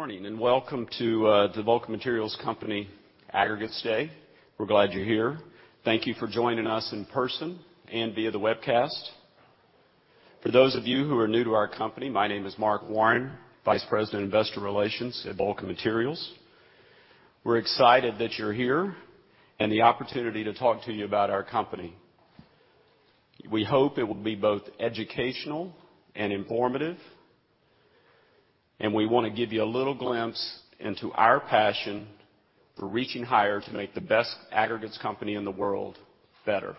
Good morning, welcome to the Vulcan Materials Company Aggregates Day. We're glad you're here. Thank you for joining us in person and via the webcast. For those of you who are new to our company, my name is Mark Warren, Vice President of Investor Relations at Vulcan Materials. We're excited that you're here and the opportunity to talk to you about our company. We hope it will be both educational and informative, and we want to give you a little glimpse into our passion for reaching higher to make the best aggregates company in the world better.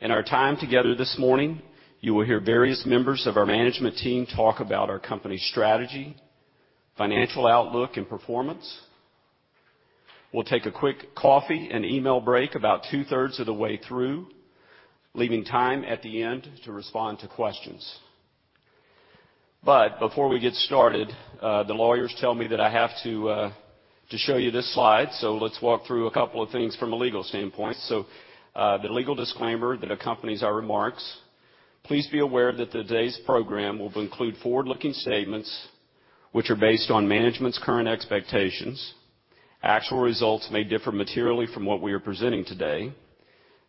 In our time together this morning, you will hear various members of our management team talk about our company strategy, financial outlook, and performance. We'll take a quick coffee and email break about two-thirds of the way through, leaving time at the end to respond to questions. Before we get started, the lawyers tell me that I have to show you this slide, let's walk through a couple of things from a legal standpoint. The legal disclaimer that accompanies our remarks. Please be aware that today's program will include forward-looking statements, which are based on management's current expectations. Actual results may differ materially from what we are presenting today.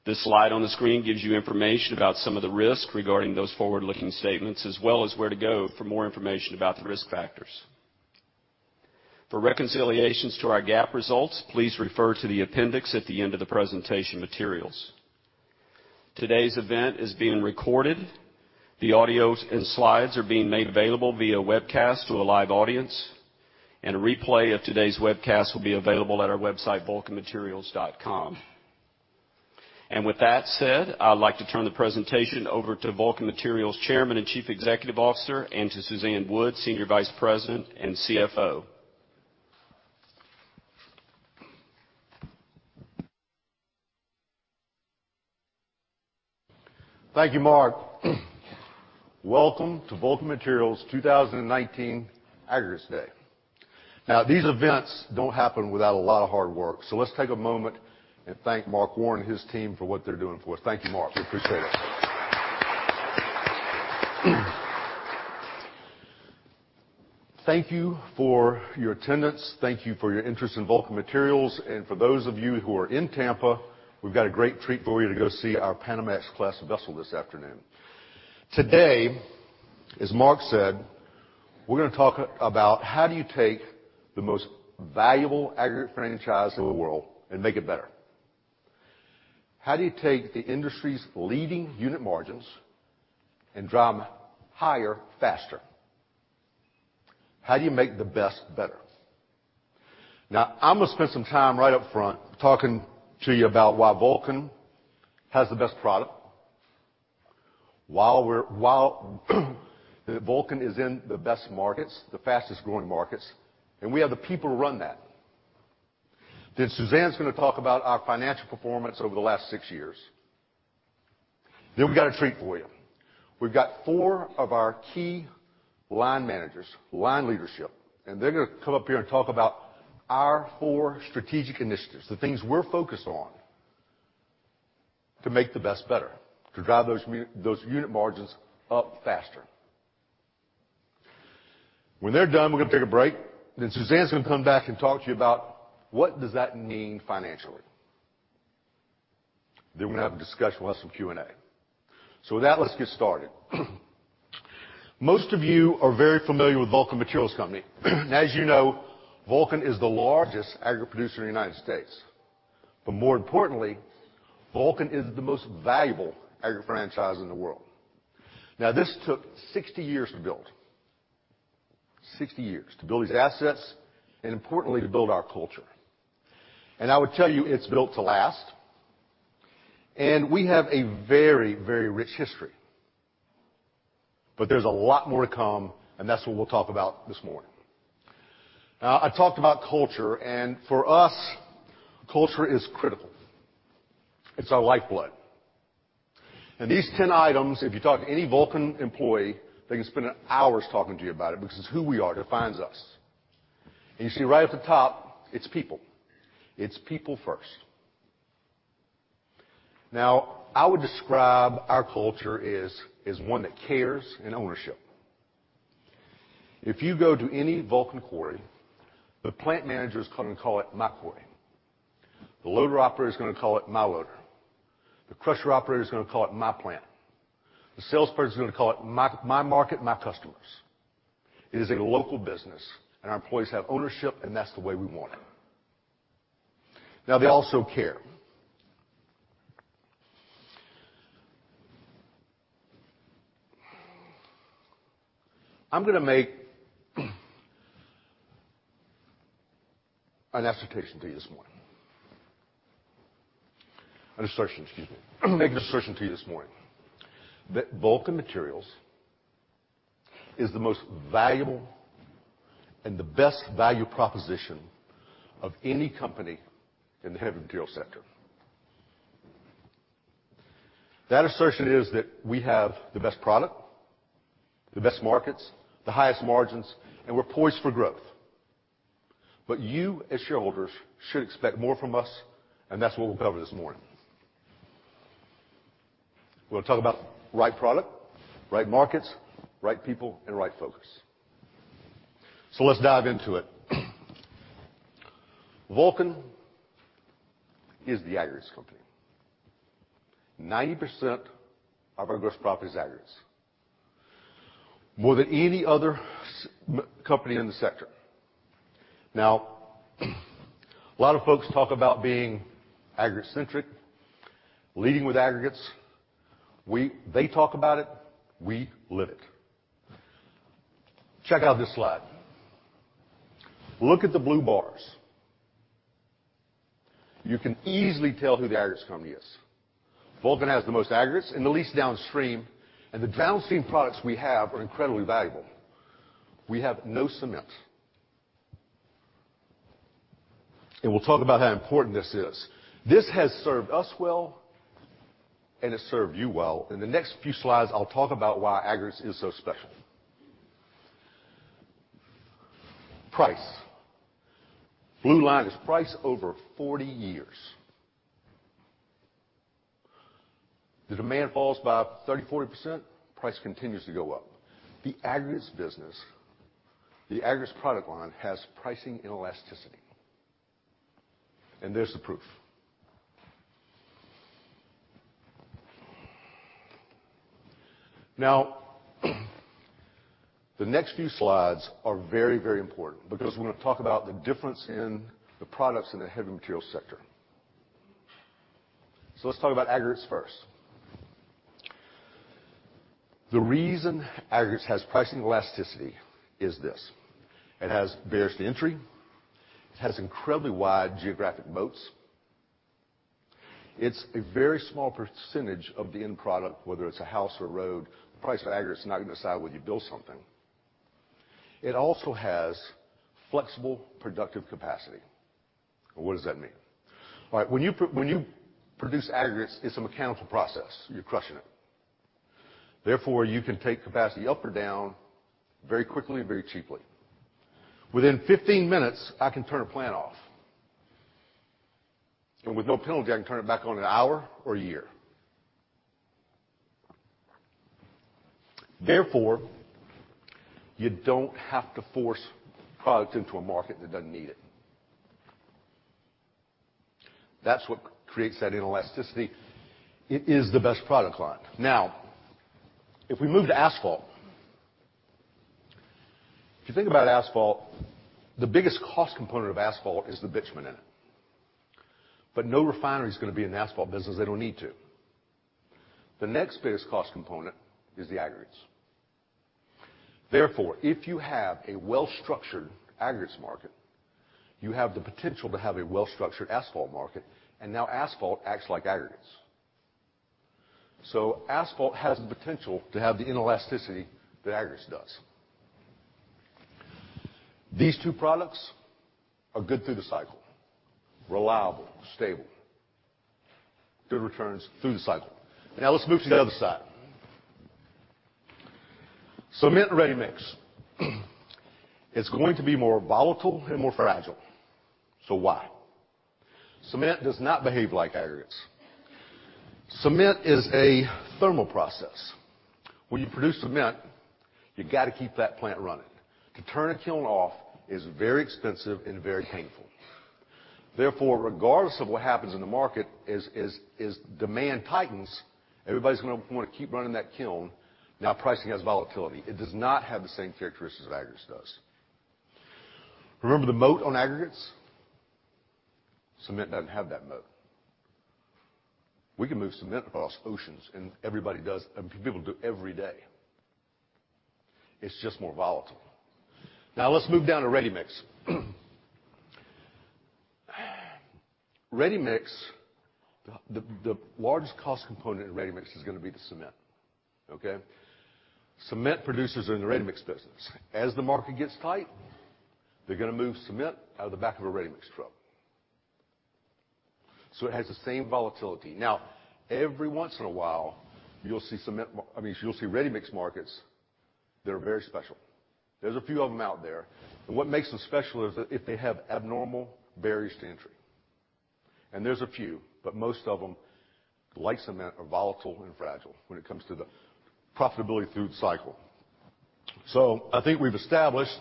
This slide on the screen gives you information about some of the risks regarding those forward-looking statements, as well as where to go for more information about the risk factors. For reconciliations to our GAAP results, please refer to the appendix at the end of the presentation materials. Today's event is being recorded. The audio and slides are being made available via webcast to a live audience, and a replay of today's webcast will be available at our website, vulcanmaterials.com. With that said, I'd like to turn the presentation over to Vulcan Materials Chairman and Chief Executive Officer, and to Suzanne Wood, Senior Vice President and CFO. Thank you, Mark. Welcome to Vulcan Materials' 2019 Aggregates Day. These events don't happen without a lot of hard work, so let's take a moment and thank Mark Warren and his team for what they're doing for us. Thank you, Mark. We appreciate it. Thank you for your attendance. Thank you for your interest in Vulcan Materials. For those of you who are in Tampa, we've got a great treat for you to go see our Panamax class vessel this afternoon. As Mark said, we're going to talk about how do you take the most valuable aggregate franchise in the world and make it better? How do you take the industry's leading unit margins and drive them higher, faster? How do you make the best better? I'm going to spend some time right up front talking to you about why Vulcan has the best product. Why Vulcan is in the best markets, the fastest-growing markets, and we have the people to run that. Suzanne's going to talk about our financial performance over the last six years. We've got a treat for you. We've got four of our key line managers, line leadership, and they're going to come up here and talk about our four strategic initiatives, the things we're focused on to make the best better, to drive those unit margins up faster. When they're done, we're going to take a break. Suzanne's going to come back and talk to you about what does that mean financially. We're going to have a discussion. We'll have some Q&A. With that, let's get started. Most of you are very familiar with Vulcan Materials Company. As you know, Vulcan is the largest aggregate producer in the U.S. More importantly, Vulcan is the most valuable aggregate franchise in the world. This took 60 years to build. 60 years to build these assets, importantly, to build our culture. I would tell you, it's built to last, and we have a very rich history. There's a lot more to come, and that's what we'll talk about this morning. I talked about culture, and for us, culture is critical. It's our lifeblood. These 10 items, if you talk to any Vulcan employee, they can spend hours talking to you about it because it's who we are. It defines us. You see right at the top, it's people. It's people first. I would describe our culture as one that cares in ownership. If you go to any Vulcan quarry, the plant manager's going to call it my quarry. The loader operator is going to call it my loader. The crusher operator is going to call it my plant. The salesperson's going to call it my market, my customers. It is a local business, and our employees have ownership, and that's the way we want it. They also care. I'm going to make an assertion to you this morning that Vulcan Materials is the most valuable and the best value proposition of any company in the heavy material sector. That assertion is that we have the best product, the best markets, the highest margins, and we're poised for growth. You, as shareholders, should expect more from us, and that's what we'll cover this morning. We're going to talk about right product, right markets, right people, and right focus. Let's dive into it. Vulcan is the aggregates company. 90% of our gross profit is aggregates, more than any other company in the sector. A lot of folks talk about being aggregate-centric, leading with aggregates. They talk about it, we live it. Check out this slide. Look at the blue bars. You can easily tell who the aggregates company is. Vulcan has the most aggregates and the least downstream, the downstream products we have are incredibly valuable. We have no cement. We'll talk about how important this is. This has served us well, and it's served you well. In the next few slides, I'll talk about why aggregates is so special. Price. Blue line is price over 40 years. The demand falls by 30, 40%, price continues to go up. The aggregates business, the aggregates product line, has pricing inelasticity, and there's the proof. The next few slides are very important because we're going to talk about the difference in the products in the heavy materials sector. Let's talk about aggregates first. The reason aggregates has pricing elasticity is this: It has barriers to entry. It has incredibly wide geographic moats. It's a very small percentage of the end product, whether it's a house or a road. The price of aggregates is not going to decide whether you build something. It also has flexible productive capacity. Well, what does that mean? All right. When you produce aggregates, it's a mechanical process. You're crushing it. You can take capacity up or down very quickly and very cheaply. Within 15 minutes, I can turn a plant off, and with no penalty, I can turn it back on in an hour or a year. You don't have to force product into a market that doesn't need it. That's what creates that inelasticity. It is the best product line. If we move to asphalt, if you think about asphalt, the biggest cost component of asphalt is the bitumen in it. No refinery's going to be in the asphalt business. They don't need to. The next biggest cost component is the aggregates. If you have a well-structured aggregates market, you have the potential to have a well-structured asphalt market, and now asphalt acts like aggregates. Asphalt has the potential to have the inelasticity that aggregates does. These two products are good through the cycle, reliable, stable, good returns through the cycle. Let's move to the other side. Cement and ready-mix. It's going to be more volatile and more fragile. Why? Cement does not behave like aggregates. Cement is a thermal process. When you produce cement, you got to keep that plant running. To turn a kiln off is very expensive and very painful. Regardless of what happens in the market, as demand tightens, everybody's going to want to keep running that kiln. Pricing has volatility. It does not have the same characteristics that aggregates does. Remember the moat on aggregates? Cement doesn't have that moat. We can move cement across oceans, everybody does, and people do every day. It's just more volatile. Let's move down to ready-mix. The largest cost component in ready-mix is going to be the cement. Okay? Cement producers are in the ready-mix business. As the market gets tight, they're going to move cement out of the back of a ready-mix truck. It has the same volatility. Every once in a while, you'll see ready-mix markets that are very special. There's a few of them out there, and what makes them special is if they have abnormal barriers to entry. There's a few, but most of them, like cement, are volatile and fragile when it comes to the profitability through the cycle. I think we've established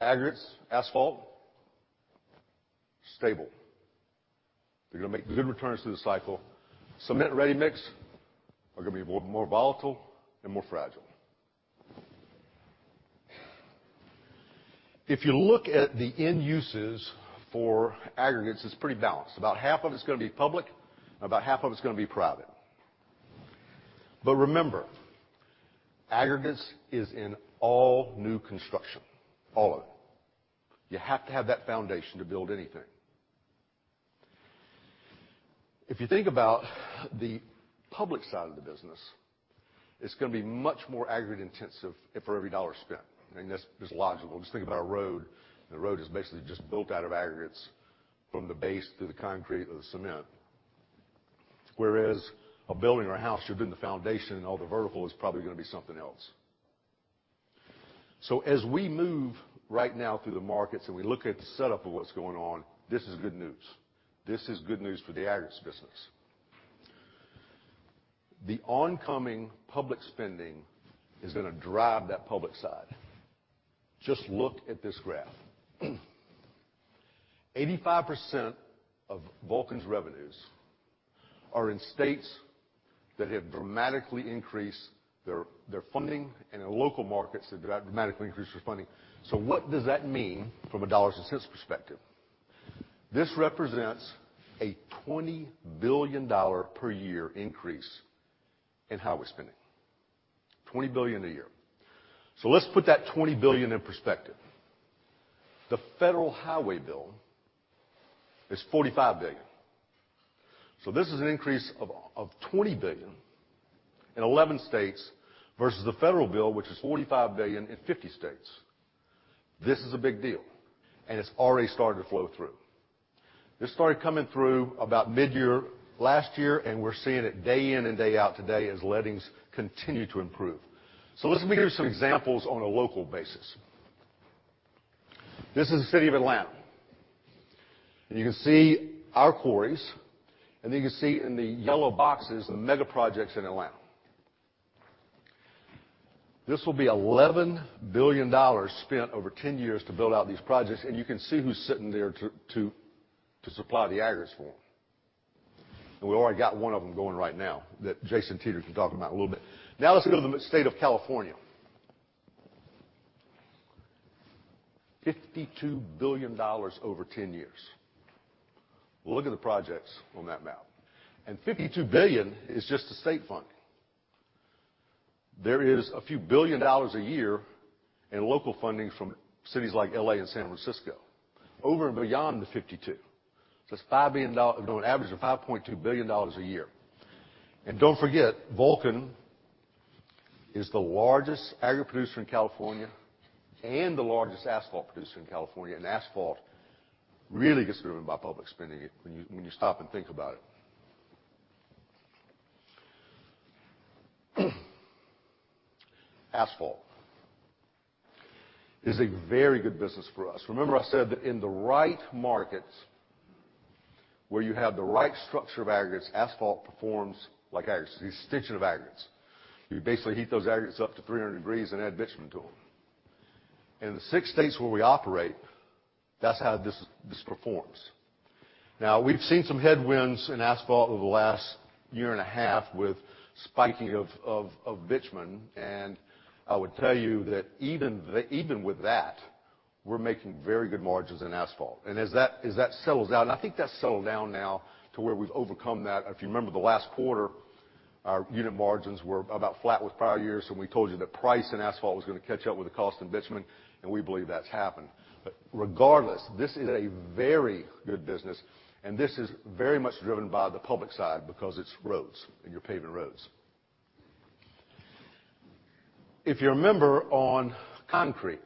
aggregates, asphalt, stable. They're going to make good returns through the cycle. Cement and ready-mix are going to be more volatile and more fragile. If you look at the end uses for aggregates, it's pretty balanced. About half of it's going to be public and about half of it's going to be private. Remember, aggregates is in all new construction, all of it. You have to have that foundation to build anything. If you think about the public side of the business, it's going to be much more aggregate-intensive for every dollar spent, and that's just logical. Just think about a road. The road is basically just built out of aggregates from the base through the concrete or the cement. Whereas a building or a house, you're doing the foundation, and all the vertical is probably going to be something else. As we move right now through the markets, and we look at the setup of what's going on, this is good news. This is good news for the aggregates business. The oncoming public spending is going to drive that public side. Just look at this graph. 85% of Vulcan's revenues are in states that have dramatically increased their funding, and in local markets have dramatically increased their funding. What does that mean from a dollars and cents perspective? This represents a $20 billion per year increase in highway spending. $20 billion a year. Let's put that $20 billion in perspective. The federal highway bill is $45 billion. This is an increase of $20 billion in 11 states versus the federal bill, which is $45 billion in 50 states. This is a big deal, and it's already started to flow through. This started coming through about mid-year last year, and we're seeing it day in and day out today as lettings continue to improve. Let me give you some examples on a local basis. This is the city of Atlanta, and you can see our quarries, and then you can see in the yellow boxes, the mega projects in Atlanta. This will be $11 billion spent over 10 years to build out these projects. You can see who's sitting there to supply the aggregates for them. We've already got one of them going right now, that Jason Teter can talk about a little bit. Now let's go to the state of California. $52 billion over 10 years. Look at the projects on that map. $52 billion is just the state funding. There is a few billion dollars a year in local funding from cities like L.A. and San Francisco, over and beyond the $52 billion. It's an average of $5.2 billion a year. Don't forget, Vulcan is the largest aggregate producer in California, and the largest asphalt producer in California. Asphalt really gets driven by public spending when you stop and think about it. Asphalt is a very good business for us. Remember I said that in the right markets, where you have the right structure of aggregates, asphalt performs like aggregates. It's the extension of aggregates. You basically heat those aggregates up to 300 degrees and add bitumen to them. In the six states where we operate, that's how this performs. We've seen some headwinds in asphalt over the last year and a half with spiking of bitumen, and I would tell you that even with that, we're making very good margins in asphalt. As that settles out, and I think that's settled down now to where we've overcome that. If you remember the last quarter, our unit margins were about flat with prior years when we told you that price in asphalt was going to catch up with the cost in bitumen, and we believe that's happened. Regardless, this is a very good business, and this is very much driven by the public side because it's roads, and you're paving roads. If you remember, on concrete,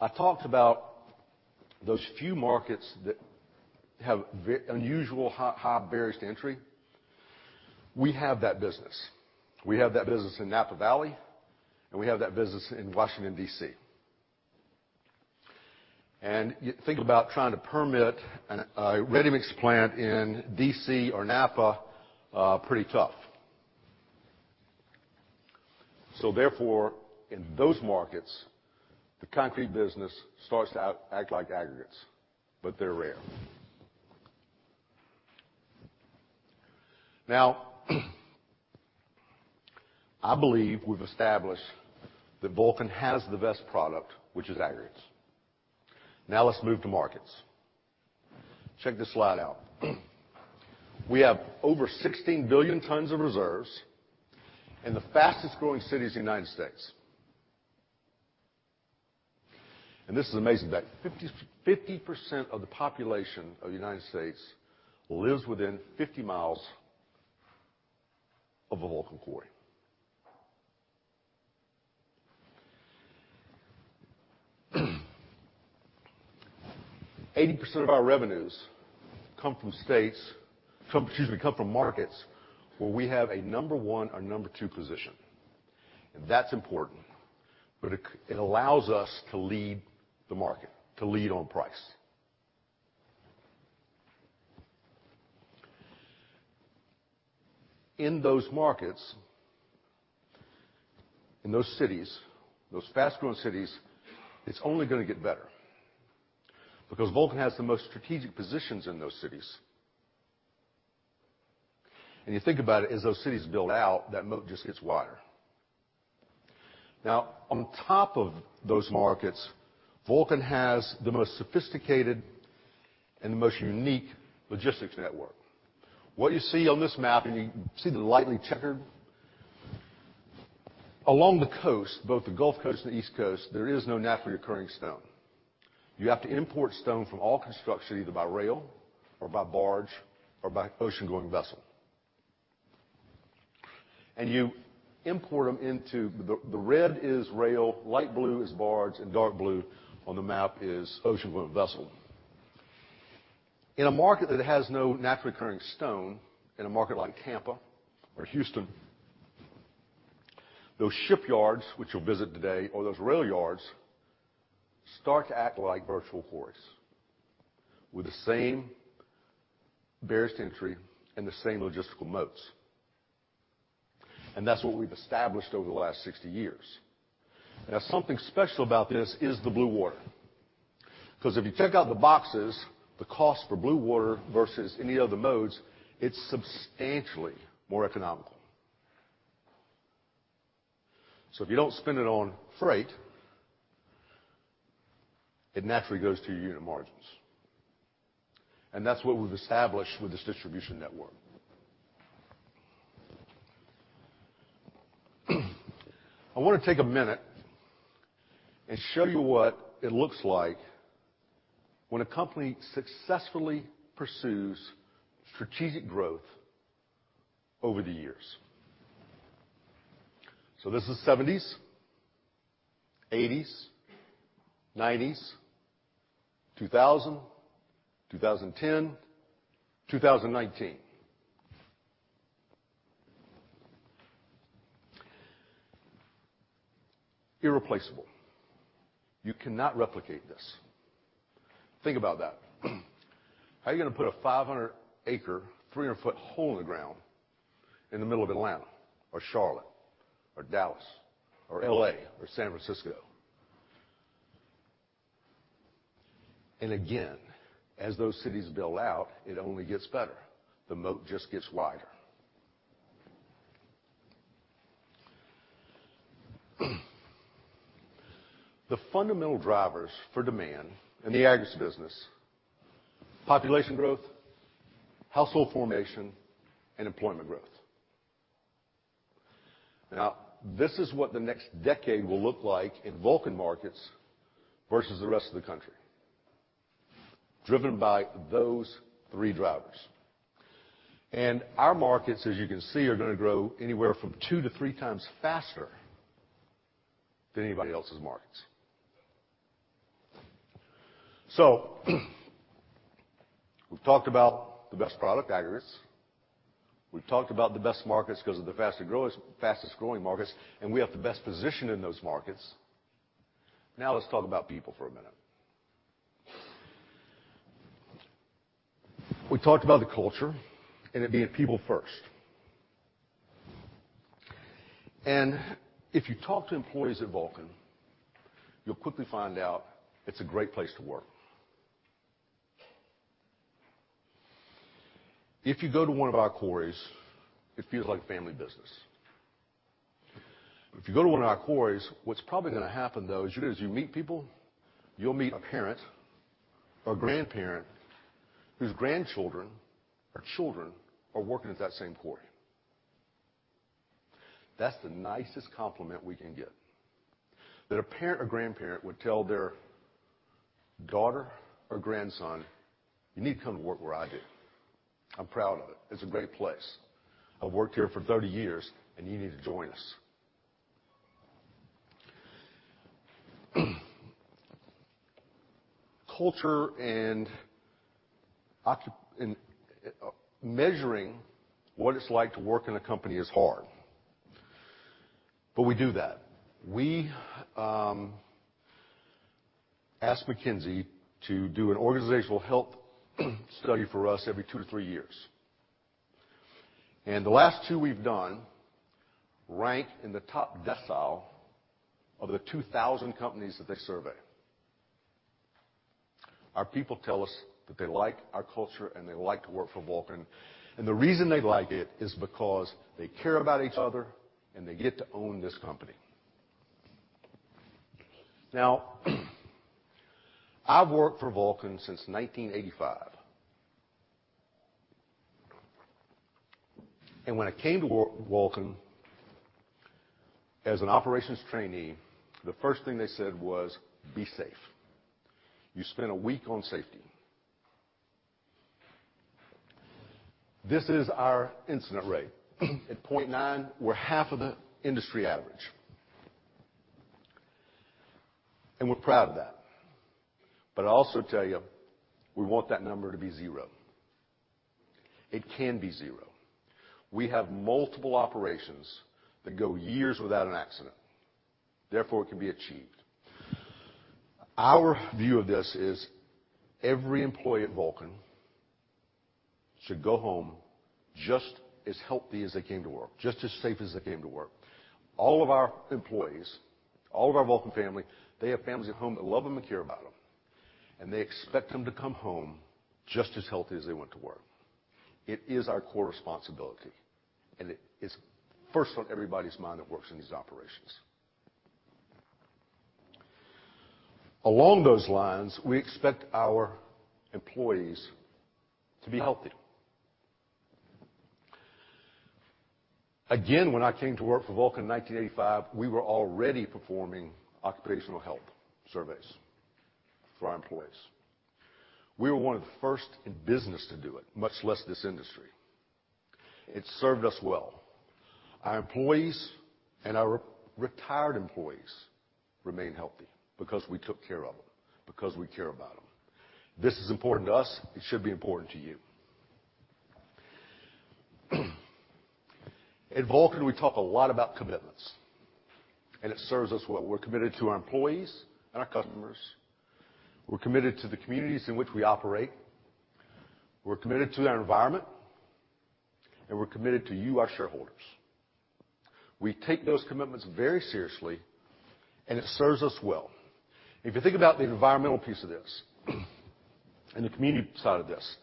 I talked about those few markets that have unusual high barriers to entry. We have that business. We have that business in Napa Valley, and we have that business in Washington, D.C. Think about trying to permit a ready-mix plant in D.C. or Napa, pretty tough. Therefore, in those markets, the concrete business starts to act like aggregates, but they're rare. I believe we've established that Vulcan has the best product, which is aggregates. Let's move to markets. Check this slide out. We have over 16 billion tons of reserves in the fastest growing cities in the United States. This is an amazing fact. 50% of the population of the U.S. lives within 50 mi of a Vulcan quarry. 80% of our revenues come from markets where we have a number 1 or number 2 position. That's important. It allows us to lead the market, to lead on price. In those markets, in those cities, those fast-growing cities, it's only going to get better because Vulcan has the most strategic positions in those cities. You think about it, as those cities build out, that moat just gets wider. Now, on top of those markets, Vulcan has the most sophisticated and the most unique logistics network. What you see on this map, and you see the lightly checkered. Along the coast, both the Gulf Coast and the East Coast, there is no naturally occurring stone. You have to import stone from all construction, either by rail or by barge or by ocean-going vessel. The red is rail, light blue is barge, and dark blue on the map is ocean-going vessel. In a market that has no naturally occurring stone, in a market like Tampa or Houston, those shipyards, which you'll visit today, or those rail yards, start to act like virtual quarries with the same barriers to entry and the same logistical moats. That's what we've established over the last 60 years. Something special about this is the blue water. If you check out the boxes, the cost for blue water versus any other modes, it's substantially more economical. If you don't spend it on freight, it naturally goes to your unit margins. That's what we've established with this distribution network. I want to take a minute and show you what it looks like when a company successfully pursues strategic growth over the years. This is the 1970s, 1980s, 1990s, 2000, 2010, 2019. Irreplaceable. You cannot replicate this. Think about that. How are you going to put a 500 acre, 300-foot hole in the ground in the middle of Atlanta or Charlotte or Dallas or L.A. or San Francisco? Again, as those cities build out, it only gets better. The moat just gets wider. The fundamental drivers for demand in the aggregates business, population growth, household formation, and employment growth. This is what the next decade will look like in Vulcan markets versus the rest of the country, driven by those three drivers. Our markets, as you can see, are going to grow anywhere from two to three times faster than anybody else's markets. We've talked about the best product aggregates. We've talked about the best markets because of the fastest-growing markets, and we have the best position in those markets. Let's talk about people for a minute. We talked about the culture and it being people first. If you talk to employees at Vulcan, you'll quickly find out it's a great place to work. If you go to one of our quarries, it feels like a family business. If you go to one of our quarries, what's probably going to happen, though, is you meet people. You'll meet a parent or grandparent whose grandchildren or children are working at that same quarry. That's the nicest compliment we can get. That a parent or grandparent would tell their daughter or grandson, "You need to come to work where I do. I'm proud of it. It's a great place. I've worked here for 30 years, and you need to join us. Culture and measuring what it's like to work in a company is hard. We do that. We asked McKinsey to do an organizational health study for us every two to three years. The last two we've done rank in the top decile of the 2,000 companies that they survey. Our people tell us that they like our culture and they like to work for Vulcan. The reason they like it is because they care about each other and they get to own this company. Now, I've worked for Vulcan since 1985. When I came to Vulcan as an operations trainee, the first thing they said was, "Be safe." You spend a week on safety. This is our incident rate. At 0.9, we're half of the industry average. We're proud of that. I'll also tell you, we want that number to be zero. It can be zero. We have multiple operations that go years without an accident. Therefore, it can be achieved. Our view of this is every employee at Vulcan should go home just as healthy as they came to work, just as safe as they came to work. All of our employees, all of our Vulcan family, they have families at home that love them and care about them, and they expect them to come home just as healthy as they went to work. It is our core responsibility, and it is first on everybody's mind that works in these operations. Along those lines, we expect our employees to be healthy. Again, when I came to work for Vulcan in 1985, we were already performing occupational health surveys for our employees. We were one of the first in business to do it, much less this industry. It served us well. Our employees and our retired employees remain healthy because we took care of them, because we care about them. This is important to us. It should be important to you. At Vulcan, we talk a lot about commitments, and it serves us well. We're committed to our employees and our customers. We're committed to the communities in which we operate. We're committed to our environment, and we're committed to you, our shareholders. We take those commitments very seriously, and it serves us well. If you think about the environmental piece of this, and the community side of this,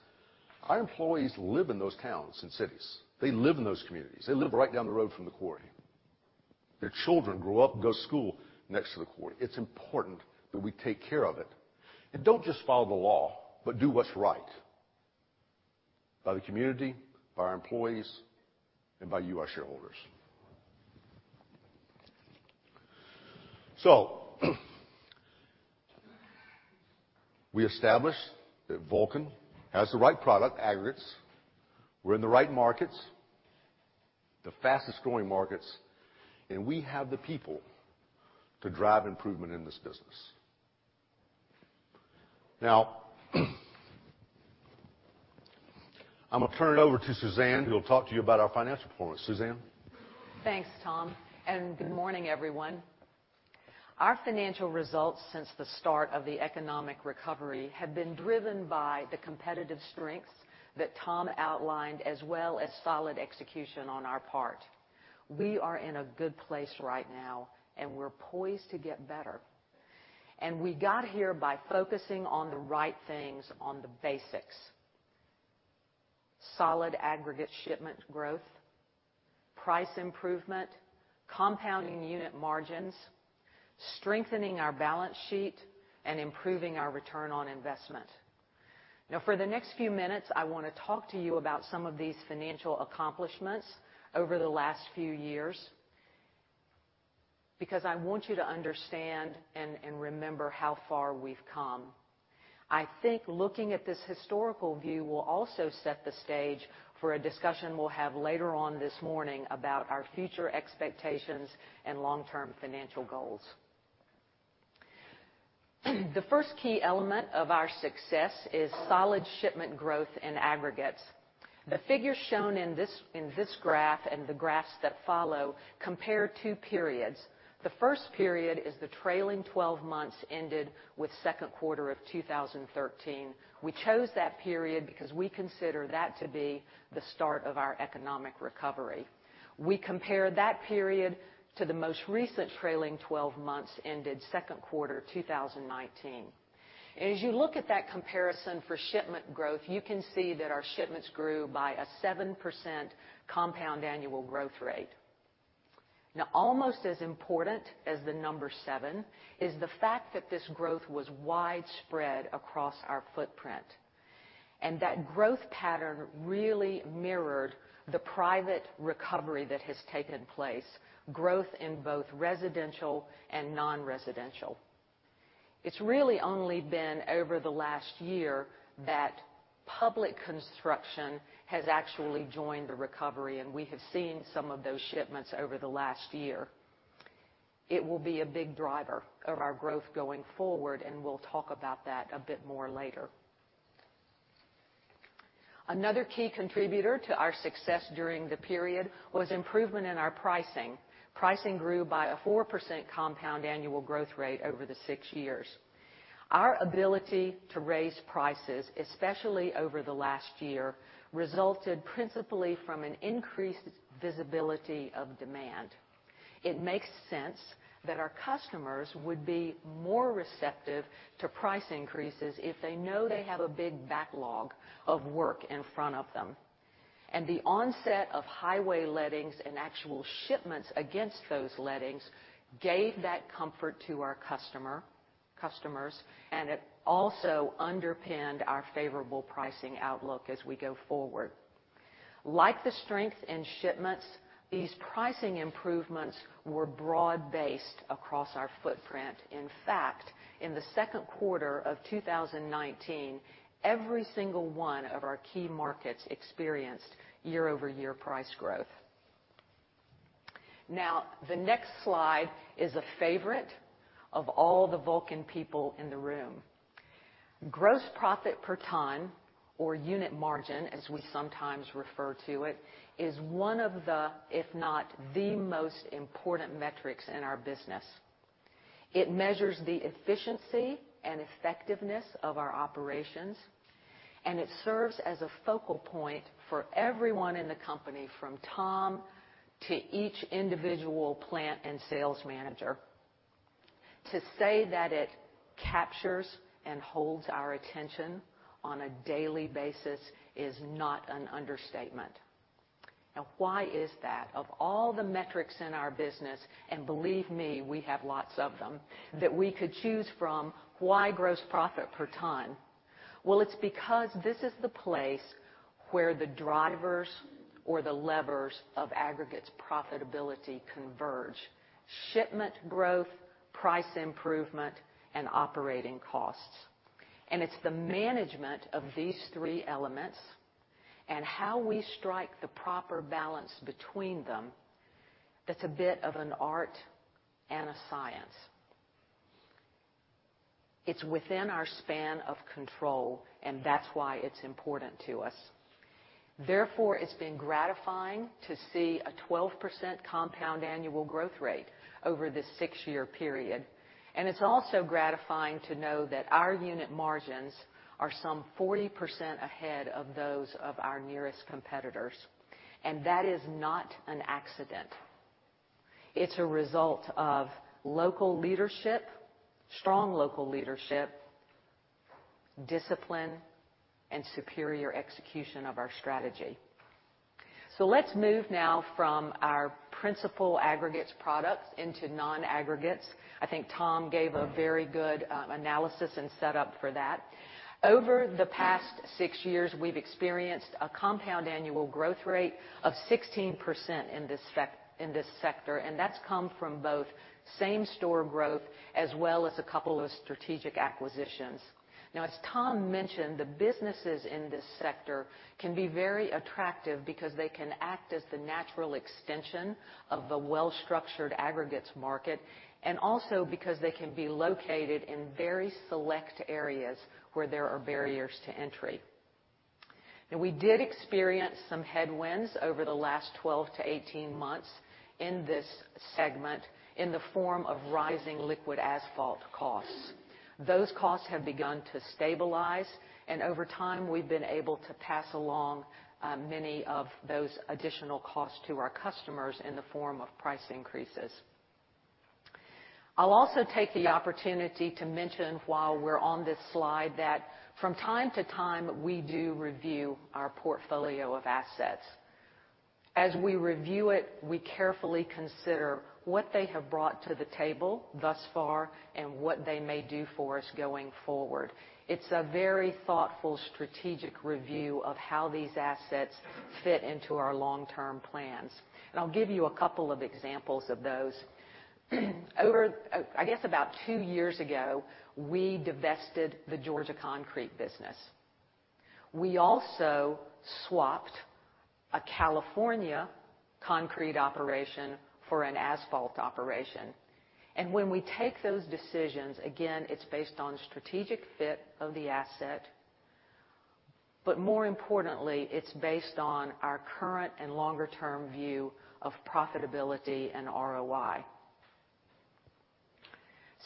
our employees live in those towns and cities. They live in those communities. They live right down the road from the quarry. Their children grow up and go to school next to the quarry. It's important that we take care of it and don't just follow the law, but do what's right, by the community, by our employees, and by you, our shareholders. We established that Vulcan has the right product, aggregates. We're in the right markets, the fastest-growing markets, and we have the people to drive improvement in this business. I'm going to turn it over to Suzanne, who will talk to you about our financial performance. Suzanne? Thanks, Tom. Good morning, everyone. Our financial results since the start of the economic recovery have been driven by the competitive strengths that Tom outlined, as well as solid execution on our part. We are in a good place right now, and we're poised to get better. We got here by focusing on the right things, on the basics: solid aggregate shipment growth, price improvement, compounding unit margins, strengthening our balance sheet, and improving our return on investment. Now, for the next few minutes, I want to talk to you about some of these financial accomplishments over the last few years, because I want you to understand and remember how far we've come. I think looking at this historical view will also set the stage for a discussion we'll have later on this morning about our future expectations and long-term financial goals. The first key element of our success is solid shipment growth in aggregates. The figures shown in this graph and the graphs that follow compare two periods. The first period is the trailing 12 months ended with second quarter of 2013. We chose that period because we consider that to be the start of our economic recovery. We compare that period to the most recent trailing 12 months ended second quarter 2019. As you look at that comparison for shipment growth, you can see that our shipments grew by a 7% compound annual growth rate. Now, almost as important as the number seven is the fact that this growth was widespread across our footprint, and that growth pattern really mirrored the private recovery that has taken place, growth in both residential and non-residential. It's really only been over the last year that public construction has actually joined the recovery, and we have seen some of those shipments over the last year. It will be a big driver of our growth going forward, and we'll talk about that a bit more later. Another key contributor to our success during the period was improvement in our pricing. Pricing grew by a 4% compound annual growth rate over the six years. Our ability to raise prices, especially over the last year, resulted principally from an increased visibility of demand. It makes sense that our customers would be more receptive to price increases if they know they have a big backlog of work in front of them. The onset of highway lettings and actual shipments against those lettings gave that comfort to our customers, and it also underpinned our favorable pricing outlook as we go forward. Like the strength in shipments, these pricing improvements were broad-based across our footprint. In fact, in the second quarter of 2019, every single one of our key markets experienced year-over-year price growth. The next slide is a favorite of all the Vulcan people in the room. Gross profit per ton, or unit margin, as we sometimes refer to it, is one of the, if not the most important metrics in our business. It measures the efficiency and effectiveness of our operations, and it serves as a focal point for everyone in the company, from Tom to each individual plant and sales manager. To say that it captures and holds our attention on a daily basis is not an understatement. Why is that? Of all the metrics in our business, and believe me, we have lots of them, that we could choose from, why gross profit per ton? Well, it's because this is the place where the drivers or the levers of aggregates profitability converge. Shipment growth, price improvement, and operating costs. It's the management of these three elements and how we strike the proper balance between them that's a bit of an art and a science. It's within our span of control, and that's why it's important to us. It's been gratifying to see a 12% compound annual growth rate over this six-year period. It's also gratifying to know that our unit margins are some 40% ahead of those of our nearest competitors. That is not an accident. It's a result of local leadership, strong local leadership, discipline, and superior execution of our strategy. Let's move now from our principal aggregates products into non-aggregates. I think Tom gave a very good analysis and set up for that. Over the past six years, we've experienced a compound annual growth rate of 16% in this sector, and that's come from both same-store growth as well as a couple of strategic acquisitions. Now, as Tom mentioned, the businesses in this sector can be very attractive because they can act as the natural extension of the well-structured aggregates market, and also because they can be located in very select areas where there are barriers to entry. Now, we did experience some headwinds over the last 12 to 18 months in this segment in the form of rising liquid asphalt costs. Those costs have begun to stabilize, and over time, we've been able to pass along many of those additional costs to our customers in the form of price increases. I'll also take the opportunity to mention while we're on this slide, that from time to time, we do review our portfolio of assets. As we review it, we carefully consider what they have brought to the table thus far and what they may do for us going forward. It's a very thoughtful, strategic review of how these assets fit into our long-term plans. I'll give you a couple of examples of those. I guess about two years ago, we divested the Georgia concrete business. We also swapped a California concrete operation for an asphalt operation. When we take those decisions, again, it's based on strategic fit of the asset, but more importantly, it's based on our current and longer-term view of profitability and ROI.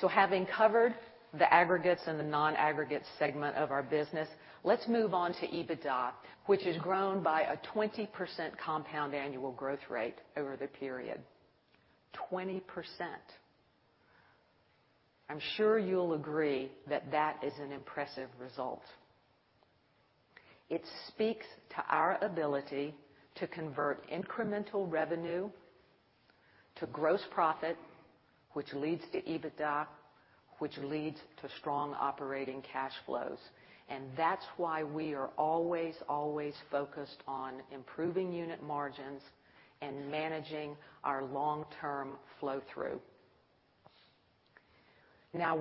Having covered the aggregates and the non-aggregate segment of our business, let's move on to EBITDA, which has grown by a 20% compound annual growth rate over the period. 20%. I'm sure you'll agree that that is an impressive result. It speaks to our ability to convert incremental revenue to gross profit, which leads to EBITDA, which leads to strong operating cash flows. That's why we are always focused on improving unit margins and managing our long-term flow-through.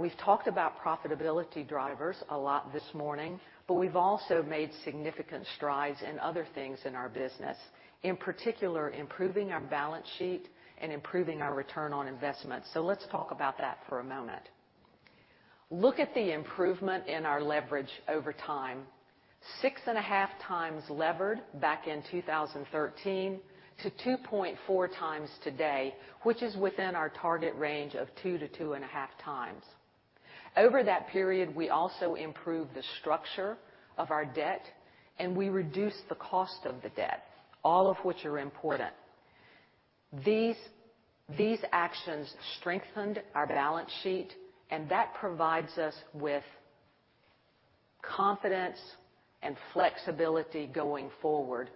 We've talked about profitability drivers a lot this morning, but we've also made significant strides in other things in our business, in particular, improving our balance sheet and improving our return on investment. Let's talk about that for a moment. Look at the improvement in our leverage over time, 6.5x levered back in 2013 to 2.4x today, which is within our target range of 2x-2.5x. Over that period, we also improved the structure of our debt, and we reduced the cost of the debt, all of which are important. These actions strengthened our balance sheet, and that provides us with confidence and flexibility going forward.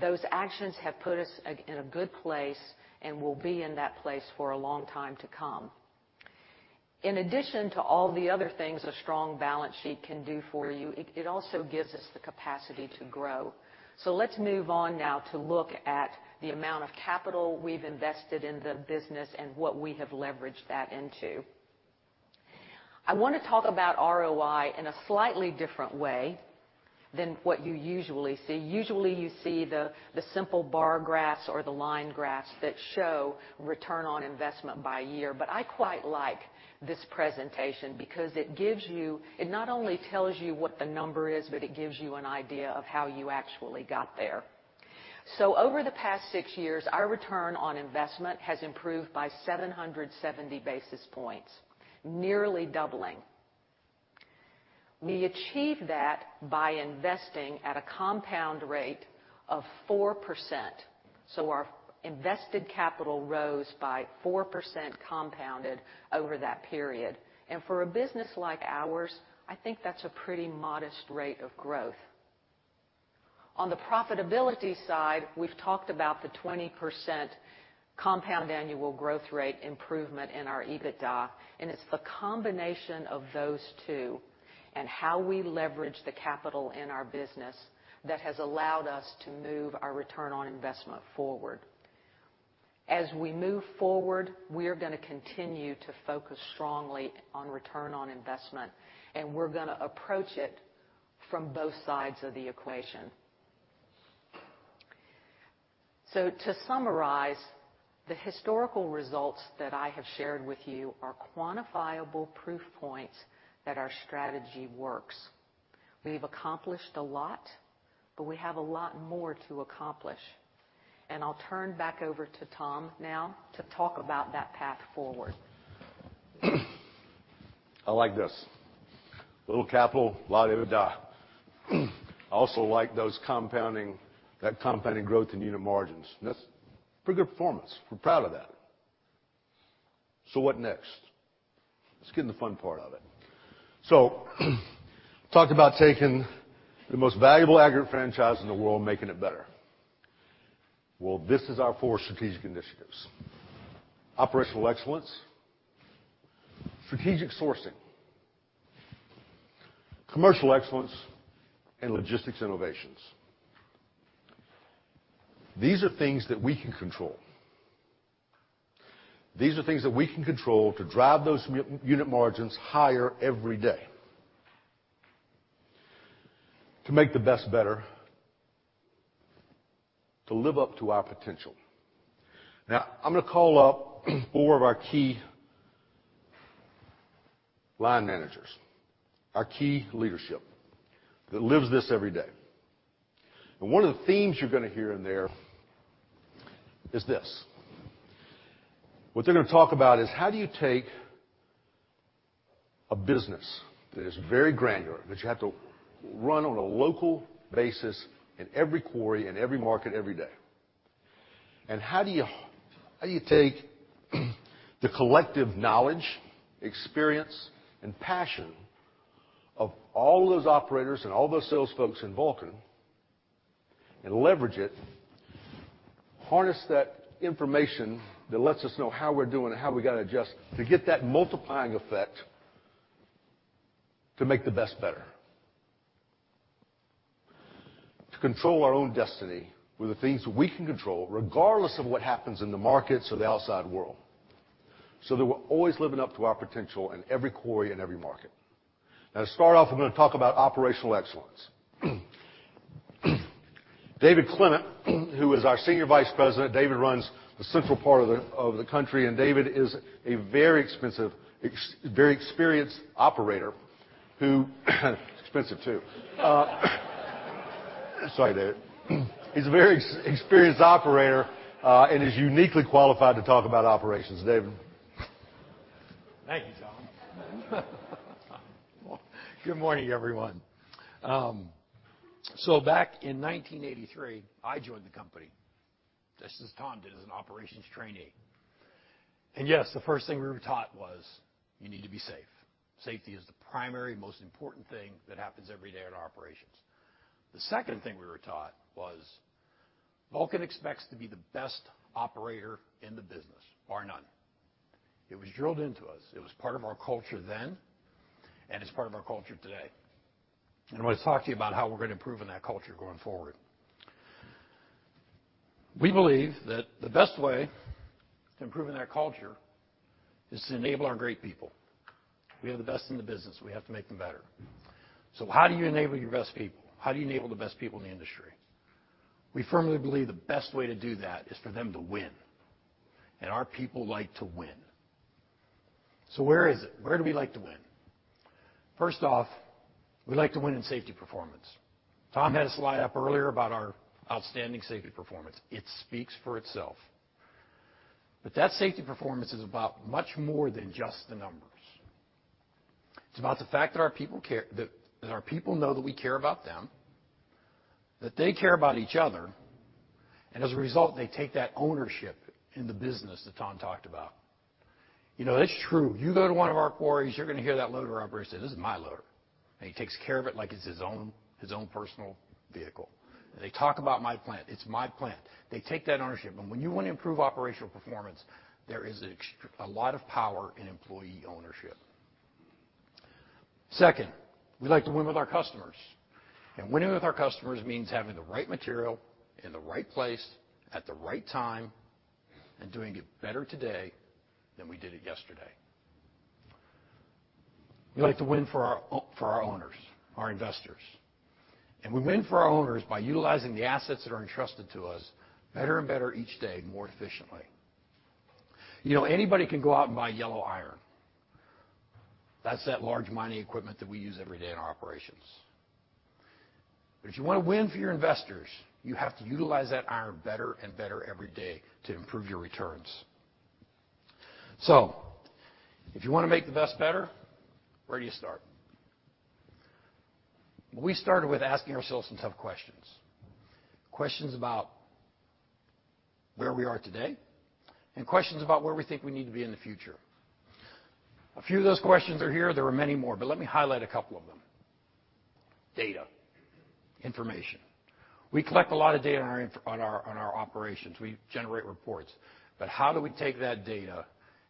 Those actions have put us in a good place and will be in that place for a long time to come. In addition to all the other things a strong balance sheet can do for you, it also gives us the capacity to grow. Let's move on now to look at the amount of capital we've invested in the business and what we have leveraged that into. I want to talk about ROI in a slightly different way than what you usually see. Usually, you see the simple bar graphs or the line graphs that show return on investment by year. I quite like this presentation because it not only tells you what the number is, but it gives you an idea of how you actually got there. Over the past six years, our return on investment has improved by 770 basis points, nearly doubling. We achieved that by investing at a compound rate of 4%. Our invested capital rose by 4% compounded over that period. For a business like ours, I think that's a pretty modest rate of growth. On the profitability side, we've talked about the 20% compound annual growth rate improvement in our EBITDA. It's the combination of those two and how we leverage the capital in our business that has allowed us to move our return on investment forward. As we move forward, we are going to continue to focus strongly on return on investment. We're going to approach it from both sides of the equation. To summarize, the historical results that I have shared with you are quantifiable proof points that our strategy works. We've accomplished a lot. We have a lot more to accomplish. I'll turn back over to Tom now to talk about that path forward. I like this. A little capital, lot of EBITDA. I also like that compounding growth in unit margins. That's pretty good performance. We're proud of that. What next? Let's get in the fun part of it. Talked about taking the most valuable aggregate franchise in the world and making it better. Well, this is our four strategic initiatives: Operational Excellence, Strategic Sourcing, Commercial Excellence, and Logistics Innovations. These are things that we can control. These are things that we can control to drive those unit margins higher every day, to make the best better, to live up to our potential. Now I'm going to call up four of our key line managers, our key leadership that lives this every day. One of the themes you're going to hear in there is this. What they're going to talk about is how do you take a business that is very granular, that you have to run on a local basis in every quarry, in every market, every day. How do you take the collective knowledge, experience, and passion of all those operators and all those sales folks in Vulcan and leverage it, harness that information that lets us know how we're doing and how we got to adjust to get that multiplying effect to make the best better. To control our own destiny with the things that we can control, regardless of what happens in the markets or the outside world, so that we're always living up to our potential in every quarry, in every market. Now to start off, I'm going to talk about operational excellence. David Clement, who is our Senior Vice President, David runs the central part of the country, and David is a very experienced operator who-- expensive too. Sorry, David. He's a very experienced operator, and is uniquely qualified to talk about operations. David. Thank you, Tom. Good morning, everyone. Back in 1983, I joined the company, just as Tom did, as an operations trainee. Yes, the first thing we were taught was you need to be safe. Safety is the primary, most important thing that happens every day at our operations. The second thing we were taught was Vulcan expects to be the best operator in the business, bar none. It was drilled into us. It was part of our culture then, and it's part of our culture today. I want to talk to you about how we're going to improve in that culture going forward. We believe that the best way to improving that culture is to enable our great people. We have the best in the business. We have to make them better. How do you enable your best people? How do you enable the best people in the industry? We firmly believe the best way to do that is for them to win, and our people like to win. Where is it? Where do we like to win? First off, we like to win in safety performance. Tom had a slide up earlier about our outstanding safety performance. It speaks for itself. That safety performance is about much more than just the numbers. It's about the fact that our people know that we care about them, that they care about each other, and as a result, they take that ownership in the business that Tom talked about. It's true. You go to one of our quarries, you're going to hear that loader operator say, "This is my loader." He takes care of it like it's his own personal vehicle. They talk about my plant. It's my plant. They take that ownership. When you want to improve operational performance, there is a lot of power in employee ownership. Second, we like to win with our customers. Winning with our customers means having the right material in the right place at the right time and doing it better today than we did it yesterday. We like to win for our owners, our investors. We win for our owners by utilizing the assets that are entrusted to us better and better each day, more efficiently. Anybody can go out and buy yellow iron. That's that large mining equipment that we use every day in our operations. If you want to win for your investors, you have to utilize that iron better and better every day to improve your returns. If you want to make the best better, where do you start? We started with asking ourselves some tough questions. Questions about where we are today and questions about where we think we need to be in the future. A few of those questions are here. There are many more, but let me highlight a couple of them. Data. Information. We collect a lot of data on our operations. We generate reports. How do we take that data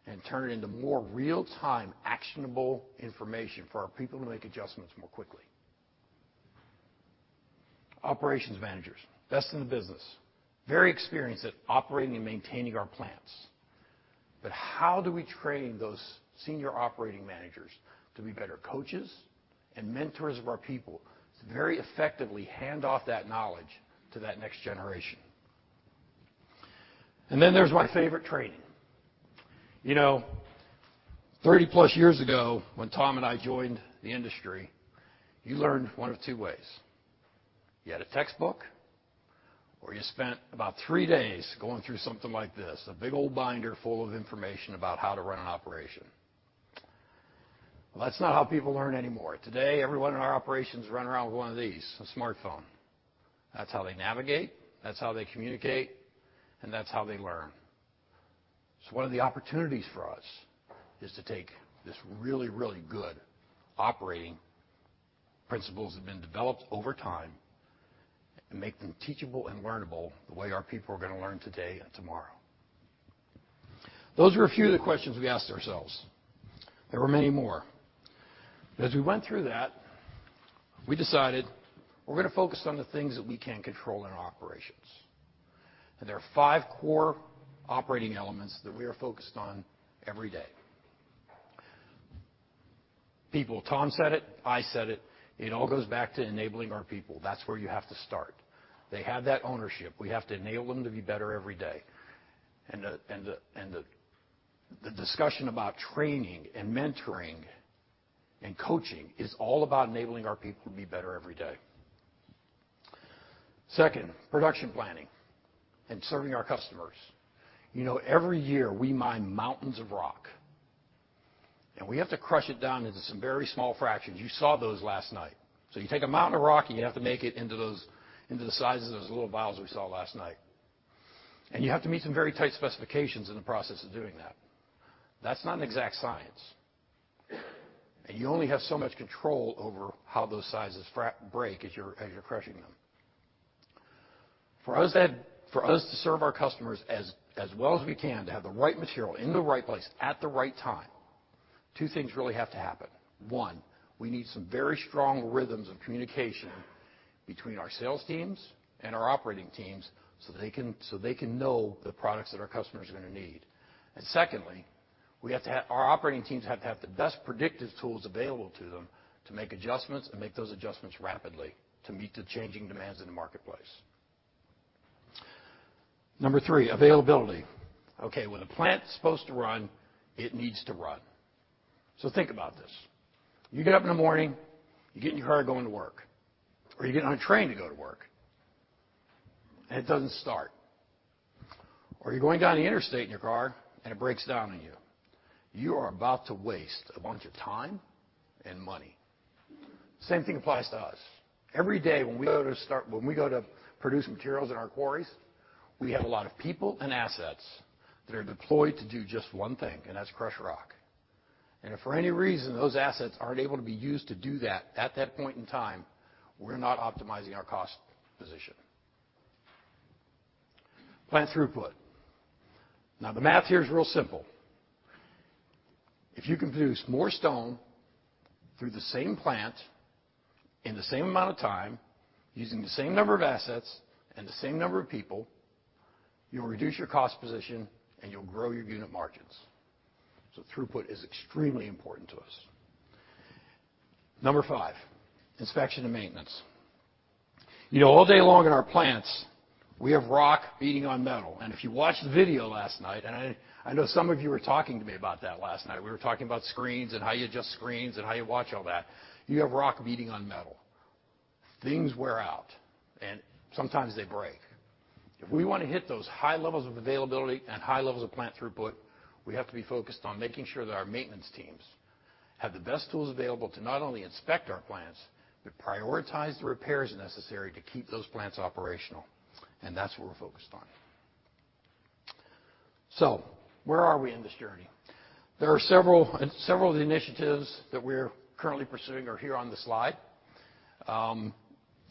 and turn it into more real-time, actionable information for our people to make adjustments more quickly? Operations managers, best in the business, very experienced at operating and maintaining our plants. How do we train those senior operating managers to be better coaches and mentors of our people to very effectively hand off that knowledge to that next generation? There's my favorite training. 30-plus years ago, when Tom and I joined the industry, you learned one of two ways. You had a textbook, or you spent about three days going through something like this, a big old binder full of information about how to run an operation. Well, that's not how people learn anymore. Today, everyone in our operations run around with one of these, a smartphone. That's how they navigate, that's how they communicate, and that's how they learn. One of the opportunities for us is to take this really, really good operating principles that have been developed over time and make them teachable and learnable the way our people are going to learn today and tomorrow. Those are a few of the questions we asked ourselves. There were many more. As we went through that, we decided we're going to focus on the things that we can control in our operations. There are five core operating elements that we are focused on every day. People. Tom said it, I said it. It all goes back to enabling our people. That's where you have to start. They have that ownership. We have to enable them to be better every day. The discussion about training and mentoring and coaching is all about enabling our people to be better every day. Second, production planning and serving our customers. Every year we mine mountains of rock. We have to crush it down into some very small fractions. You saw those last night. You take a mountain of rock and you have to make it into the sizes of those little vials we saw last night. You have to meet some very tight specifications in the process of doing that. That's not an exact science. You only have so much control over how those sizes break as you're crushing them. For us to serve our customers as well as we can, to have the right material in the right place at the right time, two things really have to happen. One, we need some very strong rhythms of communication between our sales teams and our operating teams so they can know the products that our customers are going to need. Secondly, our operating teams have to have the best predictive tools available to them to make adjustments and make those adjustments rapidly to meet the changing demands in the marketplace. Number three, availability. Okay, when a plant's supposed to run, it needs to run. Think about this. You get up in the morning, you get in your car going to work, or you get on a train to go to work, and it doesn't start. You're going down the interstate in your car and it breaks down on you. You are about to waste a bunch of time and money. Same thing applies to us. Every day when we go to produce materials in our quarries, we have a lot of people and assets that are deployed to do just one thing, and that's crush rock. If for any reason those assets aren't able to be used to do that at that point in time, we're not optimizing our cost position. Plant throughput. The math here is real simple. If you can produce more stone through the same plant in the same amount of time, using the same number of assets and the same number of people, you'll reduce your cost position and you'll grow your unit margins. Throughput is extremely important to us. Number 5, inspection and maintenance. All day long in our plants, we have rock beating on metal. If you watched the video last night, and I know some of you were talking to me about that last night. We were talking about screens and how you adjust screens and how you watch all that. You have rock beating on metal. Things wear out and sometimes they break. If we want to hit those high levels of availability and high levels of plant throughput, we have to be focused on making sure that our maintenance teams have the best tools available to not only inspect our plants, but prioritize the repairs necessary to keep those plants operational. That's what we're focused on. Where are we in this journey? Several of the initiatives that we're currently pursuing are here on the slide.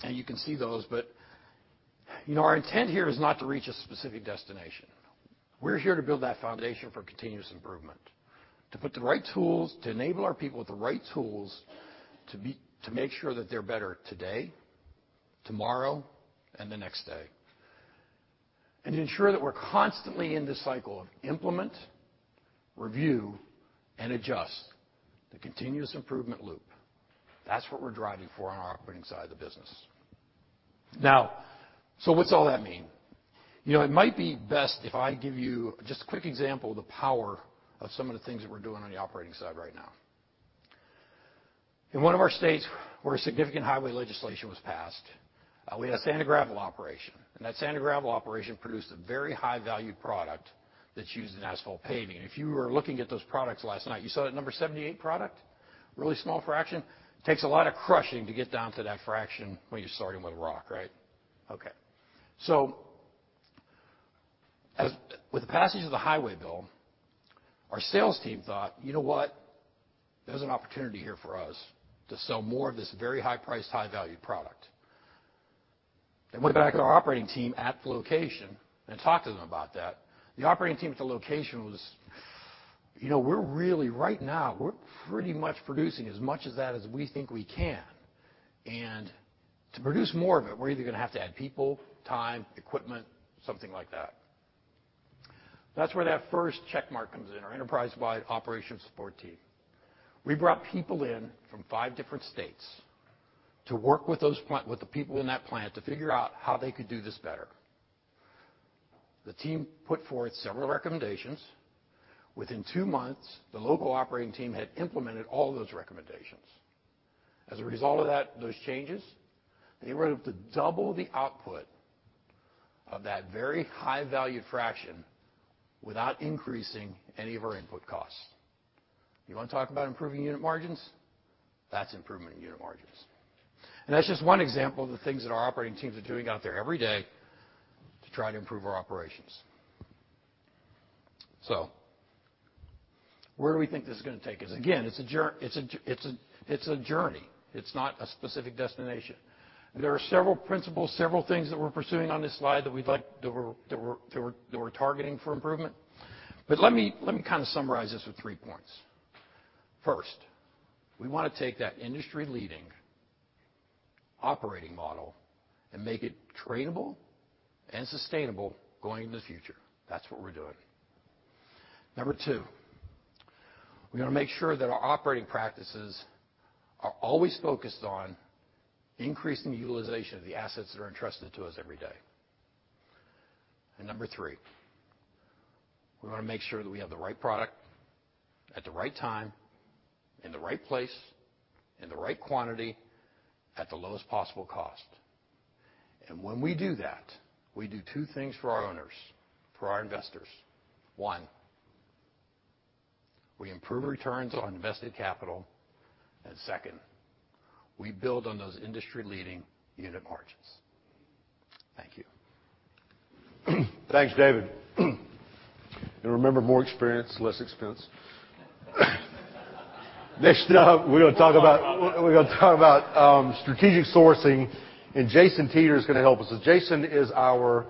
You can see those, our intent here is not to reach a specific destination. We're here to build that foundation for continuous improvement, to enable our people with the right tools to make sure that they're better today, tomorrow, and the next day. To ensure that we're constantly in this cycle of implement, review, and adjust the continuous improvement loop. That's what we're driving for on our operating side of the business. What's all that mean? It might be best if I give you just a quick example of the power of some of the things that we're doing on the operating side right now. In one of our states where a significant highway legislation was passed, we had a sand and gravel operation. That sand and gravel operation produced a very high-value product that's used in asphalt paving. If you were looking at those products last night, you saw that number 78 product, really small fraction. Takes a lot of crushing to get down to that fraction when you're starting with a rock, right? Okay. With the passage of the highway bill, our sales team thought, "You know what? There's an opportunity here for us to sell more of this very high-priced, high-value product." They went back to our operating team at the location and talked to them about that. The operating team at the location, We're really, right now, we're pretty much producing as much of that as we think we can. To produce more of it, we're either going to have to add people, time, equipment, something like that. That's where that first check mark comes in, our enterprise-wide operation support team. We brought people in from five different states to work with the people in that plant to figure out how they could do this better. The team put forth several recommendations. Within two months, the local operating team had implemented all those recommendations. As a result of those changes, they were able to double the output of that very high-valued fraction without increasing any of our input costs. You want to talk about improving unit margins? That's improvement in unit margins. That's just one example of the things that our operating teams are doing out there every day to try to improve our operations. Where do we think this is going to take us? Again, it's a journey. It's not a specific destination. There are several principles, several things that we're pursuing on this slide that we're targeting for improvement. Let me kind of summarize this with three points. First, we want to take that industry-leading operating model and make it trainable and sustainable going into the future. That's what we're doing. Number two, we want to make sure that our operating practices are always focused on increasing the utilization of the assets that are entrusted to us every day. Number three, we want to make sure that we have the right product, at the right time, in the right place, in the right quantity, at the lowest possible cost. When we do that, we do two things for our owners, for our investors. One, we improve returns on invested capital, and second, we build on those industry-leading unit margins. Thank you. Thanks, David. Remember, more experience, less expense. Next up, we're going to talk about strategic sourcing, and Jason Teter is going to help us. Jason is our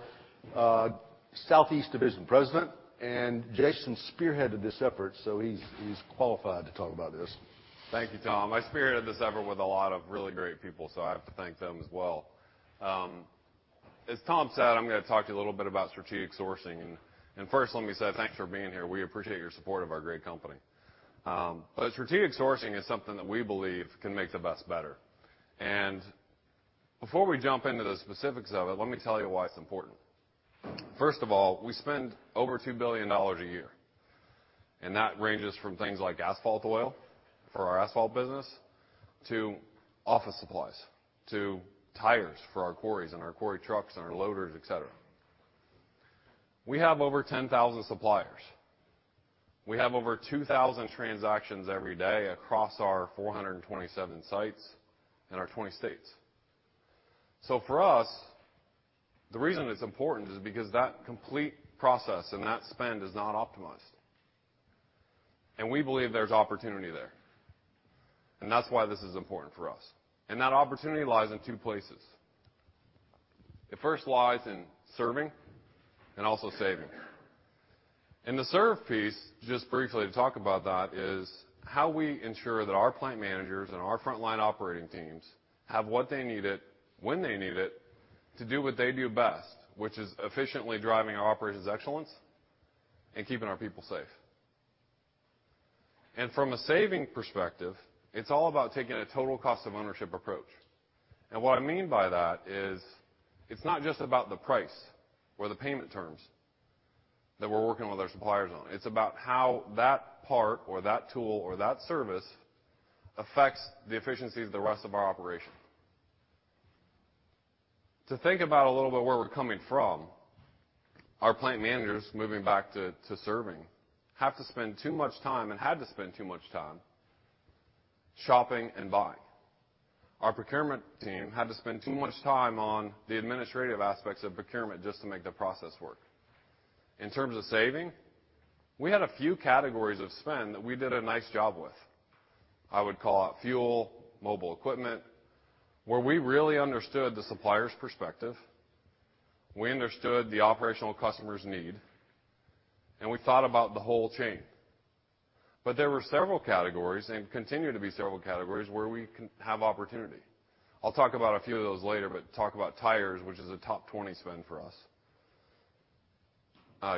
Southeast Division President, and Jason spearheaded this effort, so he's qualified to talk about this. Thank you, Tom. I spearheaded this effort with a lot of really great people, so I have to thank them as well. As Tom said, I'm going to talk to you a little bit about strategic sourcing. First let me say thanks for being here. We appreciate your support of our great company. Strategic sourcing is something that we believe can make the best better. Before we jump into the specifics of it, let me tell you why it's important. First of all, we spend over $2 billion a year, and that ranges from things like asphalt oil for our asphalt business to office supplies, to tires for our quarries and our quarry trucks and our loaders, et cetera. We have over 10,000 suppliers. We have over 2,000 transactions every day across our 427 sites in our 20 states. For us, the reason it's important is because that complete process and that spend is not optimized, and we believe there's opportunity there, and that's why this is important for us. That opportunity lies in two places. It first lies in serving and also saving. In the serve piece, just briefly to talk about that, is how we ensure that our plant managers and our frontline operating teams have what they need it when they need it to do what they do best, which is efficiently driving operations excellence and keeping our people safe. From a saving perspective, it's all about taking a total cost of ownership approach. What I mean by that is it's not just about the price or the payment terms that we're working with our suppliers on. It's about how that part or that tool or that service affects the efficiency of the rest of our operation. To think about a little bit where we're coming from, our plant managers, moving back to serving, have to spend too much time, and had to spend too much time, shopping and buying. Our procurement team had to spend too much time on the administrative aspects of procurement just to make the process work. In terms of saving, we had a few categories of spend that we did a nice job with. I would call out fuel, mobile equipment, where we really understood the supplier's perspective, we understood the operational customer's need, and we thought about the whole chain. There were several categories, and continue to be several categories, where we have opportunity. I'll talk about a few of those later, but talk about tires, which is a top 20 spend for us.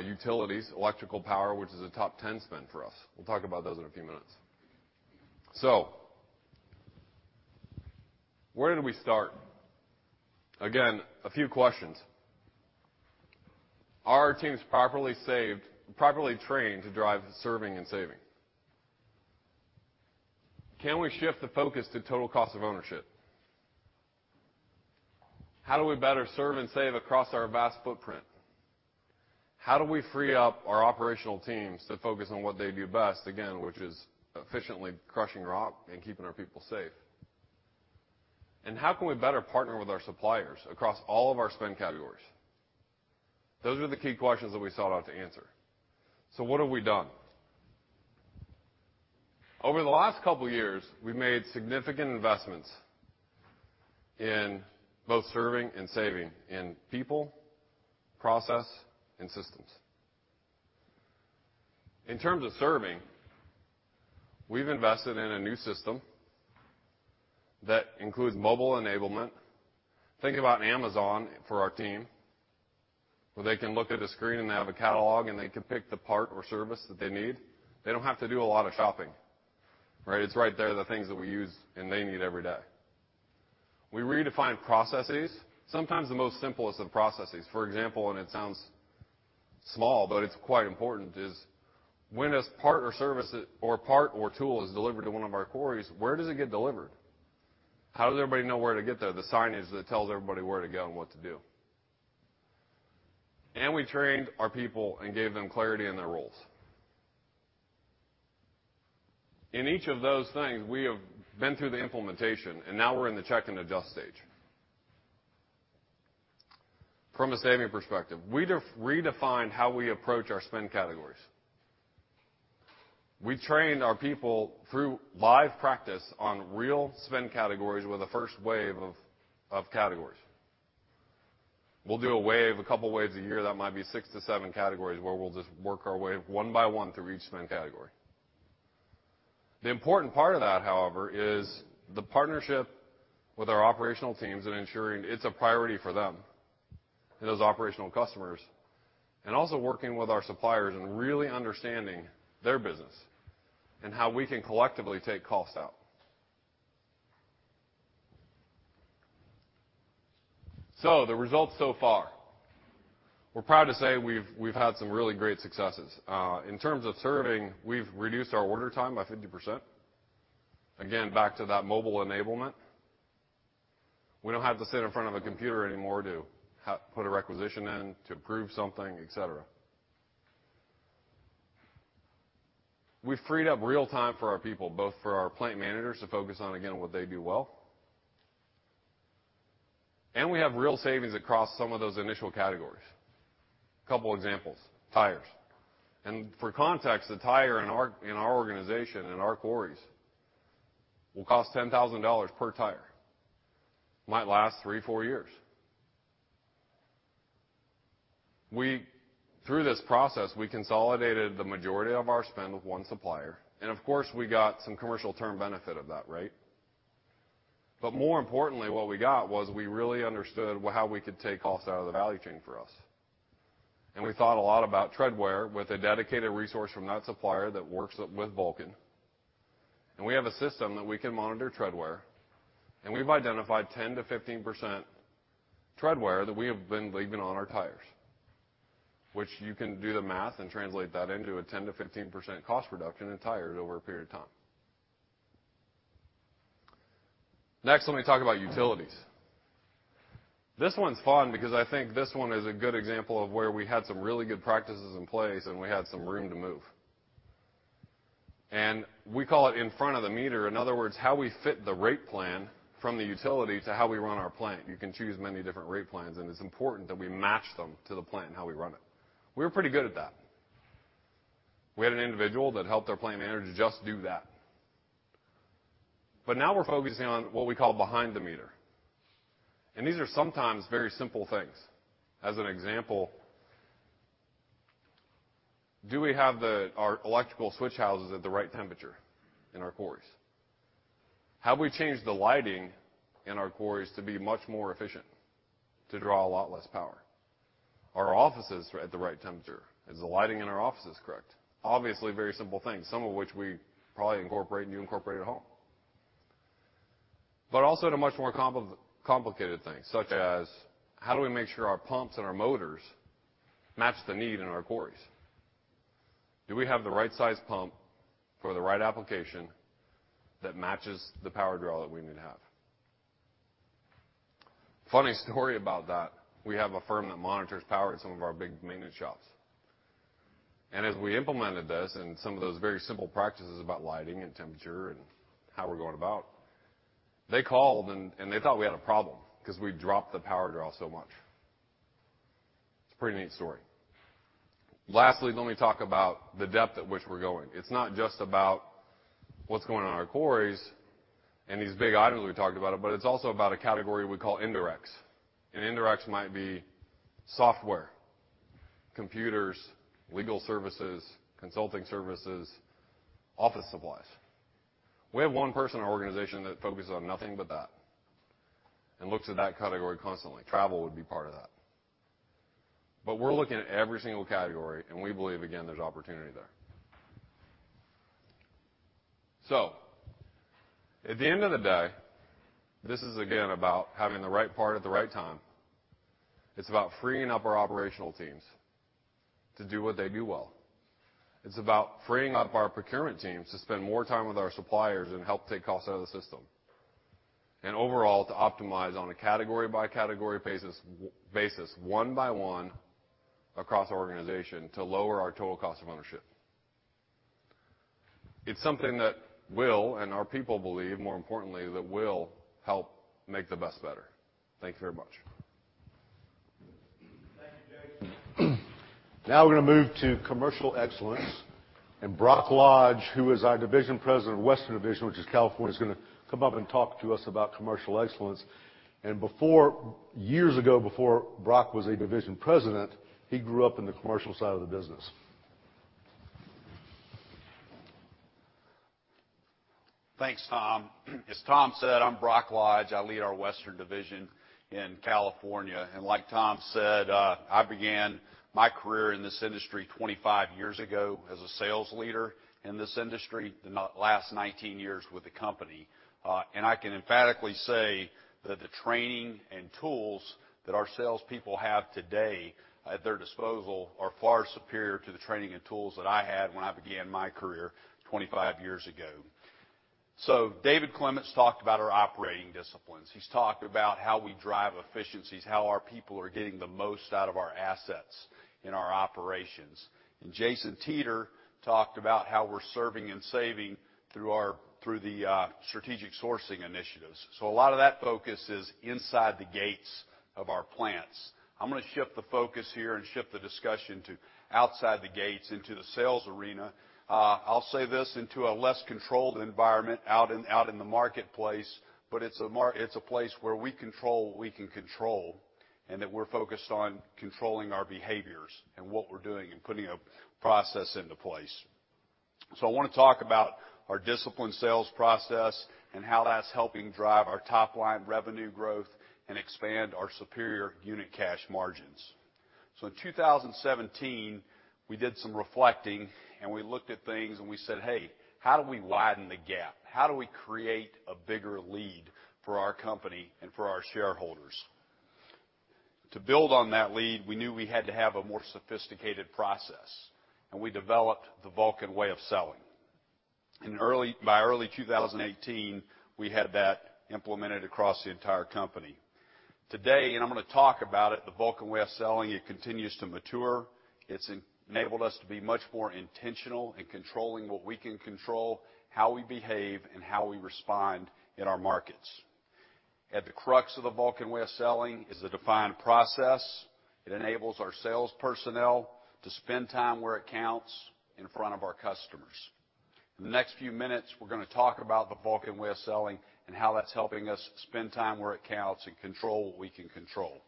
Utilities, electrical power, which is a top 10 spend for us. We'll talk about those in a few minutes. Where did we start? Again, a few questions. Are our teams properly trained to drive the serving and saving? Can we shift the focus to total cost of ownership? How do we better serve and save across our vast footprint? How do we free up our operational teams to focus on what they do best, again, which is efficiently crushing rock and keeping our people safe? How can we better partner with our suppliers across all of our spend categories? Those are the key questions that we sought out to answer. What have we done? Over the last couple of years, we've made significant investments in both serving and saving, in people, process, and systems. In terms of serving, we've invested in a new system that includes mobile enablement. Think about Amazon for our team, where they can look at a screen, and they have a catalog, and they can pick the part or service that they need. They don't have to do a lot of shopping. It's right there, the things that we use and they need every day. We redefined processes, sometimes the most simplest of processes. For example, and it sounds small, but it's quite important, is when this part or service or part or tool is delivered to one of our quarries, where does it get delivered? How does everybody know where to get there? The signage that tells everybody where to go and what to do. We trained our people and gave them clarity in their roles. In each of those things, we have been through the implementation, and now we're in the check and adjust stage. From a saving perspective, we redefined how we approach our spend categories. We trained our people through live practice on real spend categories with a first wave of categories. We'll do a wave, a couple of waves a year. That might be 6 to 7 categories where we'll just work our way one by one through each spend category. The important part of that, however, is the partnership with our operational teams and ensuring it's a priority for them and those operational customers, and also working with our suppliers and really understanding their business and how we can collectively take costs out. The results so far. We're proud to say we've had some really great successes. In terms of serving, we've reduced our order time by 50%. Again, back to that mobile enablement. We don't have to sit in front of a computer anymore to put a requisition in, to approve something, et cetera. We freed up real time for our people, both for our plant managers to focus on, again, what they do well. We have real savings across some of those initial categories. A couple examples, tires. For context, the tire in our organization, in our quarries, will cost $10,000 per tire. Might last three, four years. Through this process, we consolidated the majority of our spend with one supplier. Of course, we got some commercial term benefit of that, right? More importantly, what we got was we really understood how we could take costs out of the value chain for us. We thought a lot about tread wear with a dedicated resource from that supplier that works up with Vulcan. We have a system that we can monitor tread wear. We've identified 10%-15% tread wear that we have been leaving on our tires, which you can do the math and translate that into a 10%-15% cost reduction in tires over a period of time. Next, let me talk about utilities. This one's fun because I think this one is a good example of where we had some really good practices in place and we had some room to move. We call it in front of the meter, in other words, how we fit the rate plan from the utility to how we run our plant. You can choose many different rate plans, and it's important that we match them to the plant and how we run it. We're pretty good at that. We had an individual that helped our plant manager to just do that. Now we're focusing on what we call behind the meter. These are sometimes very simple things. As an example, do we have our electrical switch houses at the right temperature in our quarries? Have we changed the lighting in our quarries to be much more efficient, to draw a lot less power? Are our offices at the right temperature? Is the lighting in our offices correct? Obviously, very simple things, some of which we probably incorporate and you incorporate at home. Also to much more complicated things, such as how do we make sure our pumps and our motors match the need in our quarries? Do we have the right size pump for the right application that matches the power draw that we need to have? Funny story about that. We have a firm that monitors power at some of our big maintenance shops. As we implemented this and some of those very simple practices about lighting and temperature and how we're going about, they called and they thought we had a problem because we dropped the power draw so much. It's a pretty neat story. Lastly, let me talk about the depth at which we're going. It's not just about what's going on in our quarries and these big items we talked about, but it's also about a category we call indirects. Indirects might be software, computers, legal services, consulting services, office supplies. We have one person in our organization that focuses on nothing but that and looks at that category constantly. Travel would be part of that. We're looking at every single category, and we believe, again, there's opportunity there. At the end of the day, this is again about having the right part at the right time. It's about freeing up our operational teams to do what they do well. It's about freeing up our procurement teams to spend more time with our suppliers and help take costs out of the system, and overall, to optimize on a category-by-category basis, one by one across our organization to lower our total cost of ownership. It's something that will, and our people believe, more importantly, that will help make the best better. Thank you very much. Now we're going to move to commercial excellence. Brock Lodge, who is our Division President of Western Division, which is California, is going to come up and talk to us about commercial excellence. Years ago, before Brock was a division president, he grew up in the commercial side of the business. Thanks, Tom. As Tom said, I'm Brock Lodge. I lead our Western Division in California. Like Tom said, I began my career in this industry 25 years ago as a sales leader in this industry, then the last 19 years with the company. I can emphatically say that the training and tools that our salespeople have today at their disposal are far superior to the training and tools that I had when I began my career 25 years ago. David Clement talked about our operating disciplines. He's talked about how we drive efficiencies, how our people are getting the most out of our assets in our operations. Jason Teter talked about how we're serving and saving through the strategic sourcing initiatives. A lot of that focus is inside the gates of our plants. I'm going to shift the focus here and shift the discussion to outside the gates into the sales arena. I'll say this, into a less controlled environment out in the marketplace, but it's a place where we control what we can control, and that we're focused on controlling our behaviors and what we're doing and putting a process into place. I want to talk about our disciplined sales process and how that's helping drive our top-line revenue growth and expand our superior unit cash margins. In 2017, we did some reflecting, and we looked at things, and we said, "Hey, how do we widen the gap? How do we create a bigger lead for our company and for our shareholders?" To build on that lead, we knew we had to have a more sophisticated process, and we developed the Vulcan Way of Selling. By early 2018, we had that implemented across the entire company. Today, and I'm going to talk about it, the Vulcan Way of Selling, it continues to mature. It's enabled us to be much more intentional in controlling what we can control, how we behave, and how we respond in our markets. At the crux of the Vulcan Way of Selling is the defined process. It enables our sales personnel to spend time where it counts, in front of our customers. In the next few minutes, we're going to talk about the Vulcan Way of Selling and how that's helping us spend time where it counts and control what we can control.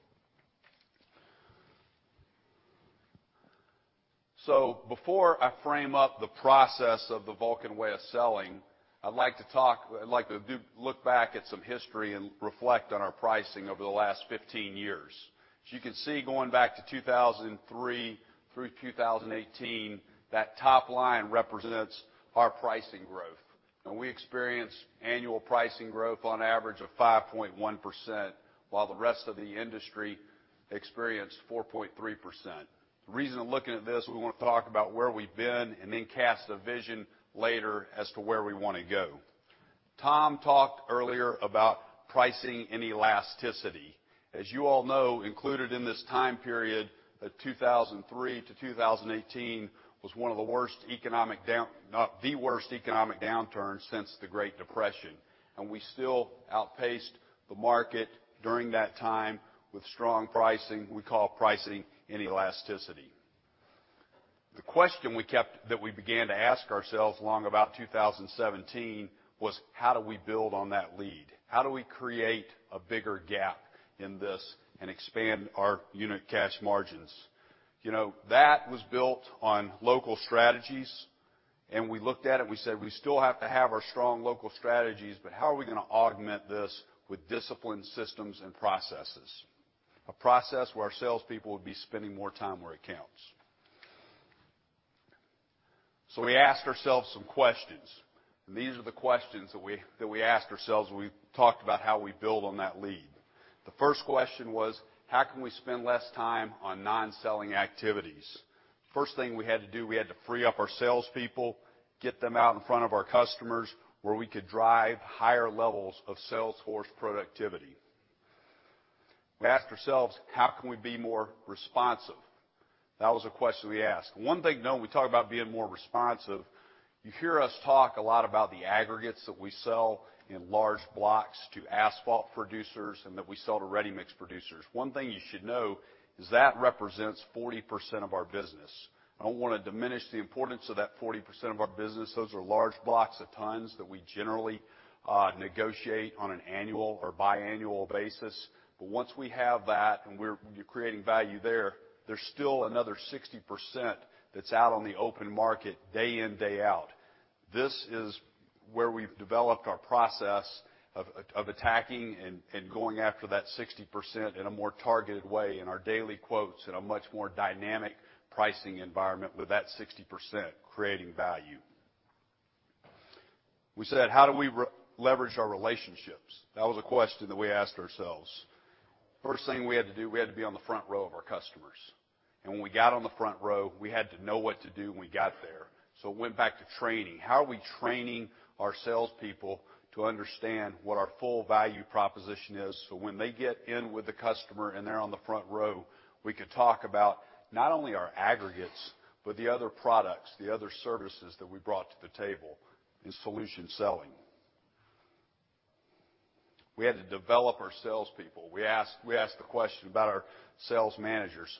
Before I frame up the process of the Vulcan Way of Selling, I'd like to look back at some history and reflect on our pricing over the last 15 years. As you can see, going back to 2003 through 2018, that top line represents our pricing growth. We experienced annual pricing growth on average of 5.1%, while the rest of the industry experienced 4.3%. The reason I'm looking at this, we want to talk about where we've been and then cast a vision later as to where we want to go. Tom talked earlier about pricing and elasticity. As you all know, included in this time period of 2003 to 2018 was the worst economic downturn since the Great Depression. We still outpaced the market during that time with strong pricing. We call it pricing and elasticity. The question that we began to ask ourselves along about 2017 was: How do we build on that lead? How do we create a bigger gap in this and expand our unit cash margins? That was built on local strategies, and we looked at it, and we said, "We still have to have our strong local strategies, but how are we going to augment this with disciplined systems and processes?" A process where our salespeople would be spending more time where it counts. We asked ourselves some questions, and these are the questions that we asked ourselves when we talked about how we build on that lead. The first question was: How can we spend less time on non-selling activities? First thing we had to do, we had to free up our salespeople, get them out in front of our customers, where we could drive higher levels of sales force productivity. We asked ourselves: How can we be more responsive? That was a question we asked. One thing to know when we talk about being more responsive, you hear us talk a lot about the aggregates that we sell in large blocks to asphalt producers and that we sell to ready-mix producers. One thing you should know is that represents 40% of our business. I don't want to diminish the importance of that 40% of our business. Those are large blocks of tons that we generally negotiate on an annual or biannual basis. Once we have that, and we're creating value there's still another 60% that's out on the open market day in, day out. This is where we've developed our process of attacking and going after that 60% in a more targeted way in our daily quotes, in a much more dynamic pricing environment with that 60% creating value. We said, How do we leverage our relationships? That was a question that we asked ourselves. First thing we had to do, we had to be on the front row of our customers. When we got on the front row, we had to know what to do when we got there. It went back to training. How are we training our salespeople to understand what our full value proposition is so when they get in with the customer and they're on the front row, we could talk about not only our aggregates, but the other products, the other services that we brought to the table in solution selling? We had to develop our salespeople. We asked the question about our sales managers.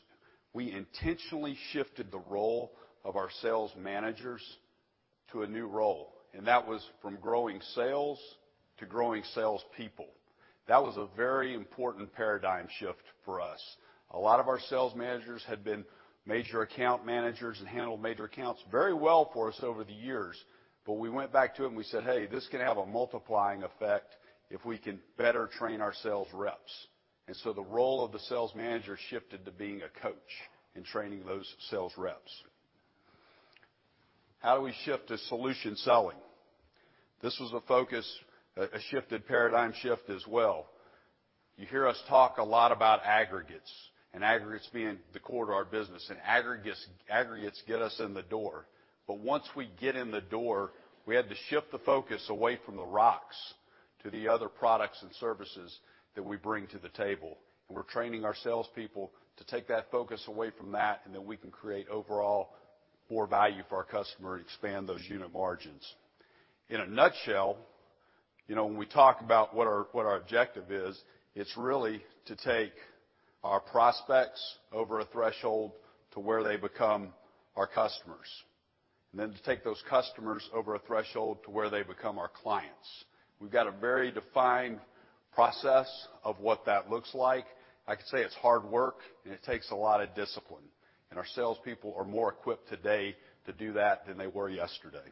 We intentionally shifted the role of our sales managers to a new role, and that was from growing sales to growing salespeople. That was a very important paradigm shift for us. A lot of our sales managers had been major account managers and handled major accounts very well for us over the years. We went back to them, we said, "Hey, this can have a multiplying effect if we can better train our sales reps." The role of the sales manager shifted to being a coach and training those sales reps. How do we shift to solution selling? This was a focus, a shifted paradigm shift as well. You hear us talk a lot about aggregates, and aggregates being the core to our business, and aggregates get us in the door. Once we get in the door, we had to shift the focus away from the rocks to the other products and services that we bring to the table. We're training our salespeople to take that focus away from that, and then we can create overall more value for our customer and expand those unit margins. In a nutshell, when we talk about what our objective is, it's really to take our prospects over a threshold to where they become our customers. To take those customers over a threshold to where they become our clients. We've got a very defined process of what that looks like. I can say it's hard work and it takes a lot of discipline, and our salespeople are more equipped today to do that than they were yesterday.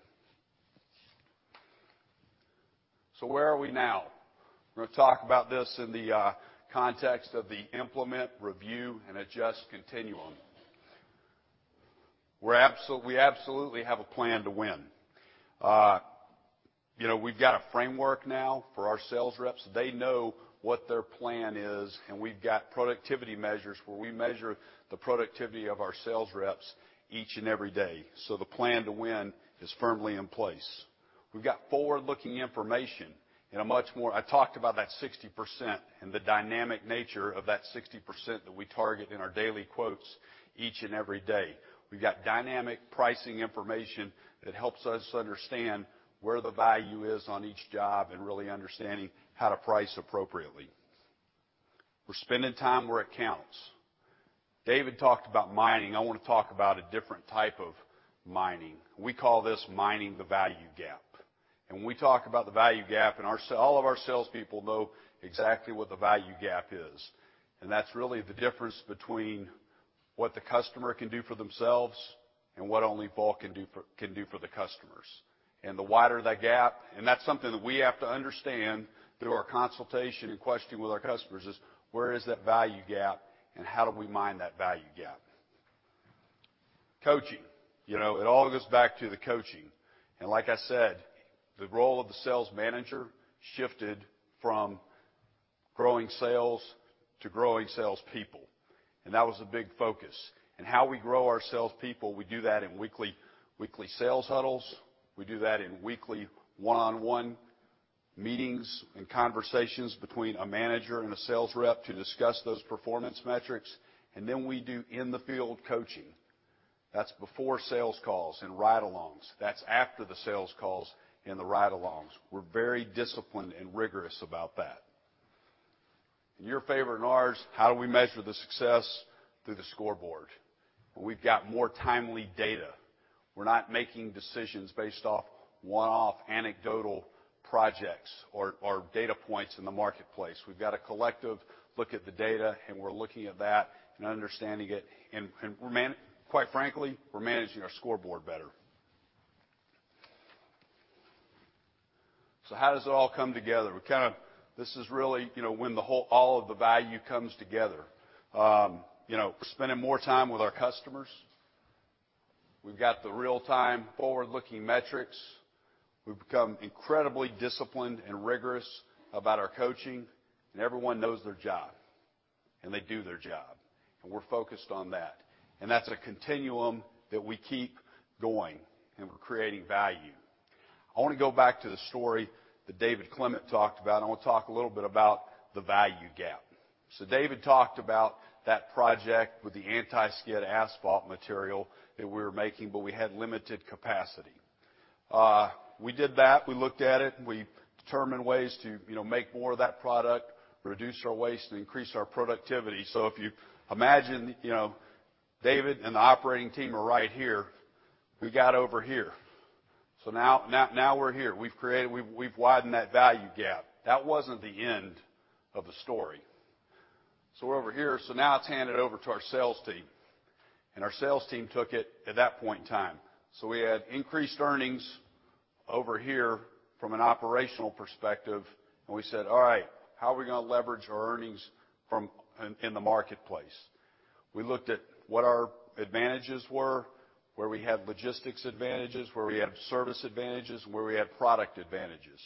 Where are we now? We're going to talk about this in the context of the implement, review, and adjust continuum. We absolutely have a plan to win. We've got a framework now for our sales reps. They know what their plan is. We've got productivity measures where we measure the productivity of our sales reps each and every day. The plan to win is firmly in place. We've got forward-looking information. I talked about that 60% and the dynamic nature of that 60% that we target in our daily quotes each and every day. We've got dynamic pricing information that helps us understand where the value is on each job and really understanding how to price appropriately. We're spending time where it counts. David talked about mining. I want to talk about a different type of mining. We call this mining the value gap. When we talk about the value gap, and all of our salespeople know exactly what the value gap is. That's really the difference between what the customer can do for themselves and what only Vulcan can do for the customers. The wider that gap, and that's something that we have to understand through our consultation and questioning with our customers is, where is that value gap and how do we mine that value gap? Coaching. It all goes back to the coaching. Like I said, the role of the sales manager shifted from growing sales to growing salespeople. That was a big focus. How we grow our salespeople, we do that in weekly sales huddles. We do that in weekly one-on-one meetings and conversations between a manager and a sales rep to discuss those performance metrics. We do in-the-field coaching. That's before sales calls and ride-alongs. That's after the sales calls and the ride-alongs. We're very disciplined and rigorous about that. Your favorite and ours, how do we measure the success? Through the scoreboard. We've got more timely data. We're not making decisions based off one-off anecdotal projects or data points in the marketplace. We've got a collective look at the data, and we're looking at that and understanding it. Quite frankly, we're managing our scoreboard better. How does it all come together? This is really when all of the value comes together. We're spending more time with our customers. We've got the real-time forward-looking metrics. We've become incredibly disciplined and rigorous about our coaching, and everyone knows their job, and they do their job. We're focused on that. That's a continuum that we keep going, and we're creating value. I want to go back to the story that David Clement talked about, and I want to talk a little bit about the value gap. David talked about that project with the anti-skid asphalt material that we were making, but we had limited capacity. We did that. We looked at it, and we determined ways to make more of that product, reduce our waste, and increase our productivity. If you imagine, David and the operating team are right here. We got over here. Now we're here. We've widened that value gap. That wasn't the end of the story. We're over here. Now it's handed over to our sales team. Our sales team took it at that point in time. We had increased earnings over here from an operational perspective, and we said, "All right, how are we going to leverage our earnings in the marketplace?" We looked at what our advantages were, where we had logistics advantages, where we had service advantages, and where we had product advantages.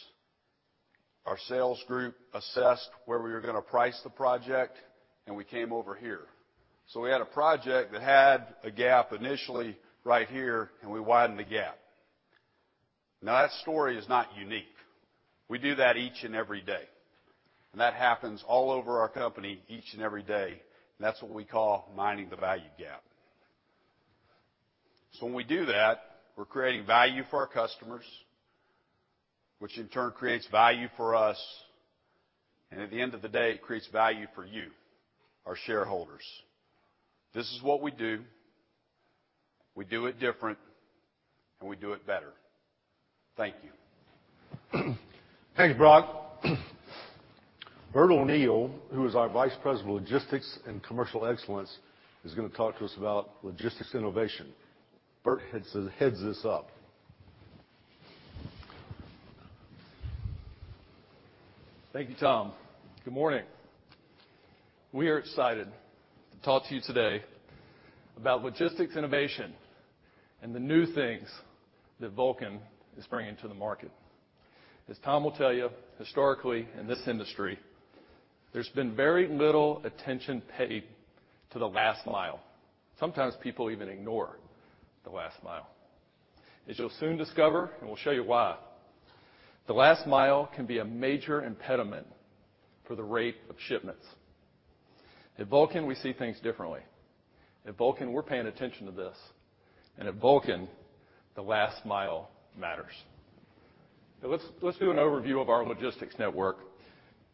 Our sales group assessed where we were going to price the project, and we came over here. We had a project that had a gap initially right here, and we widened the gap. Now that story is not unique. We do that each and every day. That happens all over our company each and every day. That's what we call mining the value gap. When we do that, we're creating value for our customers, which in turn creates value for us, and at the end of the day, it creates value for you, our shareholders. This is what we do. We do it different, and we do it better. Thank you. Thanks, Brock. Bert O'Neill, who is our Vice President of Logistics and Commercial Excellence, is going to talk to us about logistics innovation. Bert heads this up. Thank you, Tom. Good morning. We are excited to talk to you today about logistics innovation and the new things that Vulcan is bringing to the market. As Tom will tell you, historically, in this industry, there's been very little attention paid to the last mile. Sometimes people even ignore the last mile. As you'll soon discover, and we'll show you why, the last mile can be a major impediment for the rate of shipments. At Vulcan, we see things differently. At Vulcan, we're paying attention to this, and at Vulcan, the last mile matters. Now let's do an overview of our logistics network.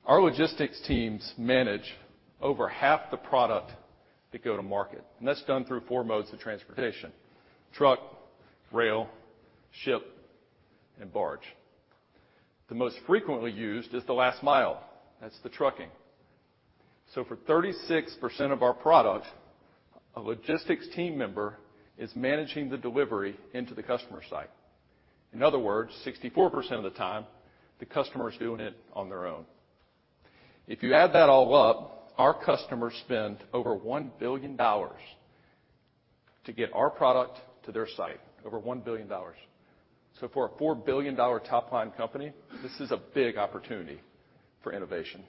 Our logistics teams manage over half the product that go to market, and that's done through four modes of transportation: truck, rail, ship, and barge. The most frequently used is the last mile. That's the trucking. For 36% of our product, a logistics team member is managing the delivery into the customer site. In other words, 64% of the time, the customer is doing it on their own. If you add that all up, our customers spend over $1 billion to get our product to their site. Over $1 billion. For a $4 billion top-line company, this is a big opportunity for innovation.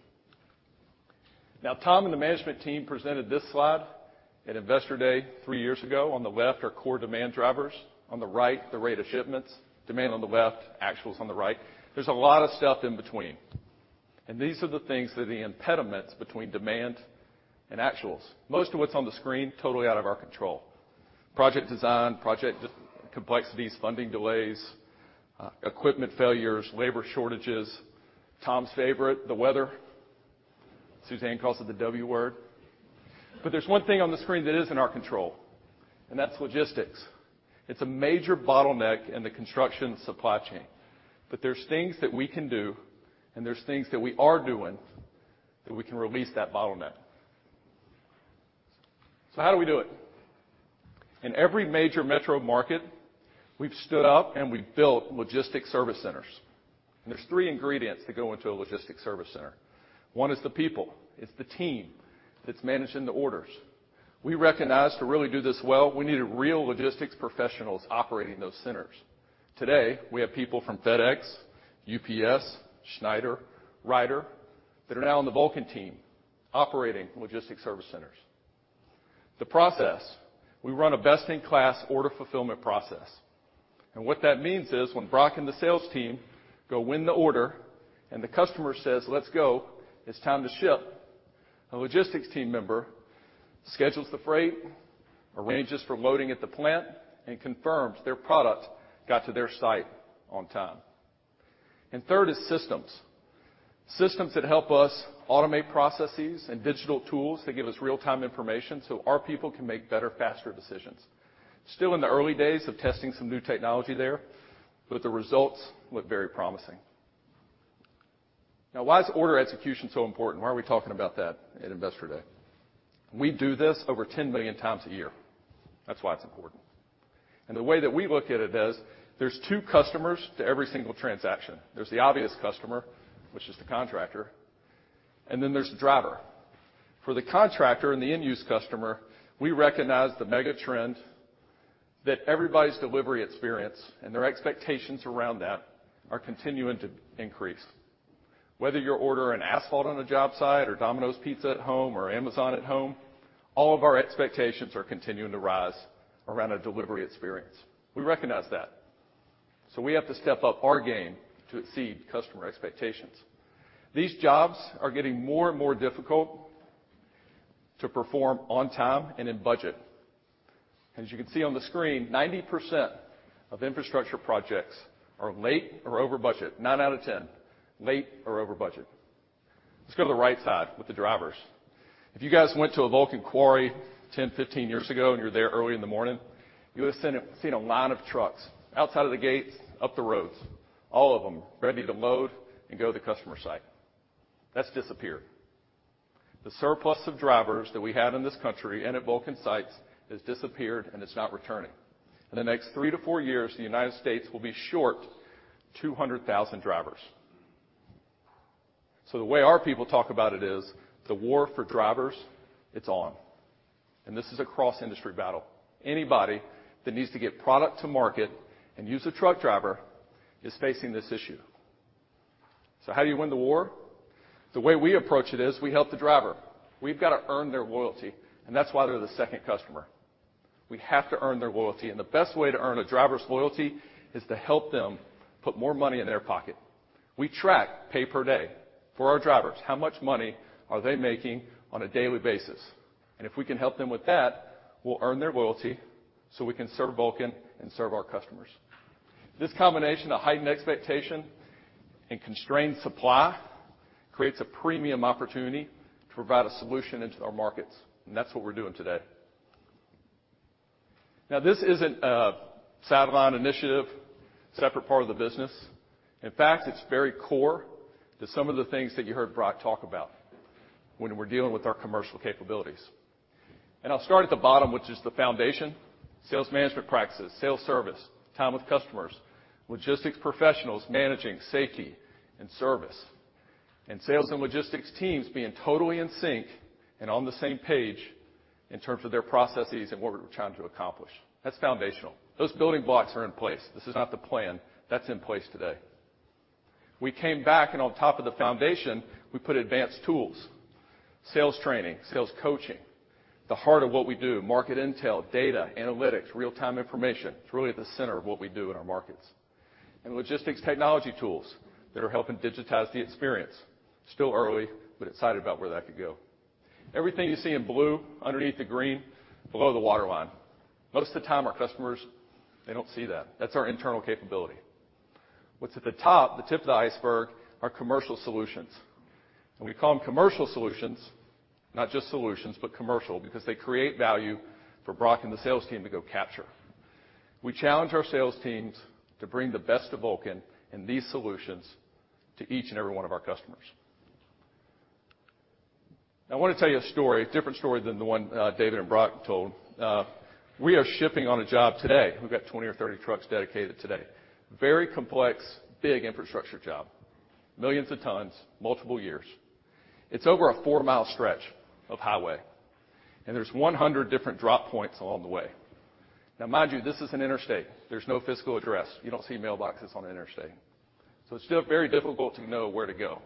Now, Tom and the management team presented this slide at Investor Day three years ago. On the left are core demand drivers. On the right, the rate of shipments. Demand on the left, actuals on the right. There's a lot of stuff in between, and these are the things that are the impediments between demand and actuals. Most of what's on the screen, totally out of our control. Project design, project complexities, funding delays, equipment failures, labor shortages. Tom's favorite, the weather. Suzanne calls it the W word. There's one thing on the screen that is in our control, and that's logistics. It's a major bottleneck in the construction supply chain. There's things that we can do, and there's things that we are doing, that we can release that bottleneck. How do we do it? In every major metro market, we've stood up and we've built logistics service centers. There's three ingredients that go into a logistics service center. One is the people. It's the team that's managing the orders. We recognize to really do this well, we needed real logistics professionals operating those centers. Today, we have people from FedEx, UPS, Schneider, Ryder, that are now on the Vulcan team operating logistics service centers. The process. We run a best-in-class order fulfillment process. What that means is when Brock and the sales team go win the order and the customer says, "Let's go. It's time to ship." A logistics team member schedules the freight, arranges for loading at the plant, and confirms their product got to their site on time. Third is systems. Systems that help us automate processes and digital tools that give us real-time information so our people can make better, faster decisions. Still in the early days of testing some new technology there, but the results look very promising. Why is order execution so important? Why are we talking about that at Investor Day? We do this over 10 million times a year. That's why it's important. The way that we look at it is there's two customers to every single transaction. There's the obvious customer, which is the contractor, and then there's the driver. For the contractor and the end-use customer, we recognize the mega trend that everybody's delivery experience and their expectations around that are continuing to increase. Whether you're ordering asphalt on a job site or Domino's Pizza at home or Amazon at home, all of our expectations are continuing to rise around a delivery experience. We recognize that. We have to step up our game to exceed customer expectations. These jobs are getting more and more difficult to perform on time and in budget. As you can see on the screen, 90% of infrastructure projects are late or over budget. Nine out of 10, late or over budget. Let's go to the right side with the drivers. If you guys went to a Vulcan quarry 10, 15 years ago, and you're there early in the morning, you would have seen a line of trucks outside of the gates, up the roads, all of them ready to load and go to the customer site. That's disappeared. The surplus of drivers that we had in this country and at Vulcan sites has disappeared, and it's not returning. In the next three to four years, the United States will be short 200,000 drivers. The way our people talk about it is the war for drivers, it's on. This is a cross-industry battle. Anybody that needs to get product to market and use a truck driver is facing this issue. How do you win the war? The way we approach it is we help the driver. We've got to earn their loyalty, and that's why they're the second customer. We have to earn their loyalty, and the best way to earn a driver's loyalty is to help them put more money in their pocket. We track pay per day for our drivers. How much money are they making on a daily basis? If we can help them with that, we'll earn their loyalty so we can serve Vulcan and serve our customers. This combination of heightened expectation and constrained supply creates a premium opportunity to provide a solution into our markets, and that's what we're doing today. Now, this isn't a sideline initiative, separate part of the business. In fact, it's very core to some of the things that you heard Brock talk about when we're dealing with our commercial capabilities. I'll start at the bottom, which is the foundation, sales management practices, sales service, time with customers, logistics professionals managing safety and service, and sales and logistics teams being totally in sync and on the same page in terms of their processes and what we're trying to accomplish. That's foundational. Those building blocks are in place. This is not the plan. That's in place today. We came back and on top of the foundation, we put advanced tools, sales training, sales coaching, the heart of what we do, market intel, data, analytics, real-time information. It's really at the center of what we do in our markets. Logistics technology tools that are helping digitize the experience. Still early, but excited about where that could go. Everything you see in blue underneath the green, below the waterline. Most of the time, our customers, they don't see that. That's our internal capability. What's at the top, the tip of the iceberg, are commercial solutions. We call them commercial solutions, not just solutions, but commercial, because they create value for Brock and the sales team to go capture. We challenge our sales teams to bring the best of Vulcan and these solutions to each and every one of our customers. I want to tell you a story, different story than the one David and Brock told. We are shipping on a job today. We've got 20 or 30 trucks dedicated today. Very complex, big infrastructure job, millions of tons, multiple years. It's over a four-mile stretch of highway, and there's 100 different drop points along the way. Mind you, this is an interstate. There's no physical address. You don't see mailboxes on an interstate. It's very difficult to know where to go.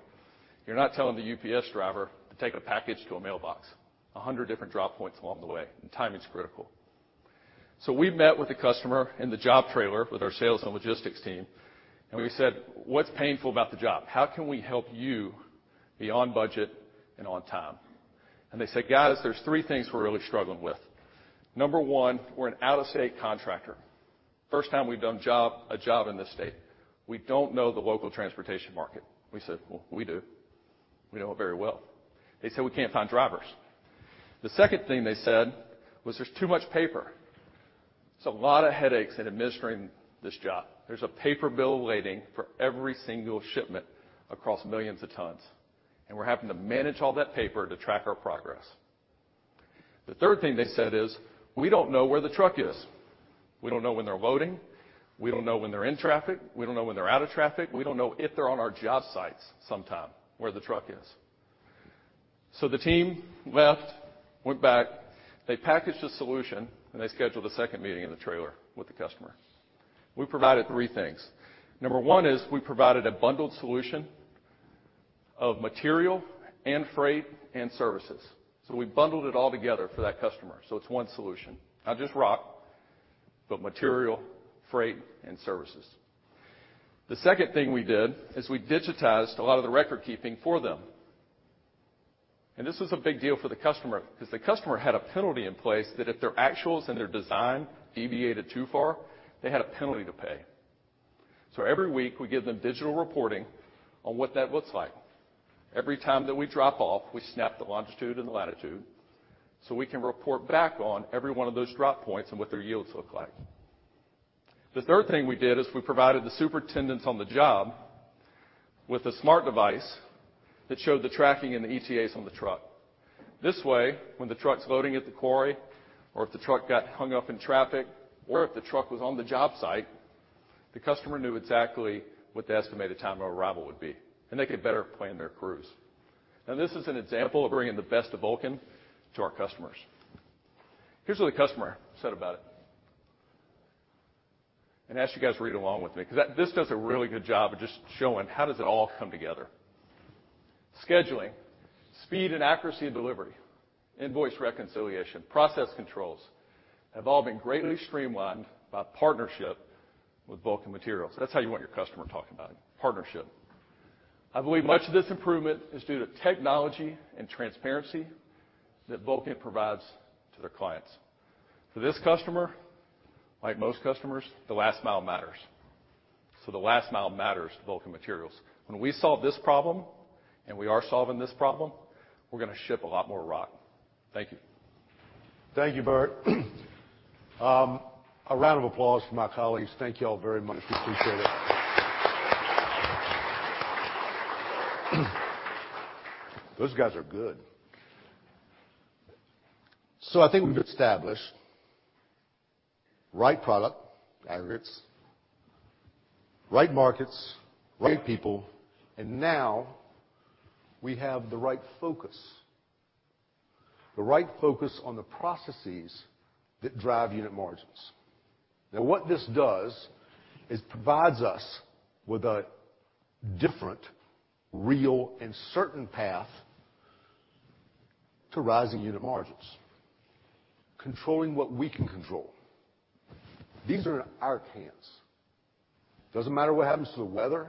You're not telling the UPS driver to take a package to a mailbox. 100 different drop points along the way. Timing's critical. We met with the customer in the job trailer with our sales and logistics team, and we said, "What's painful about the job? How can we help you be on budget and on time?" They said, "Guys, there's three things we're really struggling with. Number 1, we're an out-of-state contractor. First time we've done a job in this state. We don't know the local transportation market." We said, "Well, we do. We know it very well." They said, "We can't find drivers." The second thing they said was, "There's too much paper. There's a lot of headaches in administering this job. There's a paper bill waiting for every single shipment across millions of tons. We're having to manage all that paper to track our progress." The third thing they said is, "We don't know where the truck is. We don't know when they're loading. We don't know when they're in traffic. We don't know when they're out of traffic. We don't know if they're on our job sites sometime, where the truck is." The team left, went back. They packaged a solution, and they scheduled a second meeting in the trailer with the customer. We provided three things. Number one is we provided a bundled solution of material and freight and services. We bundled it all together for that customer, so it's one solution. Not just rock, but material, freight, and services. The second thing we did is we digitized a lot of the record keeping for them. This was a big deal for the customer because the customer had a penalty in place that if their actuals and their design deviated too far, they had a penalty to pay. Every week, we give them digital reporting on what that looks like. Every time that we drop off, we snap the longitude and the latitude, so we can report back on every one of those drop points and what their yields look like. The third thing we did is we provided the superintendents on the job with a smart device that showed the tracking and the ETAs on the truck. This way, when the truck's loading at the quarry or if the truck got hung up in traffic or if the truck was on the job site, the customer knew exactly what the estimated time of arrival would be, and they could better plan their crews. This is an example of bringing the best of Vulcan to our customers. Here's what the customer said about it. I ask you guys to read along with me, because this does a really good job of just showing how does it all come together. "Scheduling, speed and accuracy of delivery, invoice reconciliation, process controls have all been greatly streamlined by partnership with Vulcan Materials." That's how you want your customer talking about you. Partnership. "I believe much of this improvement is due to technology and transparency that Vulcan provides to their clients." For this customer, like most customers, the last mile matters. The last mile matters to Vulcan Materials. When we solve this problem, and we are solving this problem, we're going to ship a lot more rock. Thank you. Thank you, Bert. A round of applause for my colleagues. Thank you all very much. We appreciate it. Those guys are good. I think we've established right product, aggregates, right markets, right people, and now we have the right focus. The right focus on the processes that drive unit margins. Now, what this does is provides us with a different, real, and certain path to rising unit margins. Controlling what we can control. These are in our hands. Doesn't matter what happens to the weather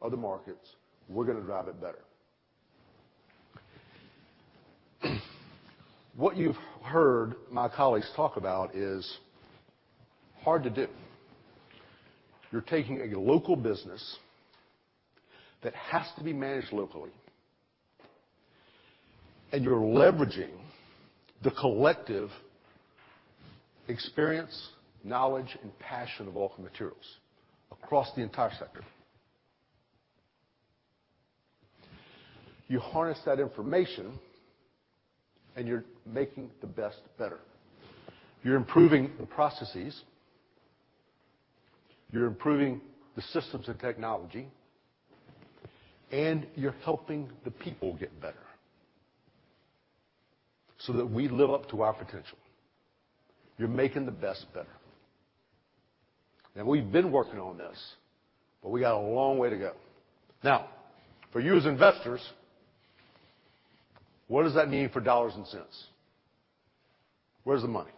or the markets, we're going to drive it better. What you've heard my colleagues talk about is hard to do. You're taking a local business that has to be managed locally, and you're leveraging the collective experience, knowledge, and passion of Vulcan Materials across the entire sector. You harness that information, and you're making the best better. You're improving the processes, you're improving the systems and technology, and you're helping the people get better so that we live up to our potential. You're making the best better. We've been working on this, but we got a long way to go. For you as investors, what does that mean for dollars and cents? Where's the money?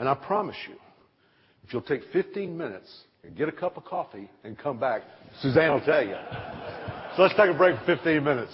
I promise you, if you'll take 15 minutes and get a cup of coffee and come back, Suzanne will tell you. Let's take a break for 15 minutes.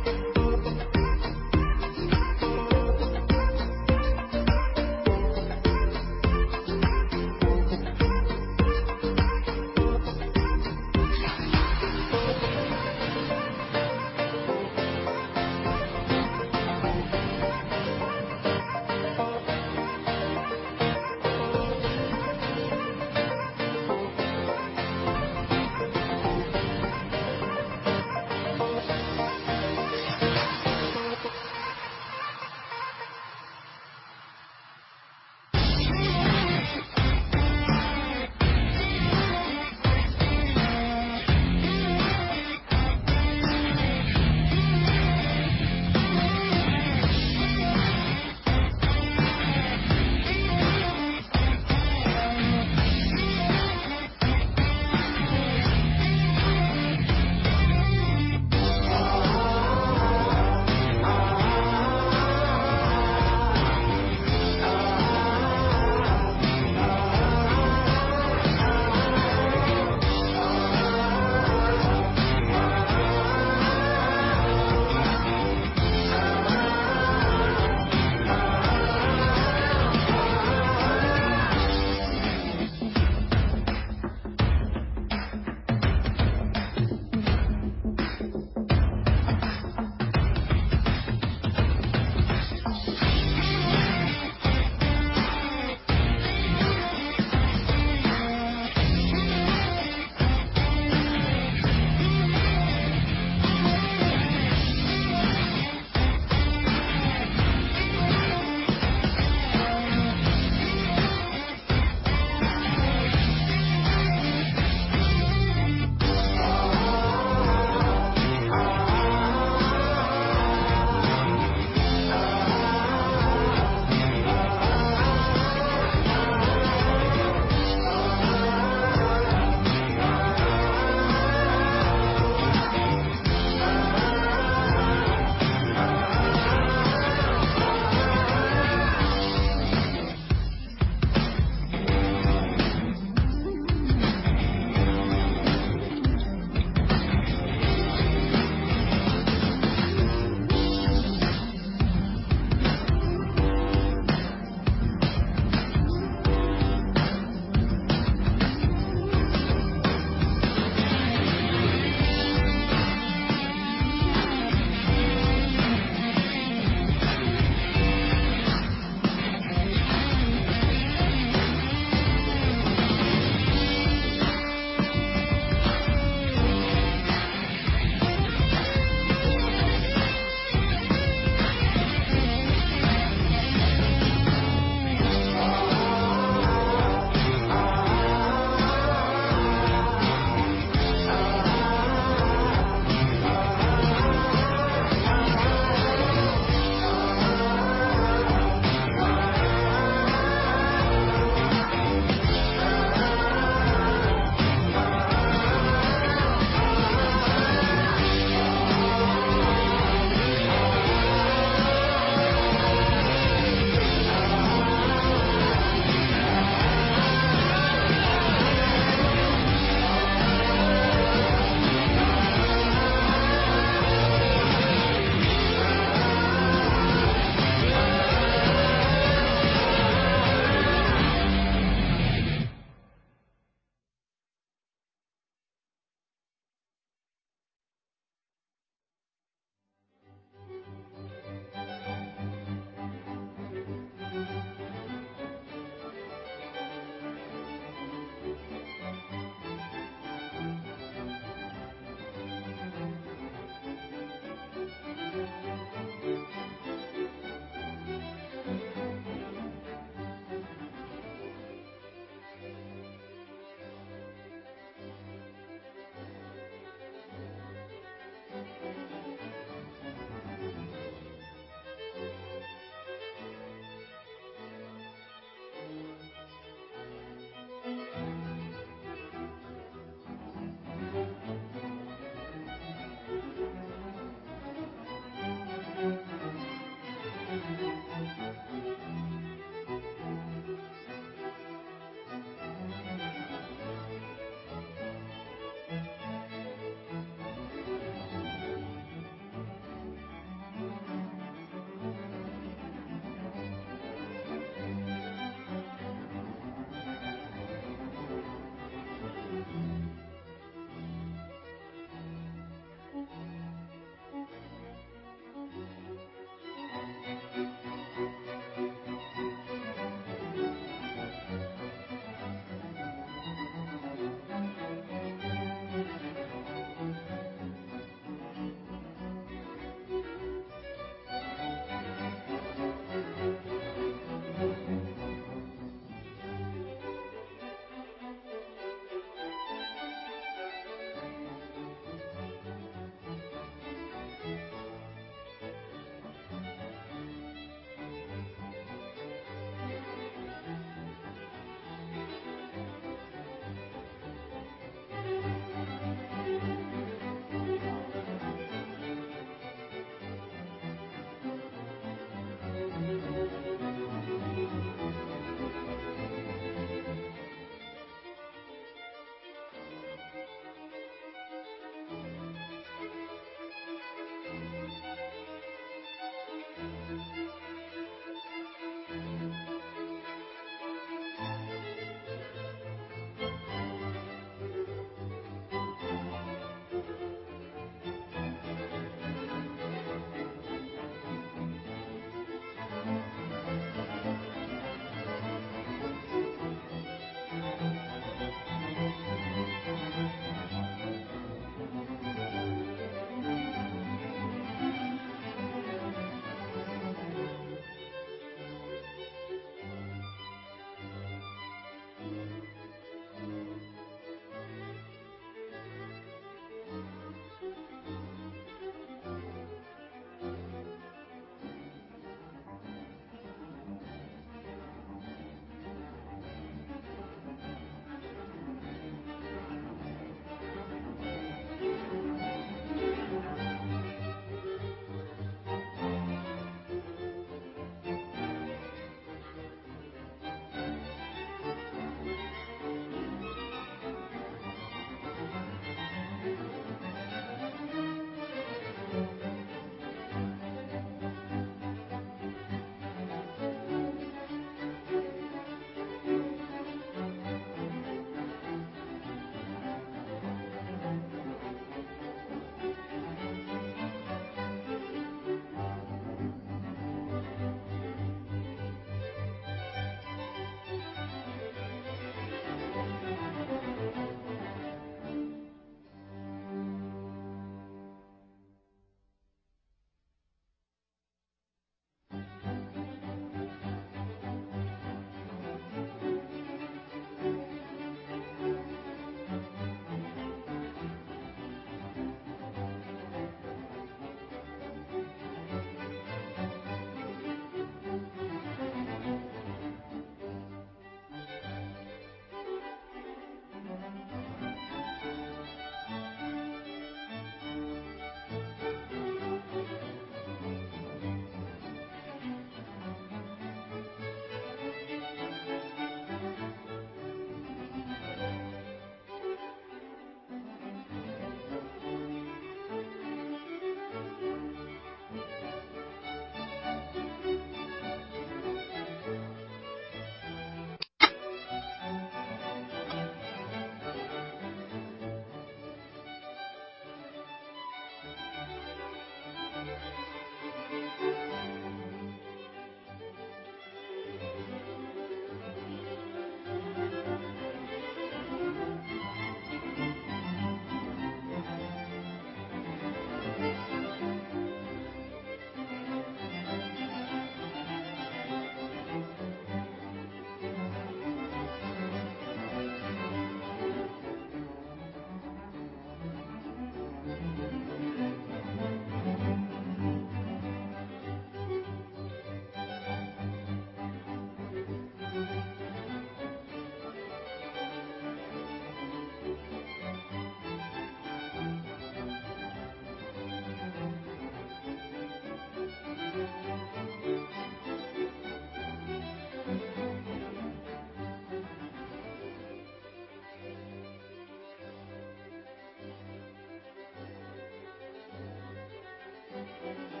If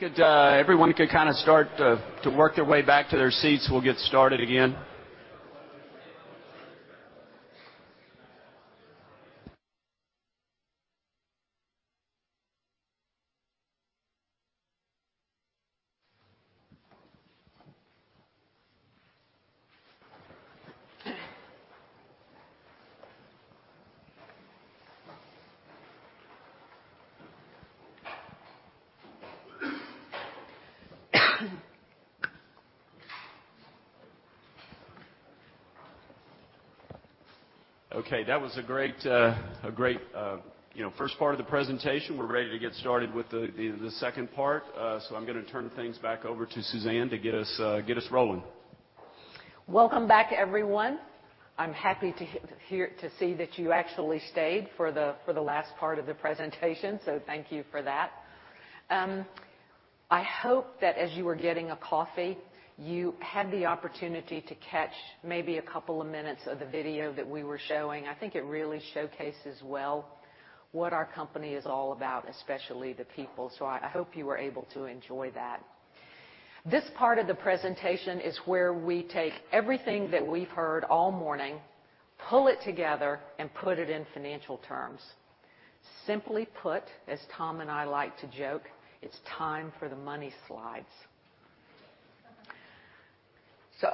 everyone could start to work their way back to their seats, we'll get started again. Okay. That was a great first part of the presentation. We're ready to get started with the second part. I'm going to turn things back over to Suzanne to get us rolling. Welcome back, everyone. I'm happy to see that you actually stayed for the last part of the presentation, so thank you for that. I hope that as you were getting a coffee, you had the opportunity to catch maybe a couple of minutes of the video that we were showing. I think it really showcases well what our company is all about, especially the people. I hope you were able to enjoy that. This part of the presentation is where we take everything that we've heard all morning, pull it together, and put it in financial terms. Simply put, as Tom and I like to joke, it's time for the money slides.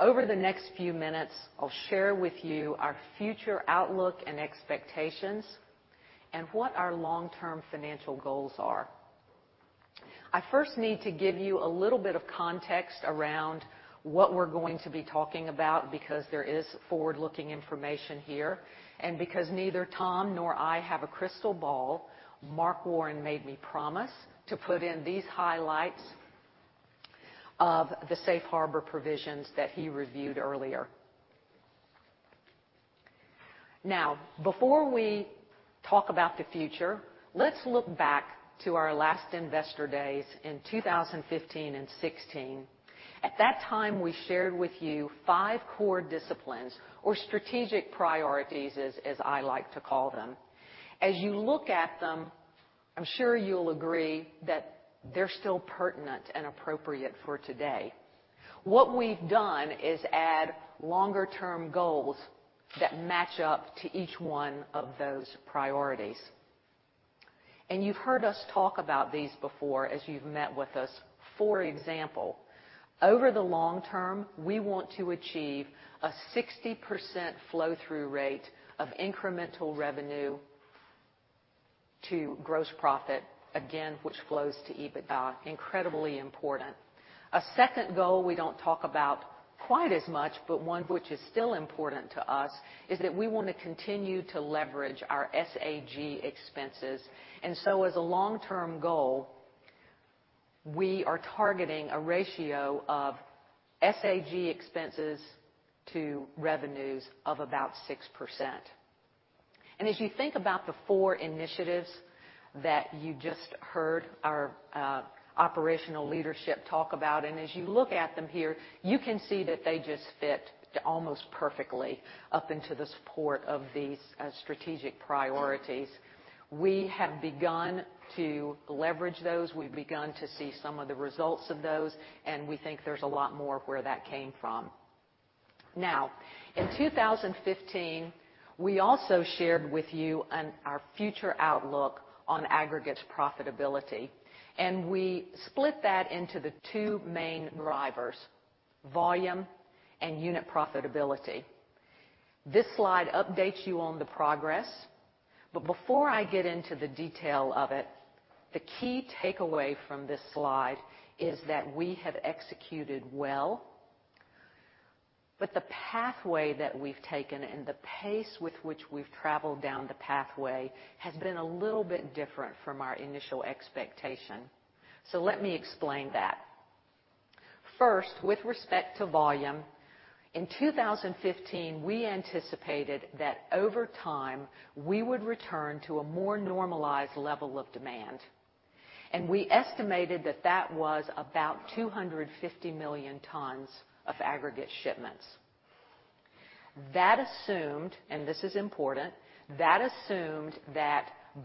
Over the next few minutes, I'll share with you our future outlook and expectations and what our long-term financial goals are. I first need to give you a little bit of context around what we're going to be talking about because there is forward-looking information here, and because neither Tom nor I have a crystal ball, Mark Warren made me promise to put in these highlights of the safe harbor provisions that he reviewed earlier. Before we talk about the future, let's look back to our last investor days in 2015 and 2016. At that time, we shared with you five core disciplines or strategic priorities, as I like to call them. As you look at them, I'm sure you'll agree that they're still pertinent and appropriate for today. What we've done is add longer-term goals that match up to each one of those priorities. You've heard us talk about these before as you've met with us. For example, over the long term, we want to achieve a 60% flow-through rate of incremental revenue to gross profit, again, which flows to EBITDA. Incredibly important. A second goal we don't talk about quite as much, but one which is still important to us, is that we want to continue to leverage our SAG expenses. As a long-term goal, we are targeting a ratio of SAG expenses to revenues of about 6%. As you think about the four initiatives that you just heard our operational leadership talk about, and as you look at them here, you can see that they just fit almost perfectly up into the support of these strategic priorities. We have begun to leverage those. We've begun to see some of the results of those, and we think there's a lot more where that came from. In 2015, we also shared with you our future outlook on aggregates profitability, and we split that into the two main drivers, volume and unit profitability. This slide updates you on the progress, before I get into the detail of it, the key takeaway from this slide is that we have executed well, but the pathway that we've taken and the pace with which we've traveled down the pathway has been a little bit different from our initial expectation. Let me explain that. First, with respect to volume, in 2015, we anticipated that over time we would return to a more normalized level of demand, and we estimated that that was about 250 million tons of aggregate shipments. That assumed, this is important, that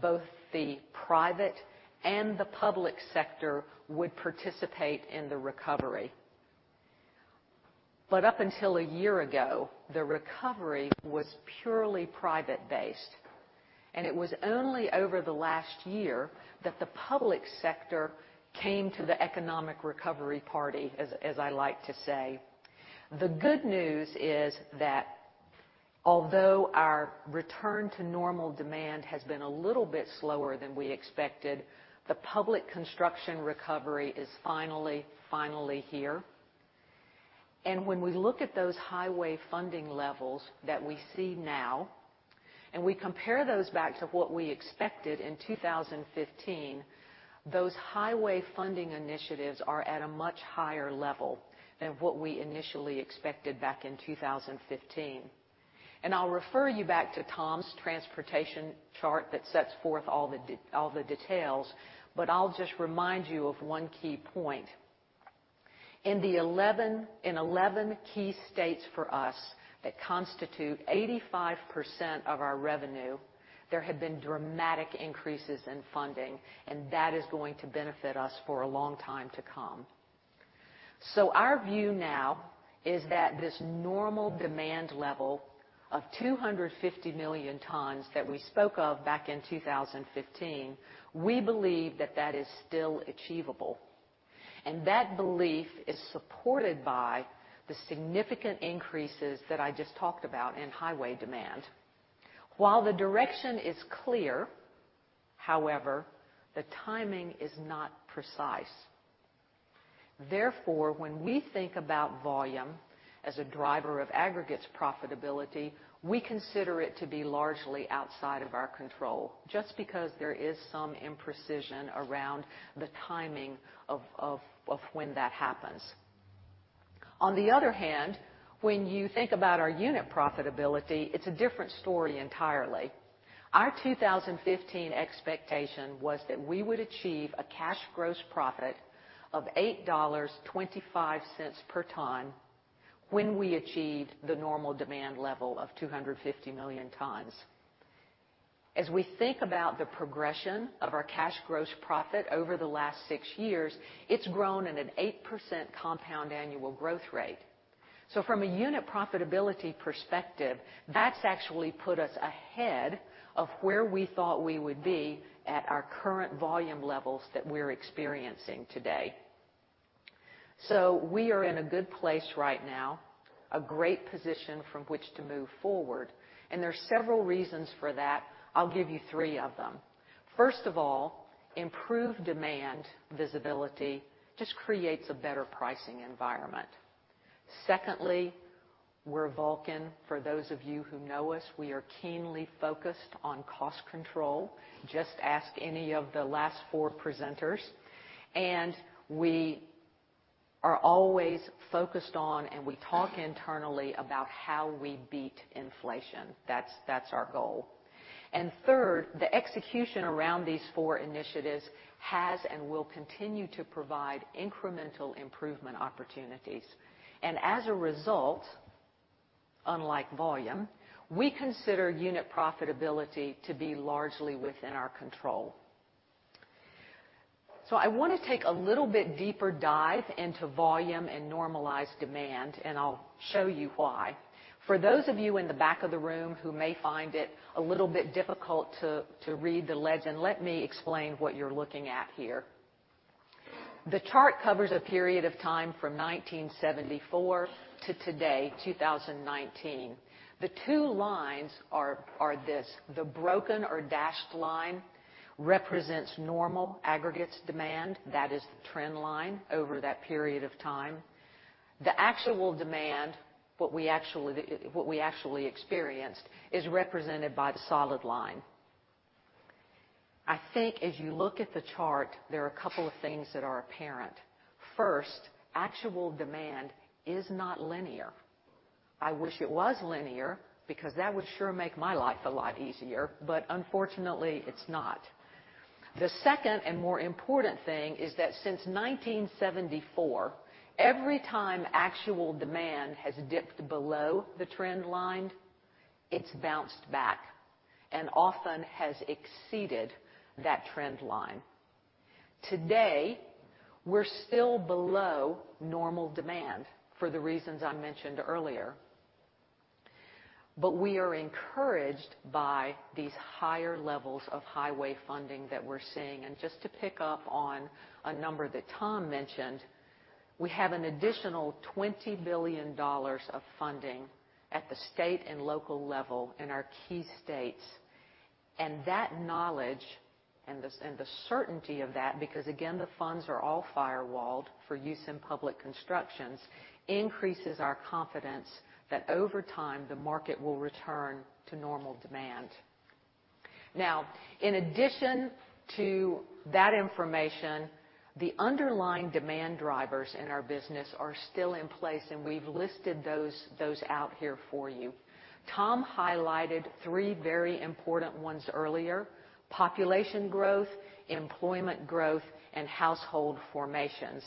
both the private and the public sector would participate in the recovery. Up until a year ago, the recovery was purely private-based, and it was only over the last year that the public sector came to the economic recovery party, as I like to say. The good news is that although our return to normal demand has been a little bit slower than we expected, the public construction recovery is finally here. When we look at those highway funding levels that we see now, and we compare those back to what we expected in 2015, those highway funding initiatives are at a much higher level than what we initially expected back in 2015. I'll refer you back to Tom's transportation chart that sets forth all the details, but I'll just remind you of one key point. In 11 key states for us that constitute 85% of our revenue, there have been dramatic increases in funding. That is going to benefit us for a long time to come. Our view now is that this normal demand level of 250 million tons that we spoke of back in 2015, we believe that that is still achievable. That belief is supported by the significant increases that I just talked about in highway demand. While the direction is clear, however, the timing is not precise. Therefore, when we think about volume as a driver of aggregates profitability, we consider it to be largely outside of our control, just because there is some imprecision around the timing of when that happens. On the other hand, when you think about our unit profitability, it's a different story entirely. Our 2015 expectation was that we would achieve a cash gross profit of $8.25 per ton when we achieved the normal demand level of 250 million tons. As we think about the progression of our cash gross profit over the last six years, it's grown at an 8% compound annual growth rate. From a unit profitability perspective, that's actually put us ahead of where we thought we would be at our current volume levels that we're experiencing today. We are in a good place right now, a great position from which to move forward, and there are several reasons for that. I'll give you three of them. First of all, improved demand visibility just creates a better pricing environment. Secondly, we're Vulcan. For those of you who know us, we are keenly focused on cost control. Just ask any of the last four presenters. We are always focused on, and we talk internally about how we beat inflation. That's our goal. Third, the execution around these four initiatives has and will continue to provide incremental improvement opportunities. As a result, unlike volume, we consider unit profitability to be largely within our control. I want to take a little bit deeper dive into volume and normalized demand, and I'll show you why. For those of you in the back of the room who may find it a little bit difficult to read the legend, let me explain what you're looking at here. The chart covers a period of time from 1974 to today, 2019. The two lines are this. The broken or dashed line represents normal aggregates demand. That is the trend line over that period of time. The actual demand, what we actually experienced, is represented by the solid line. I think as you look at the chart, there are a couple of things that are apparent. First, actual demand is not linear. I wish it was linear, because that would sure make my life a lot easier, but unfortunately, it's not. The second, and more important thing, is that since 1974, every time actual demand has dipped below the trend line, it's bounced back and often has exceeded that trend line. Today, we're still below normal demand for the reasons I mentioned earlier. We are encouraged by these higher levels of highway funding that we're seeing. Just to pick up on a number that Tom mentioned, we have an additional $20 billion of funding at the state and local level in our key states. That knowledge and the certainty of that, because again, the funds are all firewalled for use in public constructions, increases our confidence that over time, the market will return to normal demand. In addition to that information, the underlying demand drivers in our business are still in place, and we've listed those out here for you. Tom highlighted three very important ones earlier: population growth, employment growth, and household formations.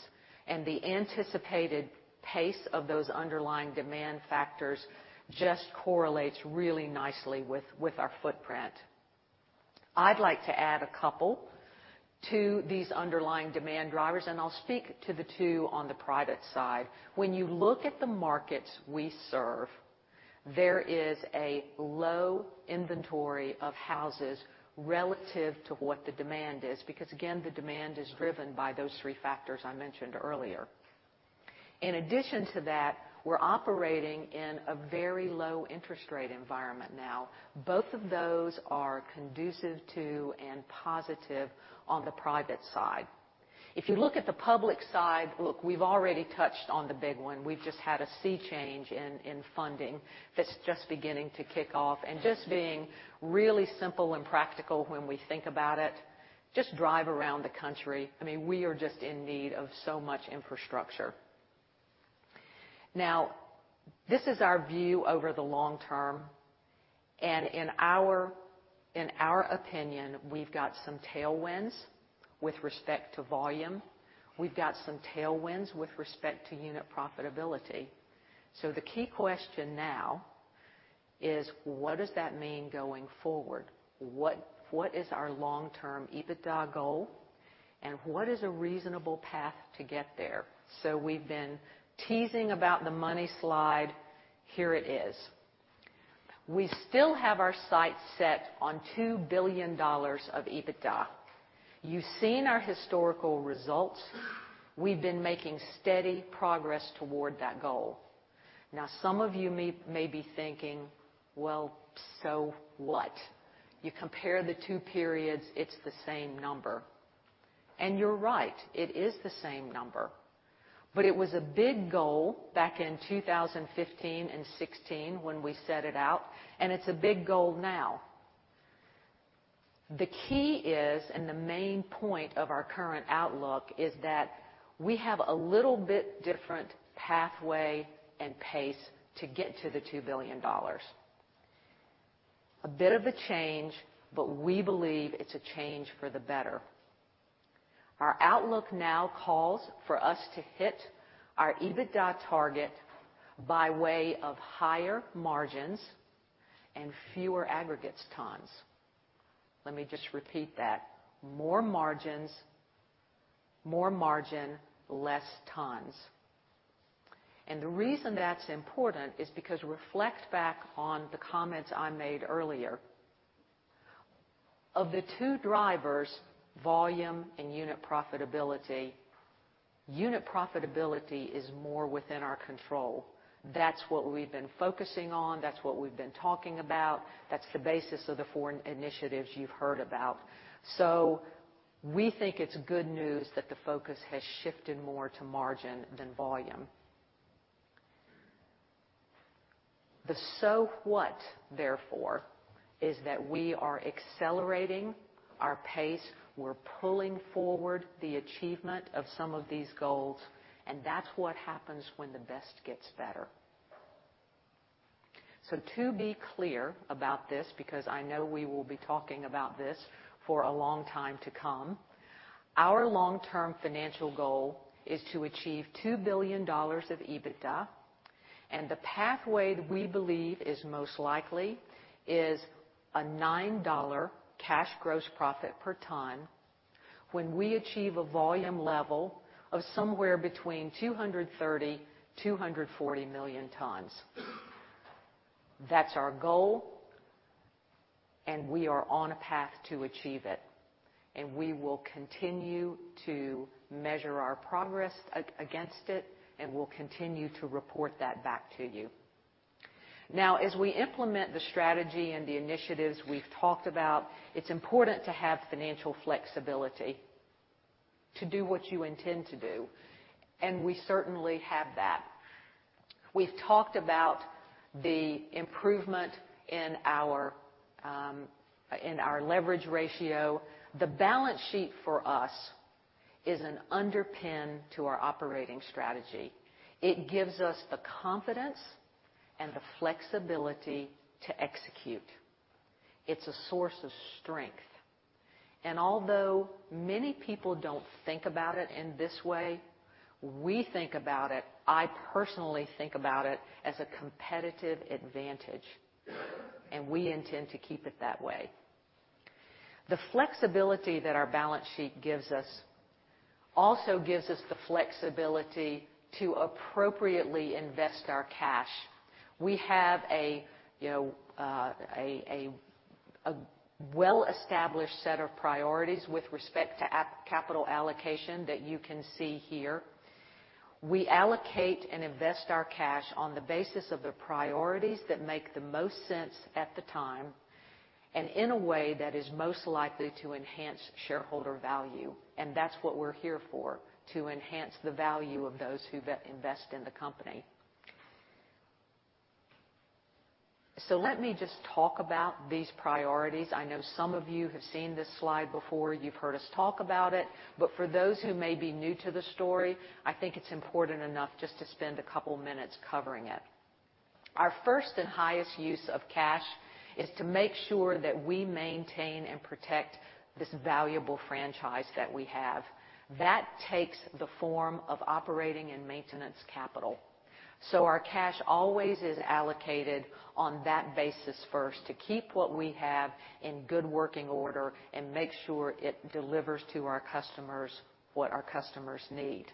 The anticipated pace of those underlying demand factors just correlates really nicely with our footprint. I'd like to add a couple to these underlying demand drivers, and I'll speak to the two on the private side. When you look at the markets we serve, there is a low inventory of houses relative to what the demand is, because again, the demand is driven by those three factors I mentioned earlier. In addition to that, we're operating in a very low interest rate environment now. Both of those are conducive to and positive on the private side. If you look at the public side, look, we've already touched on the big one. We've just had a sea change in funding that's just beginning to kick off. Just being really simple and practical when we think about it, just drive around the country. We are just in need of so much infrastructure. Now, this is our view over the long term, and in our opinion, we've got some tailwinds with respect to volume. We've got some tailwinds with respect to unit profitability. The key question now is what does that mean going forward? What is our long-term EBITDA goal, and what is a reasonable path to get there? We've been teasing about the money slide. Here it is. We still have our sights set on $2 billion of EBITDA. You've seen our historical results. We've been making steady progress toward that goal. Some of you may be thinking, "Well, so what? You compare the two periods, it's the same number." You're right. It is the same number. It was a big goal back in 2015 and 2016 when we set it out, and it's a big goal now. The key is, and the main point of our current outlook is that we have a little bit different pathway and pace to get to the $2 billion. A bit of a change, but we believe it's a change for the better. Our outlook now calls for us to hit our EBITDA target by way of higher margins and fewer aggregates tons. Let me just repeat that. More margin, less tons. The reason that's important is because reflect back on the comments I made earlier. Of the two drivers, volume and unit profitability, unit profitability is more within our control. That's what we've been focusing on. That's what we've been talking about. That's the basis of the four initiatives you've heard about. We think it's good news that the focus has shifted more to margin than volume. The so what, therefore, is that we are accelerating our pace. We're pulling forward the achievement of some of these goals, and that's what happens when the best gets better. To be clear about this, because I know we will be talking about this for a long time to come, our long-term financial goal is to achieve $2 billion of EBITDA, and the pathway that we believe is most likely is a $9 cash gross profit per ton when we achieve a volume level of somewhere between 230 million-240 million tons. That's our goal, and we are on a path to achieve it, and we will continue to measure our progress against it, and we'll continue to report that back to you. As we implement the strategy and the initiatives we've talked about, it's important to have financial flexibility to do what you intend to do, and we certainly have that. We've talked about the improvement in our leverage ratio. The balance sheet for us is an underpin to our operating strategy. It gives us the confidence and the flexibility to execute. It's a source of strength. Although many people don't think about it in this way, we think about it, I personally think about it as a competitive advantage, and we intend to keep it that way. The flexibility that our balance sheet gives us also gives us the flexibility to appropriately invest our cash. We have a well-established set of priorities with respect to capital allocation that you can see here. We allocate and invest our cash on the basis of the priorities that make the most sense at the time and in a way that is most likely to enhance shareholder value, and that's what we're here for, to enhance the value of those who invest in the company. Let me just talk about these priorities. I know some of you have seen this slide before. You've heard us talk about it. For those who may be new to the story, I think it's important enough just to spend a couple minutes covering it. Our first and highest use of cash is to make sure that we maintain and protect this valuable franchise that we have. That takes the form of operating and maintenance capital. Our cash always is allocated on that basis first, to keep what we have in good working order and make sure it delivers to our customers what our customers need.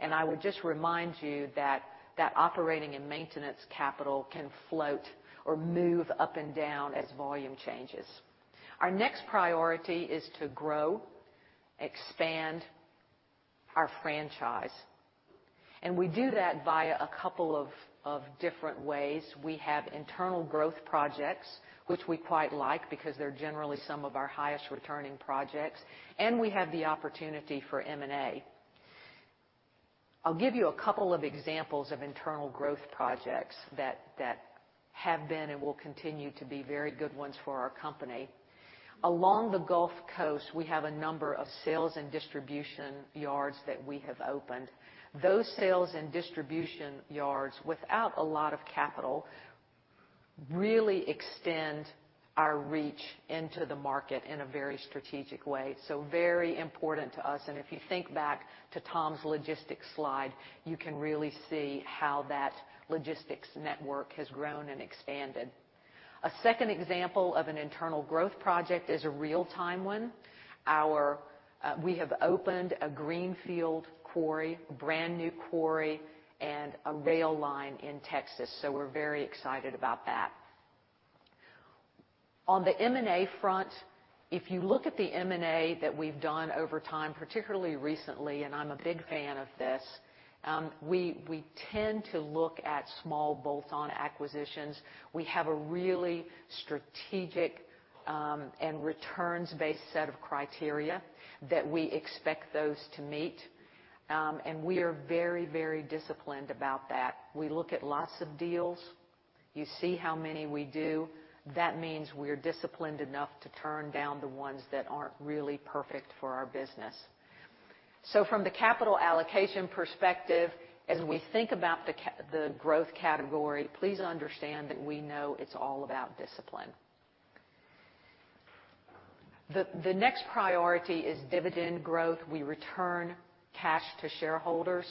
I would just remind you that that operating and maintenance capital can float or move up and down as volume changes. Our next priority is to grow, expand our franchise. We do that via a couple of different ways. We have internal growth projects, which we quite like because they're generally some of our highest returning projects, and we have the opportunity for M&A. I'll give you a couple of examples of internal growth projects that have been and will continue to be very good ones for our company. Along the Gulf Coast, we have a number of sales and distribution yards that we have opened. Those sales and distribution yards, without a lot of capital, really extend our reach into the market in a very strategic way. Very important to us. If you think back to Tom's logistics slide, you can really see how that logistics network has grown and expanded. A second example of an internal growth project is a real-time one. We have opened a greenfield quarry, brand-new quarry, and a rail line in Texas. We're very excited about that. On the M&A front, if you look at the M&A that we've done over time, particularly recently, and I'm a big fan of this, we tend to look at small bolt-on acquisitions. We have a really strategic, and returns-based set of criteria that we expect those to meet, and we are very disciplined about that. We look at lots of deals. You see how many we do. That means we're disciplined enough to turn down the ones that aren't really perfect for our business. From the capital allocation perspective, as we think about the growth category, please understand that we know it's all about discipline. The next priority is dividend growth. We return cash to shareholders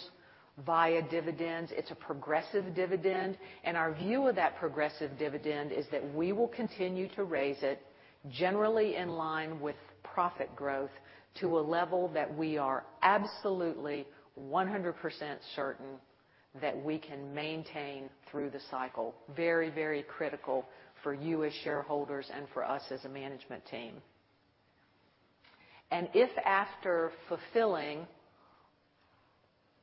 via dividends. It's a progressive dividend, and our view of that progressive dividend is that we will continue to raise it, generally in line with profit growth, to a level that we are absolutely 100% certain that we can maintain through the cycle. Very critical for you as shareholders and for us as a management team. If after fulfilling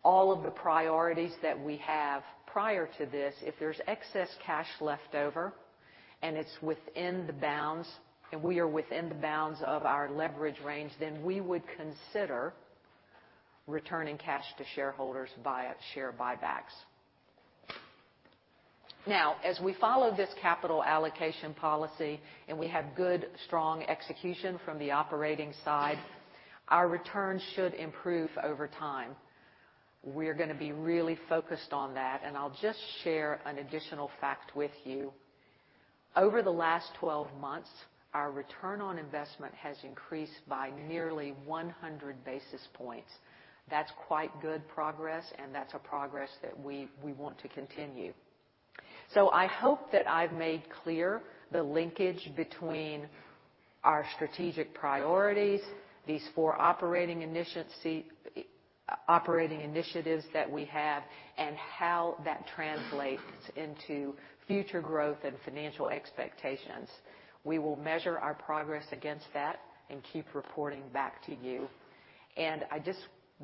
all of the priorities that we have prior to this, if there's excess cash left over, and we are within the bounds of our leverage range, then we would consider returning cash to shareholders via share buybacks. As we follow this capital allocation policy, and we have good, strong execution from the operating side, our returns should improve over time. We're going to be really focused on that, and I'll just share an additional fact with you. Over the last 12 months, our return on investment has increased by nearly 100 basis points. That's quite good progress, That's a progress that we want to continue. I hope that I've made clear the linkage between our strategic priorities, these four operating initiatives that we have, and how that translates into future growth and financial expectations. We will measure our progress against that and keep reporting back to you. I just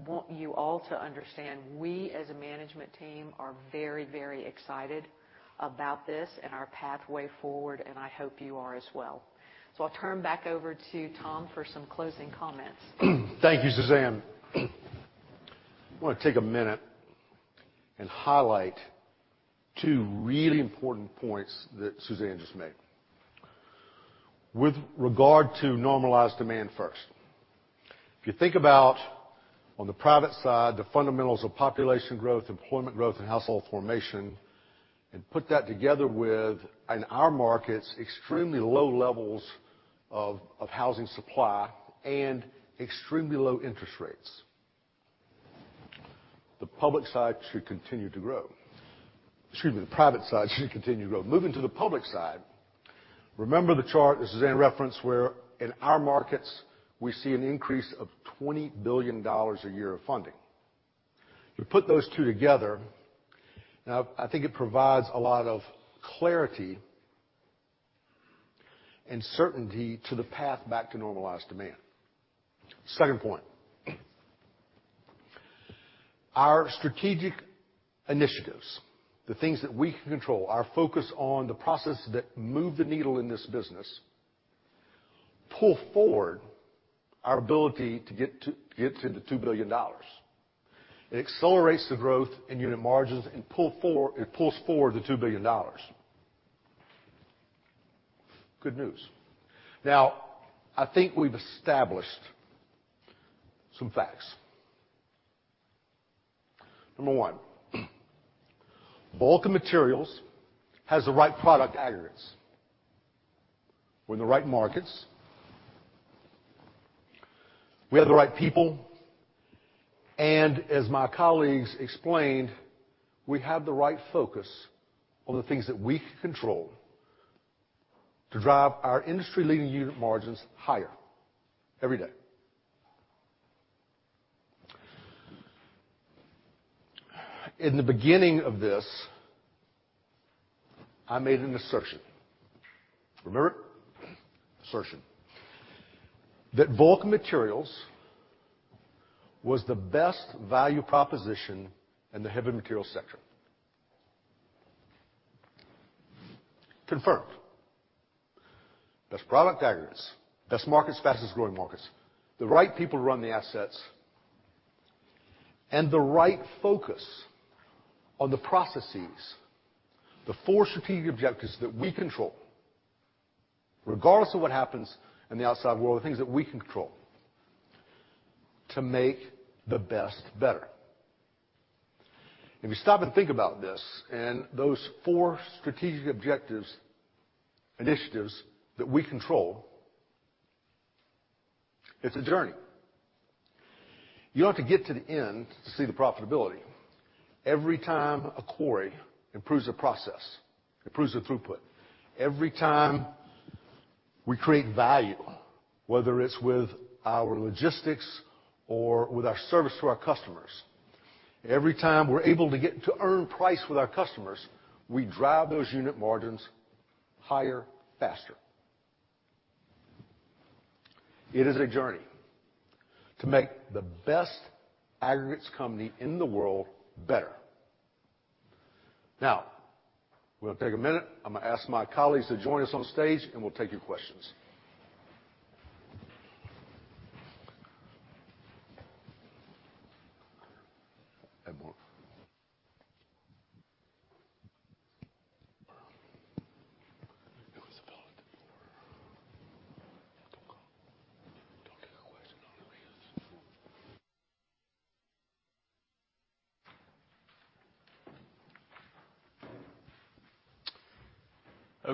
want you all to understand, we, as a management team, are very excited about this and our pathway forward, and I hope you are as well. I'll turn back over to Tom for some closing comments. Thank you, Suzanne. I want to take a minute and highlight two really important points that Suzanne just made. With regard to normalized demand first. If you think about, on the private side, the fundamentals of population growth, employment growth, and household formation, and put that together with, in our markets, extremely low levels of housing supply and extremely low interest rates. The public side should continue to grow. Excuse me, the private side should continue to grow. Moving to the public side, remember the chart that Suzanne referenced where in our markets, we see an increase of $20 billion a year of funding. You put those two together, and I think it provides a lot of clarity and certainty to the path back to normalized demand. Second point. Our strategic initiatives, the things that we can control, our focus on the processes that move the needle in this business, pull forward our ability to get to the $2 billion. It accelerates the growth in unit margins, it pulls forward the $2 billion. Good news. I think we've established some facts. Number one, Vulcan Materials has the right product aggregates. We're in the right markets. We have the right people. As my colleagues explained, we have the right focus on the things that we can control to drive our industry-leading unit margins higher every day. In the beginning of this, I made an assertion. Remember it? Assertion. That Vulcan Materials was the best value proposition in the heavy materials sector. Confirmed. Best product aggregates, best markets, fastest-growing markets, the right people to run the assets, and the right focus on the processes, the four strategic objectives that we control, regardless of what happens in the outside world, the things that we control to make the best better. If you stop and think about this and those four strategic objectives, initiatives that we control, it's a journey. You don't have to get to the end to see the profitability. Every time a quarry improves a process, improves the throughput. Every time we create value, whether it's with our logistics or with our service to our customers. Every time we're able to get to earn price with our customers, we drive those unit margins higher, faster. It is a journey to make the best aggregates company in the world better. We're going to take a minute. I'm going to ask my colleagues to join us on stage, and we'll take your questions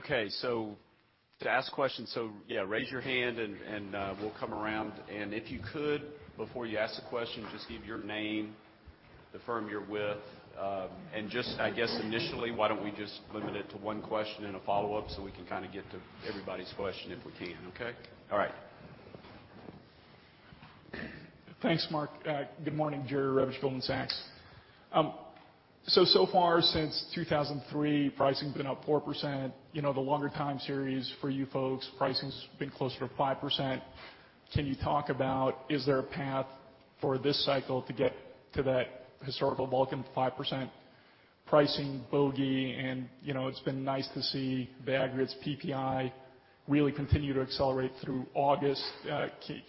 and more. It was about four. That's okay. Don't get a question on the. Okay. To ask questions, yeah, raise your hand and we'll come around. If you could, before you ask the question, just give your name, the firm you're with. Just, I guess, initially, why don't we just limit it to one question and a follow-up so we can kind of get to everybody's question if we can. Okay. All right. Thanks, Mark. Good morning. Jerry Revich, Goldman Sachs. So far since 2003, pricing's been up 4%. The longer time series for you folks, pricing's been closer to 5%. Can you talk about, is there a path for this cycle to get to that historical Vulcan 5% pricing bogey? It's been nice to see the aggregates PPI really continue to accelerate through August.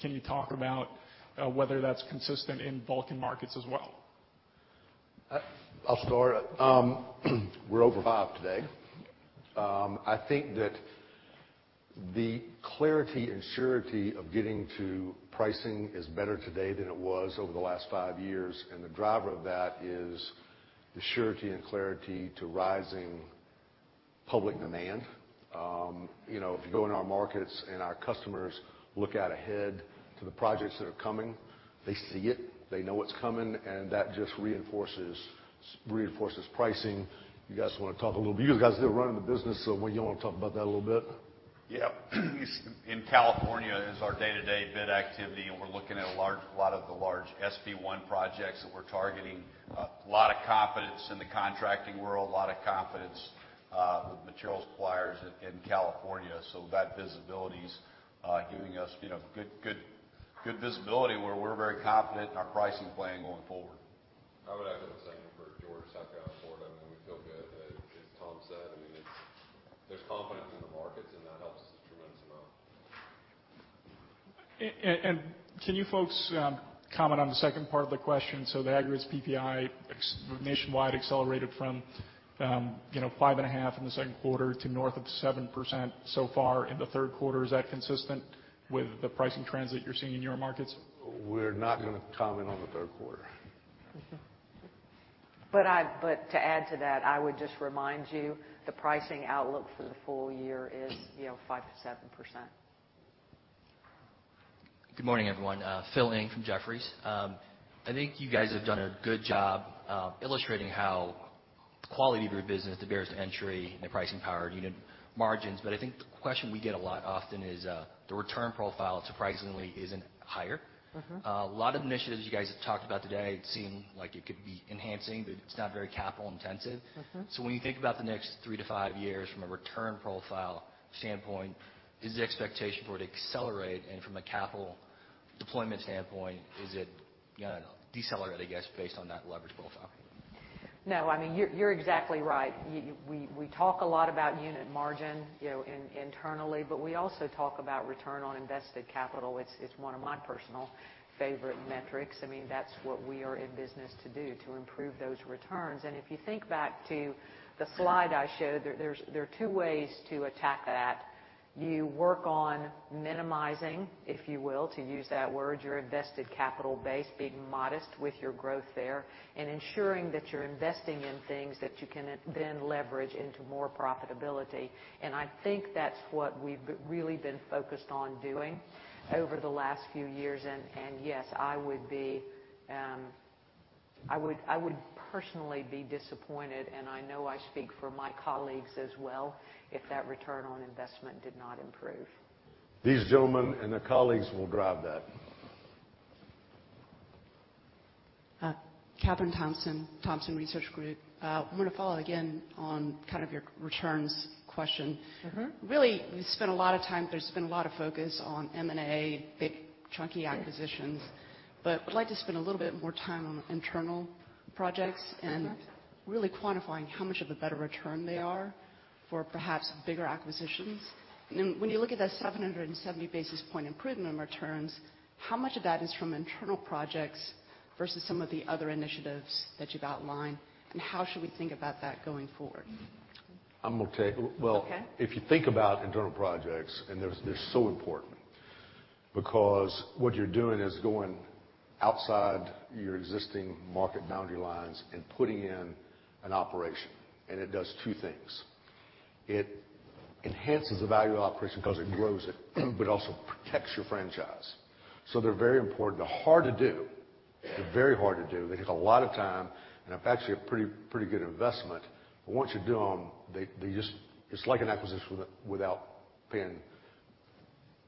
Can you talk about whether that's consistent in Vulcan markets as well? I'll start. We're over five today. I think that the clarity and surety of getting to pricing is better today than it was over the last five years, and the driver of that is the surety and clarity to rising public demand. If you go into our markets and our customers look out ahead to the projects that are coming, they see it, they know what's coming, and that just reinforces pricing. You guys want to talk a little bit? You guys are still running the business, so you want to talk about that a little bit? Yeah. In California is our day-to-day bid activity, we're looking at a lot of the large SB 1 projects that we're targeting. A lot of confidence in the contracting world, a lot of confidence with materials suppliers in California. That visibility's giving us good visibility where we're very confident in our pricing plan going forward. I would echo the same for Georgia, South Carolina, Florida. I mean, we feel good. As Tom said, there's confidence in the markets, and that helps us a tremendous amount. Can you folks comment on the second part of the question? The aggregates PPI nationwide accelerated from 5.5 in the second quarter to north of 7% so far in the third quarter. Is that consistent with the pricing trends that you're seeing in your markets? We're not going to comment on the third quarter. To add to that, I would just remind you, the pricing outlook for the full year is 5%-7%. Good morning, everyone. Philip Ng from Jefferies. I think you guys have done a good job illustrating how the quality of your business, the barriers to entry and the pricing power unit margins. I think the question we get a lot often is, the return profile surprisingly isn't higher. A lot of initiatives you guys have talked about today seem like it could be enhancing, but it's not very capital intensive. When you think about the next three to five years from a return profile standpoint, is the expectation for it to accelerate? From a capital deployment standpoint, is it going to decelerate, I guess, based on that leverage profile? No, you're exactly right. We talk a lot about unit margin internally, but we also talk about return on invested capital. It's one of my personal favorite metrics. That's what we are in business to do, to improve those returns. If you think back to the slide I showed, there are two ways to attack that. You work on minimizing, if you will, to use that word, your invested capital base, being modest with your growth there, and ensuring that you're investing in things that you can then leverage into more profitability. I think that's what we've really been focused on doing over the last few years. Yes, I would personally be disappointed, and I know I speak for my colleagues as well, if that return on investment did not improve. These gentlemen and their colleagues will drive that. Kathryn Thompson, Thompson Research Group. I'm going to follow again on kind of your returns question. Really, you spent a lot of time, there's been a lot of focus on M&A, big chunky acquisitions. I'd like to spend a little bit more time on internal projects. Really quantifying how much of a better return they are for perhaps bigger acquisitions. When you look at that 770 basis point improvement in returns, how much of that is from internal projects versus some of the other initiatives that you've outlined, and how should we think about that going forward? I'm going to take. Okay. Well, if you think about internal projects, they're so important because what you're doing is going outside your existing market boundary lines and putting in an operation, and it does two things. It enhances the value of the operation because it grows it, also protects your franchise. They're very important. They're hard to do. They're very hard to do. They take a lot of time and are actually a pretty good investment. Once you do them, it's like an acquisition without paying for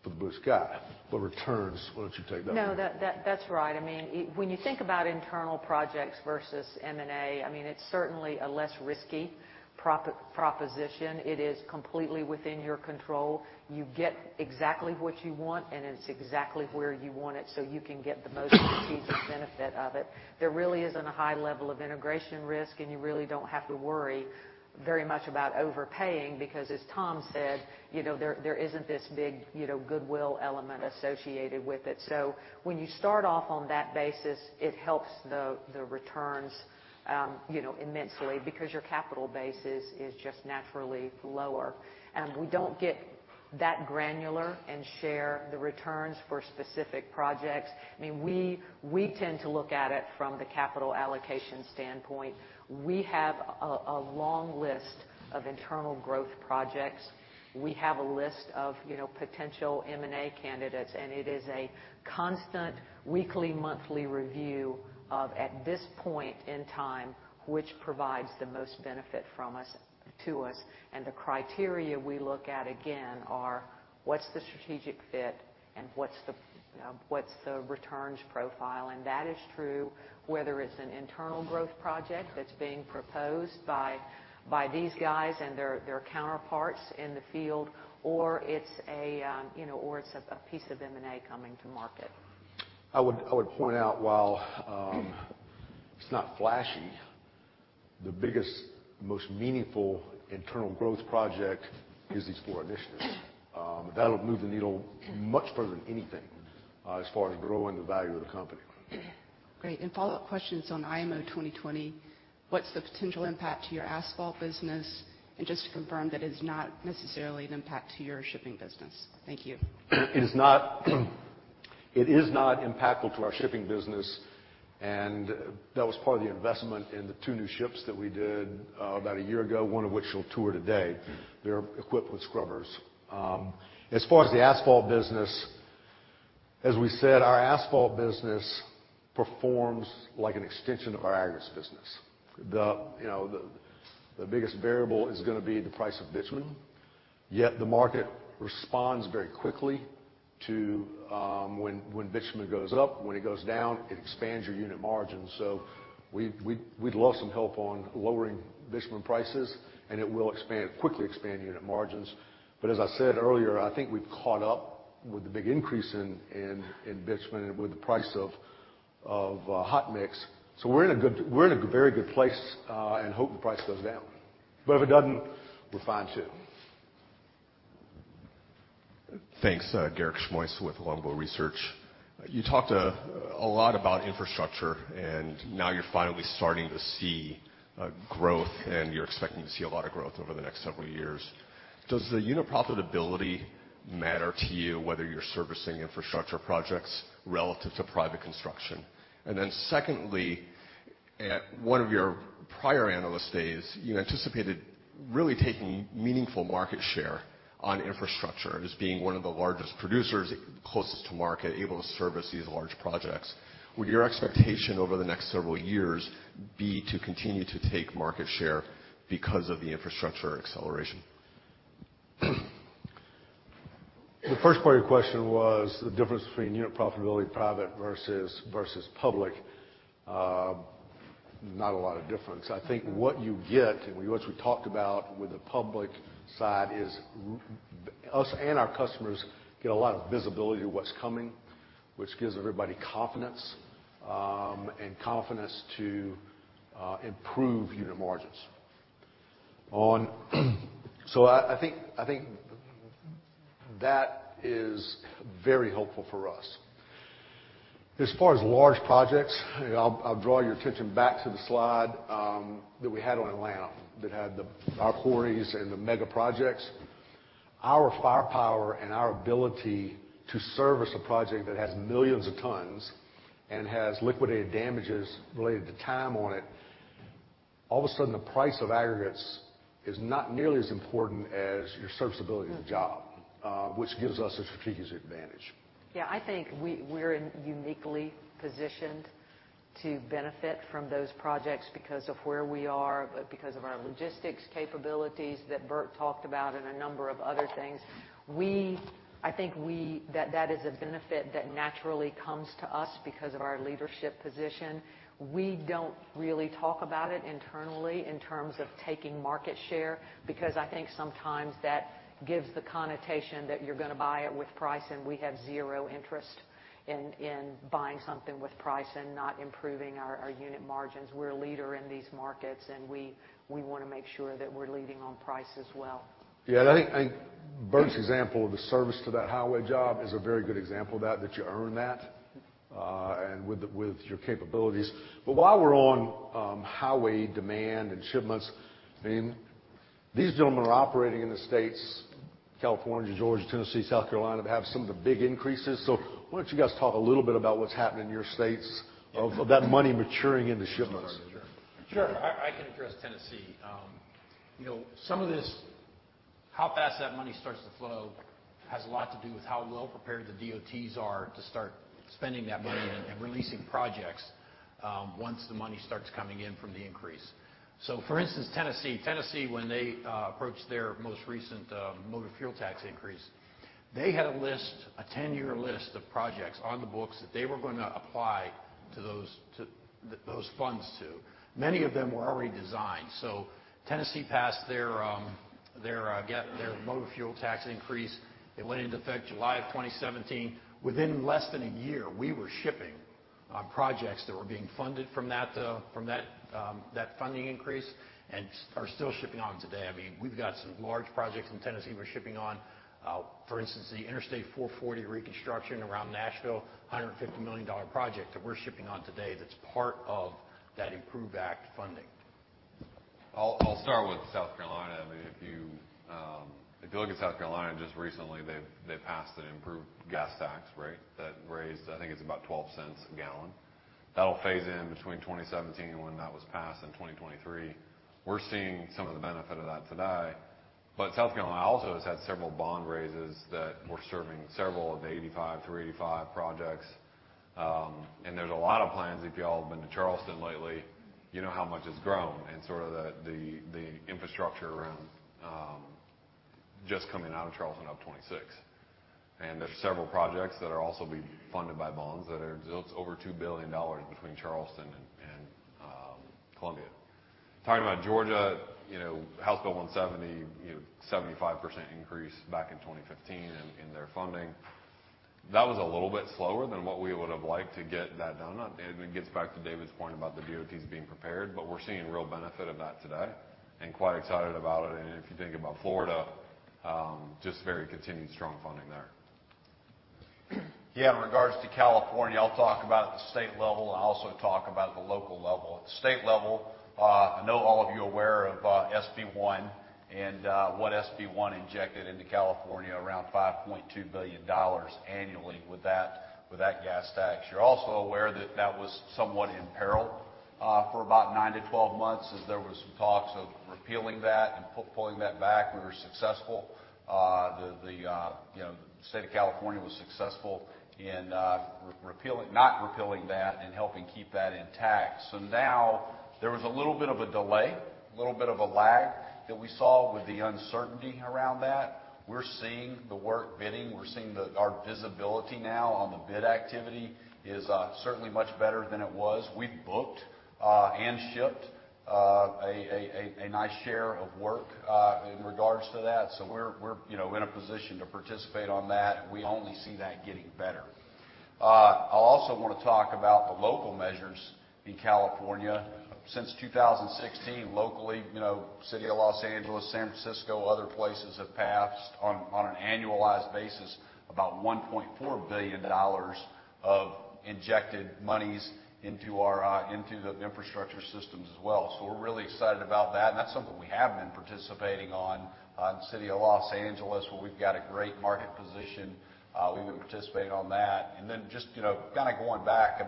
the blue sky. Returns, why don't you take that one? No, that's right. When you think about internal projects versus M&A, it's certainly a less risky proposition. It is completely within your control. You get exactly what you want, and it's exactly where you want it, so you can get the most strategic benefit of it. There really isn't a high level of integration risk, and you really don't have to worry very much about overpaying because, as Tom said, there isn't this big goodwill element associated with it. When you start off on that basis, it helps the returns immensely because your capital base is just naturally lower. We don't get that granular and share the returns for specific projects. We tend to look at it from the capital allocation standpoint. We have a long list of internal growth projects. We have a list of potential M&A candidates. It is a constant weekly, monthly review of, at this point in time, which provides the most benefit to us. The criteria we look at, again, are what's the strategic fit and what's the returns profile. That is true whether it's an internal growth project that's being proposed by these guys and their counterparts in the field, or it's a piece of M&A coming to market. I would point out while it's not flashy, the biggest, most meaningful internal growth project is these four initiatives. That'll move the needle much further than anything as far as growing the value of the company. Great. Follow-up questions on IMO 2020, what's the potential impact to your asphalt business? Just to confirm that it is not necessarily an impact to your shipping business. Thank you. It is not impactful to our shipping business. That was part of the investment in the two new ships that we did about a year ago, one of which you'll tour today. They're equipped with scrubbers. As far as the asphalt business, as we said, our asphalt business performs like an extension of our aggregates business. The biggest variable is going to be the price of bitumen, yet the market responds very quickly to when bitumen goes up. When it goes down, it expands your unit margins. We'd love some help on lowering bitumen prices. It will quickly expand unit margins. As I said earlier, I think we've caught up with the big increase in bitumen with the price of hot mix. We're in a very good place. Hope the price goes down. If it doesn't, we're fine, too. Thanks. Garik Shmois with Longbow Research. You talked a lot about infrastructure, now you're finally starting to see growth, and you're expecting to see a lot of growth over the next several years. Does the unit profitability matter to you, whether you're servicing infrastructure projects relative to private construction? Secondly, at one of your prior analyst days, you anticipated really taking meaningful market share on infrastructure as being one of the largest producers closest to market, able to service these large projects. Would your expectation over the next several years be to continue to take market share because of the infrastructure acceleration? The first part of your question was the difference between unit profitability private versus public. Not a lot of difference. I think what you get, and what we talked about with the public side is us and our customers get a lot of visibility to what's coming, which gives everybody confidence, and confidence to improve unit margins. I think that is very helpful for us. As far as large projects, I'll draw your attention back to the slide that we had on Atlanta that had our quarries and the mega projects. Our firepower and our ability to service a project that has millions of tons and has liquidated damages related to time on it, all of a sudden, the price of aggregates is not nearly as important as your service ability of the job, which gives us a strategic advantage. Yeah, I think we're uniquely positioned to benefit from those projects because of where we are, because of our logistics capabilities that Bert talked about and a number of other things. I think that is a benefit that naturally comes to us because of our leadership position. We don't really talk about it internally in terms of taking market share, because I think sometimes that gives the connotation that you're going to buy it with price, and we have zero interest in buying something with price and not improving our unit margins. We're a leader in these markets, and we want to make sure that we're leading on price as well. Yeah, I think Bert's example of the service to that highway job is a very good example of that you earn that, with your capabilities. While we're on highway demand and shipments, these gentlemen are operating in the states, California, Georgia, Tennessee, South Carolina, that have some of the big increases. Why don't you guys talk a little bit about what's happening in your states of that money maturing into shipments? Sure. I can address Tennessee. How fast that money starts to flow has a lot to do with how well prepared the DOTs are to start spending that money and releasing projects, once the money starts coming in from the increase. For instance, Tennessee. Tennessee, when they approached their most recent motor fuel tax increase, they had a 10-year list of projects on the books that they were going to apply those funds to. Many of them were already designed. Tennessee passed their motor fuel tax increase. It went into effect July of 2017. Within less than a year, we were shipping on projects that were being funded from that funding increase, and are still shipping on today. We've got some large projects in Tennessee we're shipping on. For instance, the Interstate 440 reconstruction around Nashville, $150 million project that we're shipping on today, that's part of that IMPROVE Act funding. I'll start with South Carolina. If you look at South Carolina, just recently, they've passed an improved gas tax rate that raised, I think it's about $0.12 a gallon. That'll phase in between 2017, when that was passed, and 2023. We're seeing some of the benefit of that today. South Carolina also has had several bond raises that were serving several of the 85 through 85 projects. There's a lot of plans. If you all have been to Charleston lately, you know how much it's grown and sort of the infrastructure around just coming out of Charleston up 26. There's several projects that are also being funded by bonds that are over $2 billion between Charleston and Columbia. Talking about Georgia, House Bill 170, 75% increase back in 2015 in their funding. That was a little bit slower than what we would've liked to get that done. It gets back to David's point about the DOTs being prepared, but we're seeing real benefit of that today and quite excited about it. If you think about Florida, just very continued strong funding there. Yeah. In regards to California, I'll talk about the state level and also talk about the local level. At the state level, I know all of you are aware of SB 1 and what SB 1 injected into California, around $5.2 billion annually with that gas tax. You're also aware that that was somewhat in peril, for about nine to 12 months, as there was some talks of repealing that and pulling that back. We were successful. The State of California was successful in not repealing that and helping keep that intact. Now there was a little bit of a delay, a little bit of a lag that we saw with the uncertainty around that. We're seeing the work bidding. We're seeing our visibility now on the bid activity is certainly much better than it was. We've booked and shipped a nice share of work in regards to that. We're in a position to participate on that, and we only see that getting better. I also want to talk about the local measures in California. Since 2016, locally, City of L.A., San Francisco, other places have passed, on an annualized basis, about $1.4 billion of injected monies into the infrastructure systems as well. We're really excited about that, and that's something we have been participating on City of L.A., where we've got a great market position. We've been participating on that. Just kind of going back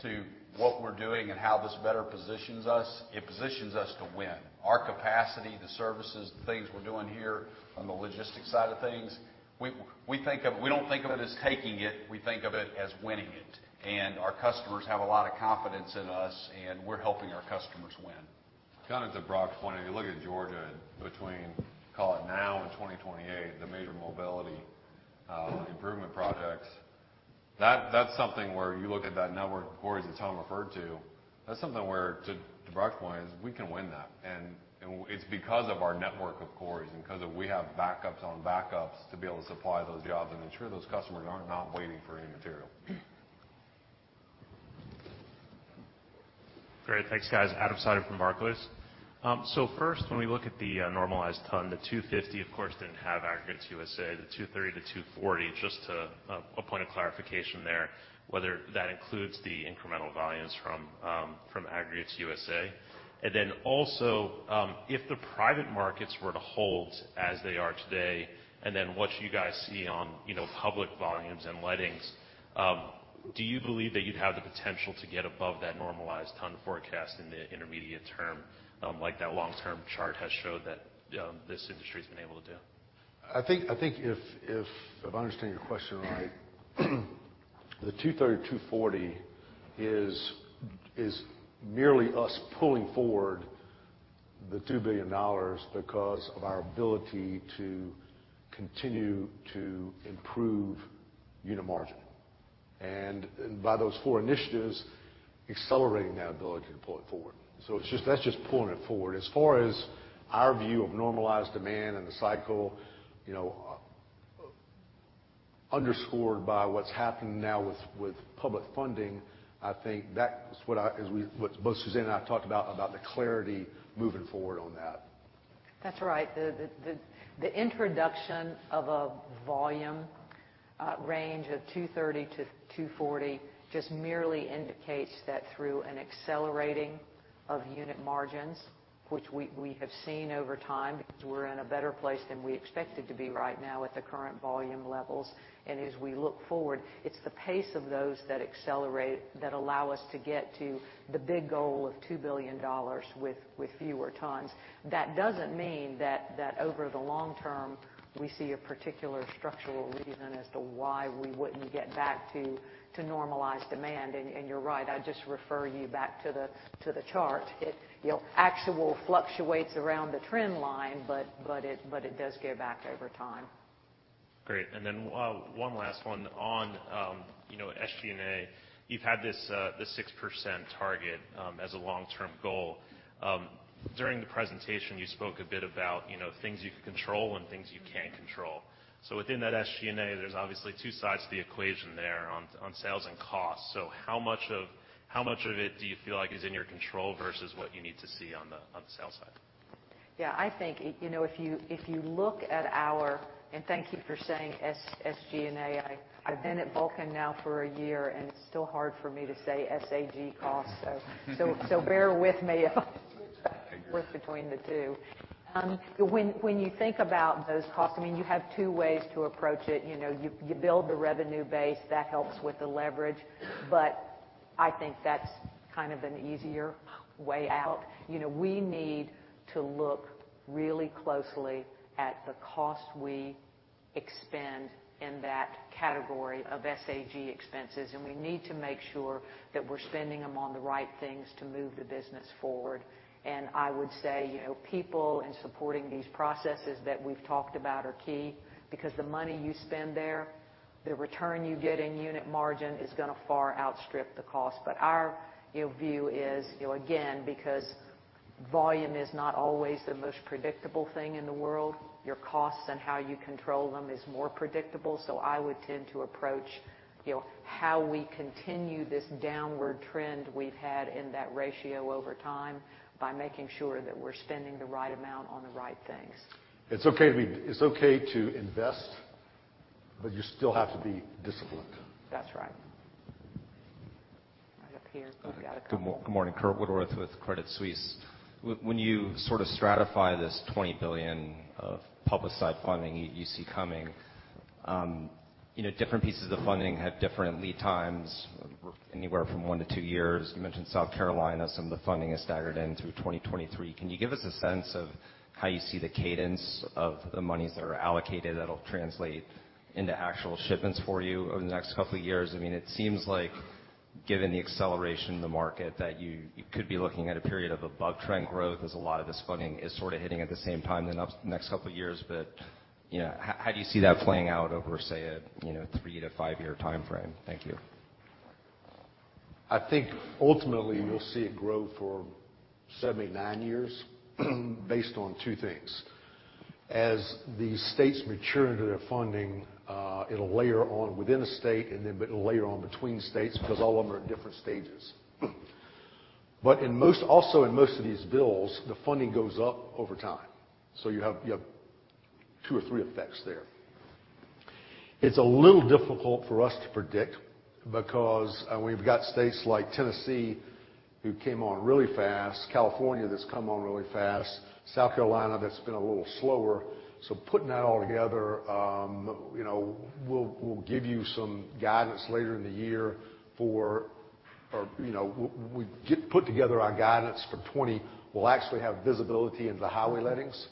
to what we're doing and how this better positions us, it positions us to win. Our capacity, the services, the things we're doing here on the logistics side of things, we don't think of it as taking it, we think of it as winning it. Our customers have a lot of confidence in us, and we're helping our customers win. Kind of to Brock's point, if you look at Georgia between, call it now and 2028, the major mobility improvement projects, that's something where you look at that network of quarries that Tom referred to, that's something where, to Brock's point, is we can win that. It's because of our network of quarries and because we have backups on backups to be able to supply those jobs and ensure those customers are not waiting for any material. Great. Thanks, guys. Adam Seiden from Barclays. When we look at the normalized ton, the 250, of course, didn't have Aggregates USA. The 230-240, just a point of clarification there, whether that includes the incremental volumes from Aggregates USA. If the private markets were to hold as they are today, and then what you guys see on public volumes and lettings, do you believe that you'd have the potential to get above that normalized ton forecast in the intermediate term, like that long-term chart has showed that this industry's been able to do? I think if I understand your question right, the 230, 240 is merely us pulling forward the $2 billion because of our ability to continue to improve unit margin. By those four initiatives, accelerating that ability to pull it forward. That's just pulling it forward. As far as our view of normalized demand and the cycle underscored by what's happened now with public funding, I think that's what both Suzanne and I talked about the clarity moving forward on that. That's right. The introduction of a volume range of 230-240 just merely indicates that through an accelerating of unit margins, which we have seen over time because we're in a better place than we expected to be right now at the current volume levels. As we look forward, it's the pace of those that allow us to get to the big goal of $2 billion with fewer tons. That doesn't mean that over the long term, we see a particular structural reason as to why we wouldn't get back to normalized demand. You're right, I'd just refer you back to the chart. Actual fluctuates around the trend line, it does go back over time. Great. One last one. On SG&A, you've had this 6% target as a long-term goal. During the presentation, you spoke a bit about things you can control and things you can't control. Within that SG&A, there's obviously two sides to the equation there on sales and cost. How much of it do you feel like is in your control versus what you need to see on the sales side? Yeah, I think if you look at and thank you for saying SG&A. I've been at Vulcan now for a year, and it's still hard for me to say SAG costs. Bear with me if I switch between the two. When you think about those costs, you have two ways to approach it. You build the revenue base. That helps with the leverage. I think that's kind of an easier way out. We need to look really closely at the cost we expend in that category of SAG expenses. We need to make sure that we're spending them on the right things to move the business forward. I would say, people and supporting these processes that we've talked about are key because the money you spend there, the return you get in unit margin is going to far outstrip the cost. Our view is, again, because volume is not always the most predictable thing in the world, your costs and how you control them is more predictable. I would tend to approach how we continue this downward trend we've had in that ratio over time by making sure that we're spending the right amount on the right things. It's okay to invest, but you still have to be disciplined. That's right. Right up here. We've got a couple. Good morning. Curt Woodworth with Credit Suisse. When you sort of stratify this 20 billion of public side funding you see coming, different pieces of funding have different lead times, anywhere from 1 to 2 years. You mentioned South Carolina, some of the funding is staggered in through 2023. Can you give us a sense of how you see the cadence of the monies that are allocated that'll translate into actual shipments for you over the next couple of years? It seems like given the acceleration of the market, that you could be looking at a period of above-trend growth as a lot of this funding is sort of hitting at the same time in the next couple of years. How do you see that playing out over, say, a 3 to 5-year timeframe? Thank you. I think ultimately, we'll see it grow for certainly nine years based on two things. As the states mature into their funding, it'll layer on within a state, and then it'll layer on between states because all of them are at different stages. Also in most of these bills, the funding goes up over time. You have two or three effects there. It's a little difficult for us to predict because we've got states like Tennessee who came on really fast, California that's come on really fast, South Carolina that's been a little slower. Putting that all together, we'll give you some guidance later in the year or we put together our guidance for 2020. We'll actually have visibility into the highway lettings,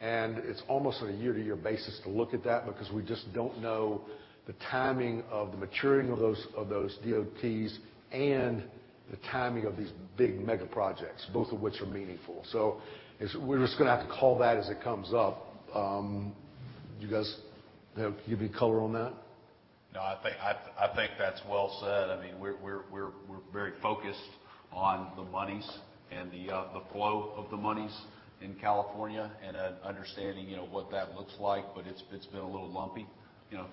and it's almost on a year-to-year basis to look at that because we just don't know the timing of the maturing of those DOTs and the timing of these big mega projects, both of which are meaningful. We're just going to have to call that as it comes up. Do you guys give you color on that? I think that's well said. We're very focused on the monies and the flow of the monies in California and understanding what that looks like. It's been a little lumpy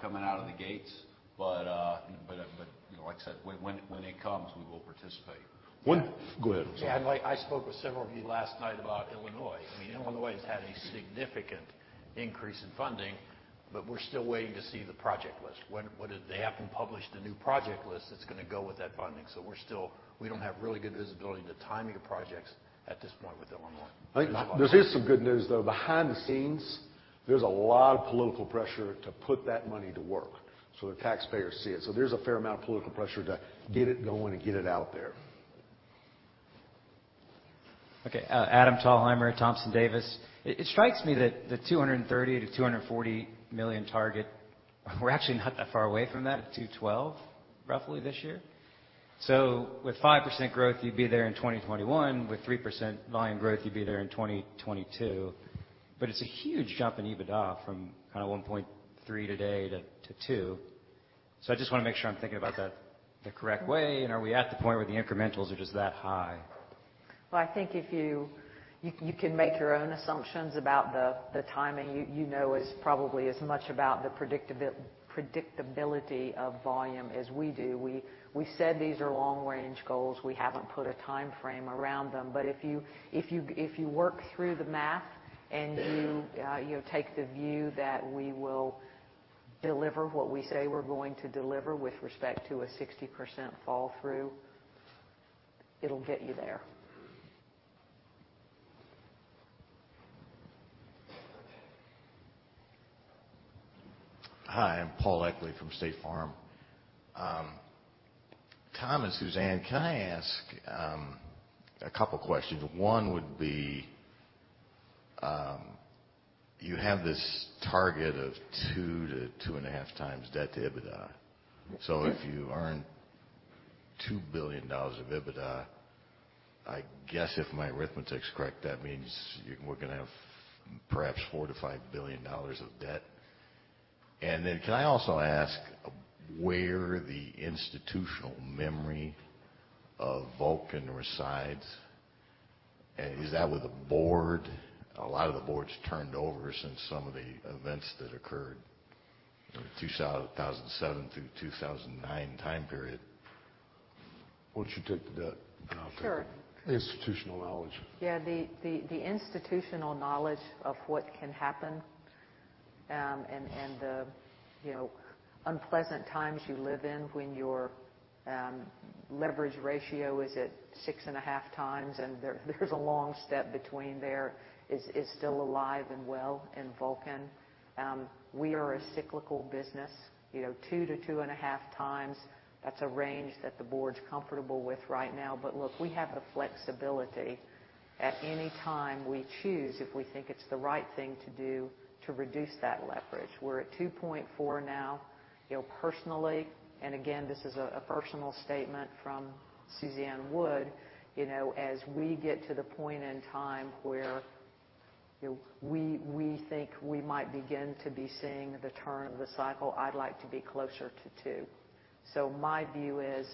coming out of the gates. Like I said, when it comes, we will participate. Go ahead, Suzanne. I spoke with several of you last night about Illinois. Illinois has had a significant increase in funding. We're still waiting to see the project list. They haven't published a new project list that's going to go with that funding. We don't have really good visibility into timing of projects at this point with Illinois. There is some good news, though. Behind the scenes, there's a lot of political pressure to put that money to work so the taxpayers see it. There's a fair amount of political pressure to get it going and get it out there. Okay. Adam Thalhimer, Thompson Davis. It strikes me that the $230 million-$240 million target, we're actually not that far away from that at $212, roughly, this year. With 5% growth, you'd be there in 2021, with 3% volume growth, you'd be there in 2022. It's a huge jump in EBITDA from kind of 1.3 today to 2. I just want to make sure I'm thinking about that the correct way, and are we at the point where the incrementals are just that high? Well, I think you can make your own assumptions about the timing. You know as probably as much about the predictability of volume as we do. We said these are long-range goals. We haven't put a timeframe around them. If you work through the math and you take the view that we will deliver what we say we're going to deliver with respect to a 60% fall through, it'll get you there. Hi, I'm Paul Eckley from State Farm. Tom and Suzanne, can I ask a couple questions? One would be, you have this target of 2 to 2.5 times debt to EBITDA. So if you earn $2 billion of EBITDA, I guess if my arithmetic's correct, that means we're going to have perhaps $4 billion-$5 billion of debt. Then can I also ask where the institutional memory of Vulcan resides? Is that with the board? A lot of the board's turned over since some of the events that occurred in the 2007 through 2009 time period. Why don't you take the debt, and I'll take- Sure. institutional knowledge. The institutional knowledge of what can happen, and the unpleasant times you live in when your leverage ratio is at 6.5 times, and there's a long step between there, is still alive and well in Vulcan. We are a cyclical business. 2 to 2.5 times, that's a range that the board's comfortable with right now. Look, we have the flexibility at any time we choose, if we think it's the right thing to do, to reduce that leverage. We're at 2.4 now. Personally, and again, this is a personal statement from Suzanne Wood, as we get to the point in time where we think we might begin to be seeing the turn of the cycle, I'd like to be closer to 2. My view is,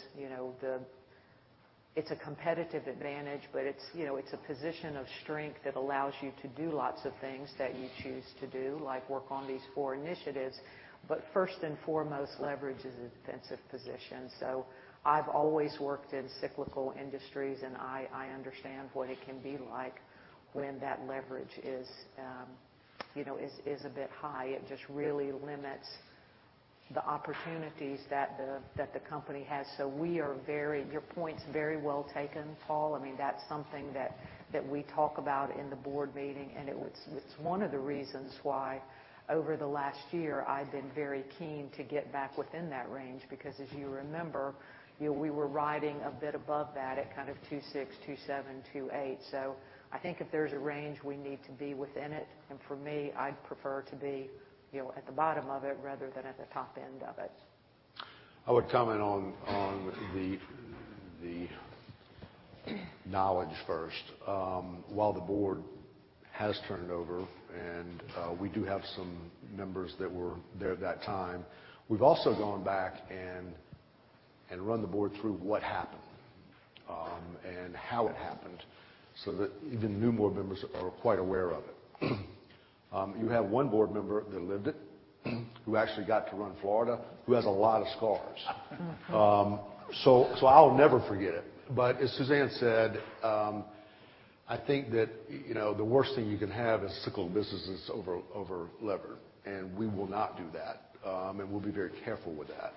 it's a competitive advantage, but it's a position of strength that allows you to do lots of things that you choose to do, like work on these four initiatives. First and foremost, leverage is a defensive position. I've always worked in cyclical industries, and I understand what it can be like when that leverage is a bit high. It just really limits the opportunities that the company has. Your point's very well taken, Paul. That's something that we talk about in the board meeting, and it's one of the reasons why, over the last year, I've been very keen to get back within that range, because as you remember, we were riding a bit above that at kind of 2.6, 2.7, 2.8. I think if there's a range, we need to be within it, and for me, I'd prefer to be at the bottom of it rather than at the top end of it. I would comment on the knowledge first. While the board has turned over, and we do have some members that were there at that time, we've also gone back and run the board through what happened, and how it happened, so that even newer board members are quite aware of it. You have one board member that lived it, who actually got to run Florida, who has a lot of scars. I'll never forget it. As Suzanne said, I think that the worst thing you can have is cyclical businesses over-levered, and we will not do that. We'll be very careful with that.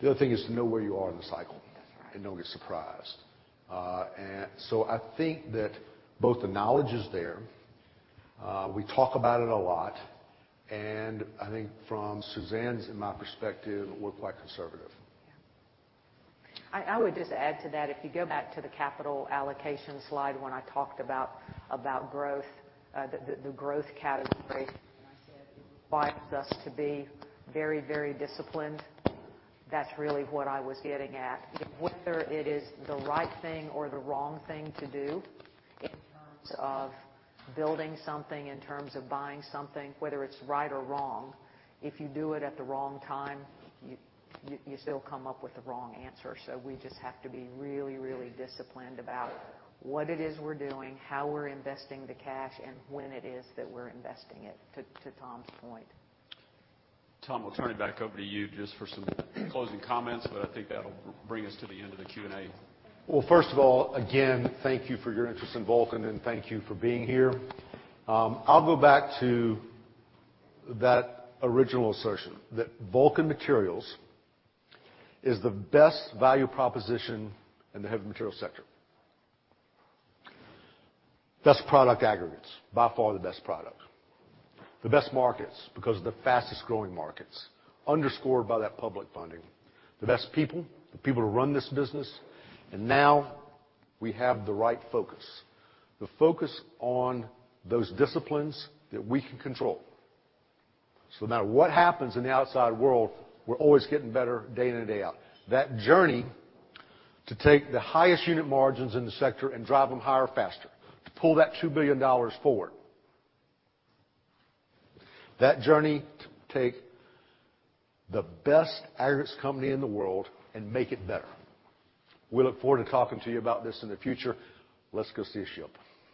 The other thing is to know where you are in the cycle. That's right. Don't get surprised. I think that both the knowledge is there. We talk about it a lot, and I think from Suzanne's and my perspective, we're quite conservative. I would just add to that, if you go back to the capital allocation slide when I talked about the growth category, I said it requires us to be very disciplined, that's really what I was getting at. Whether it is the right thing or the wrong thing to do in terms of building something, in terms of buying something, whether it's right or wrong, if you do it at the wrong time, you still come up with the wrong answer. We just have to be really disciplined about what it is we're doing, how we're investing the cash, and when it is that we're investing it, to Tom's point. Tom, I'll turn it back over to you just for some closing comments, but I think that'll bring us to the end of the Q&A. First of all, again, thank you for your interest in Vulcan, and thank you for being here. I'll go back to that original assertion that Vulcan Materials is the best value proposition in the heavy materials sector. Best product aggregates. By far, the best product. The best markets because of the fastest-growing markets, underscored by that public funding. The best people, the people who run this business. Now we have the right focus, the focus on those disciplines that we can control. No matter what happens in the outside world, we're always getting better day in and day out. That journey to take the highest unit margins in the sector and drive them higher, faster. To pull that $2 billion forward. That journey to take the best aggregates company in the world and make it better. We look forward to talking to you about this in the future. Let's go see a ship.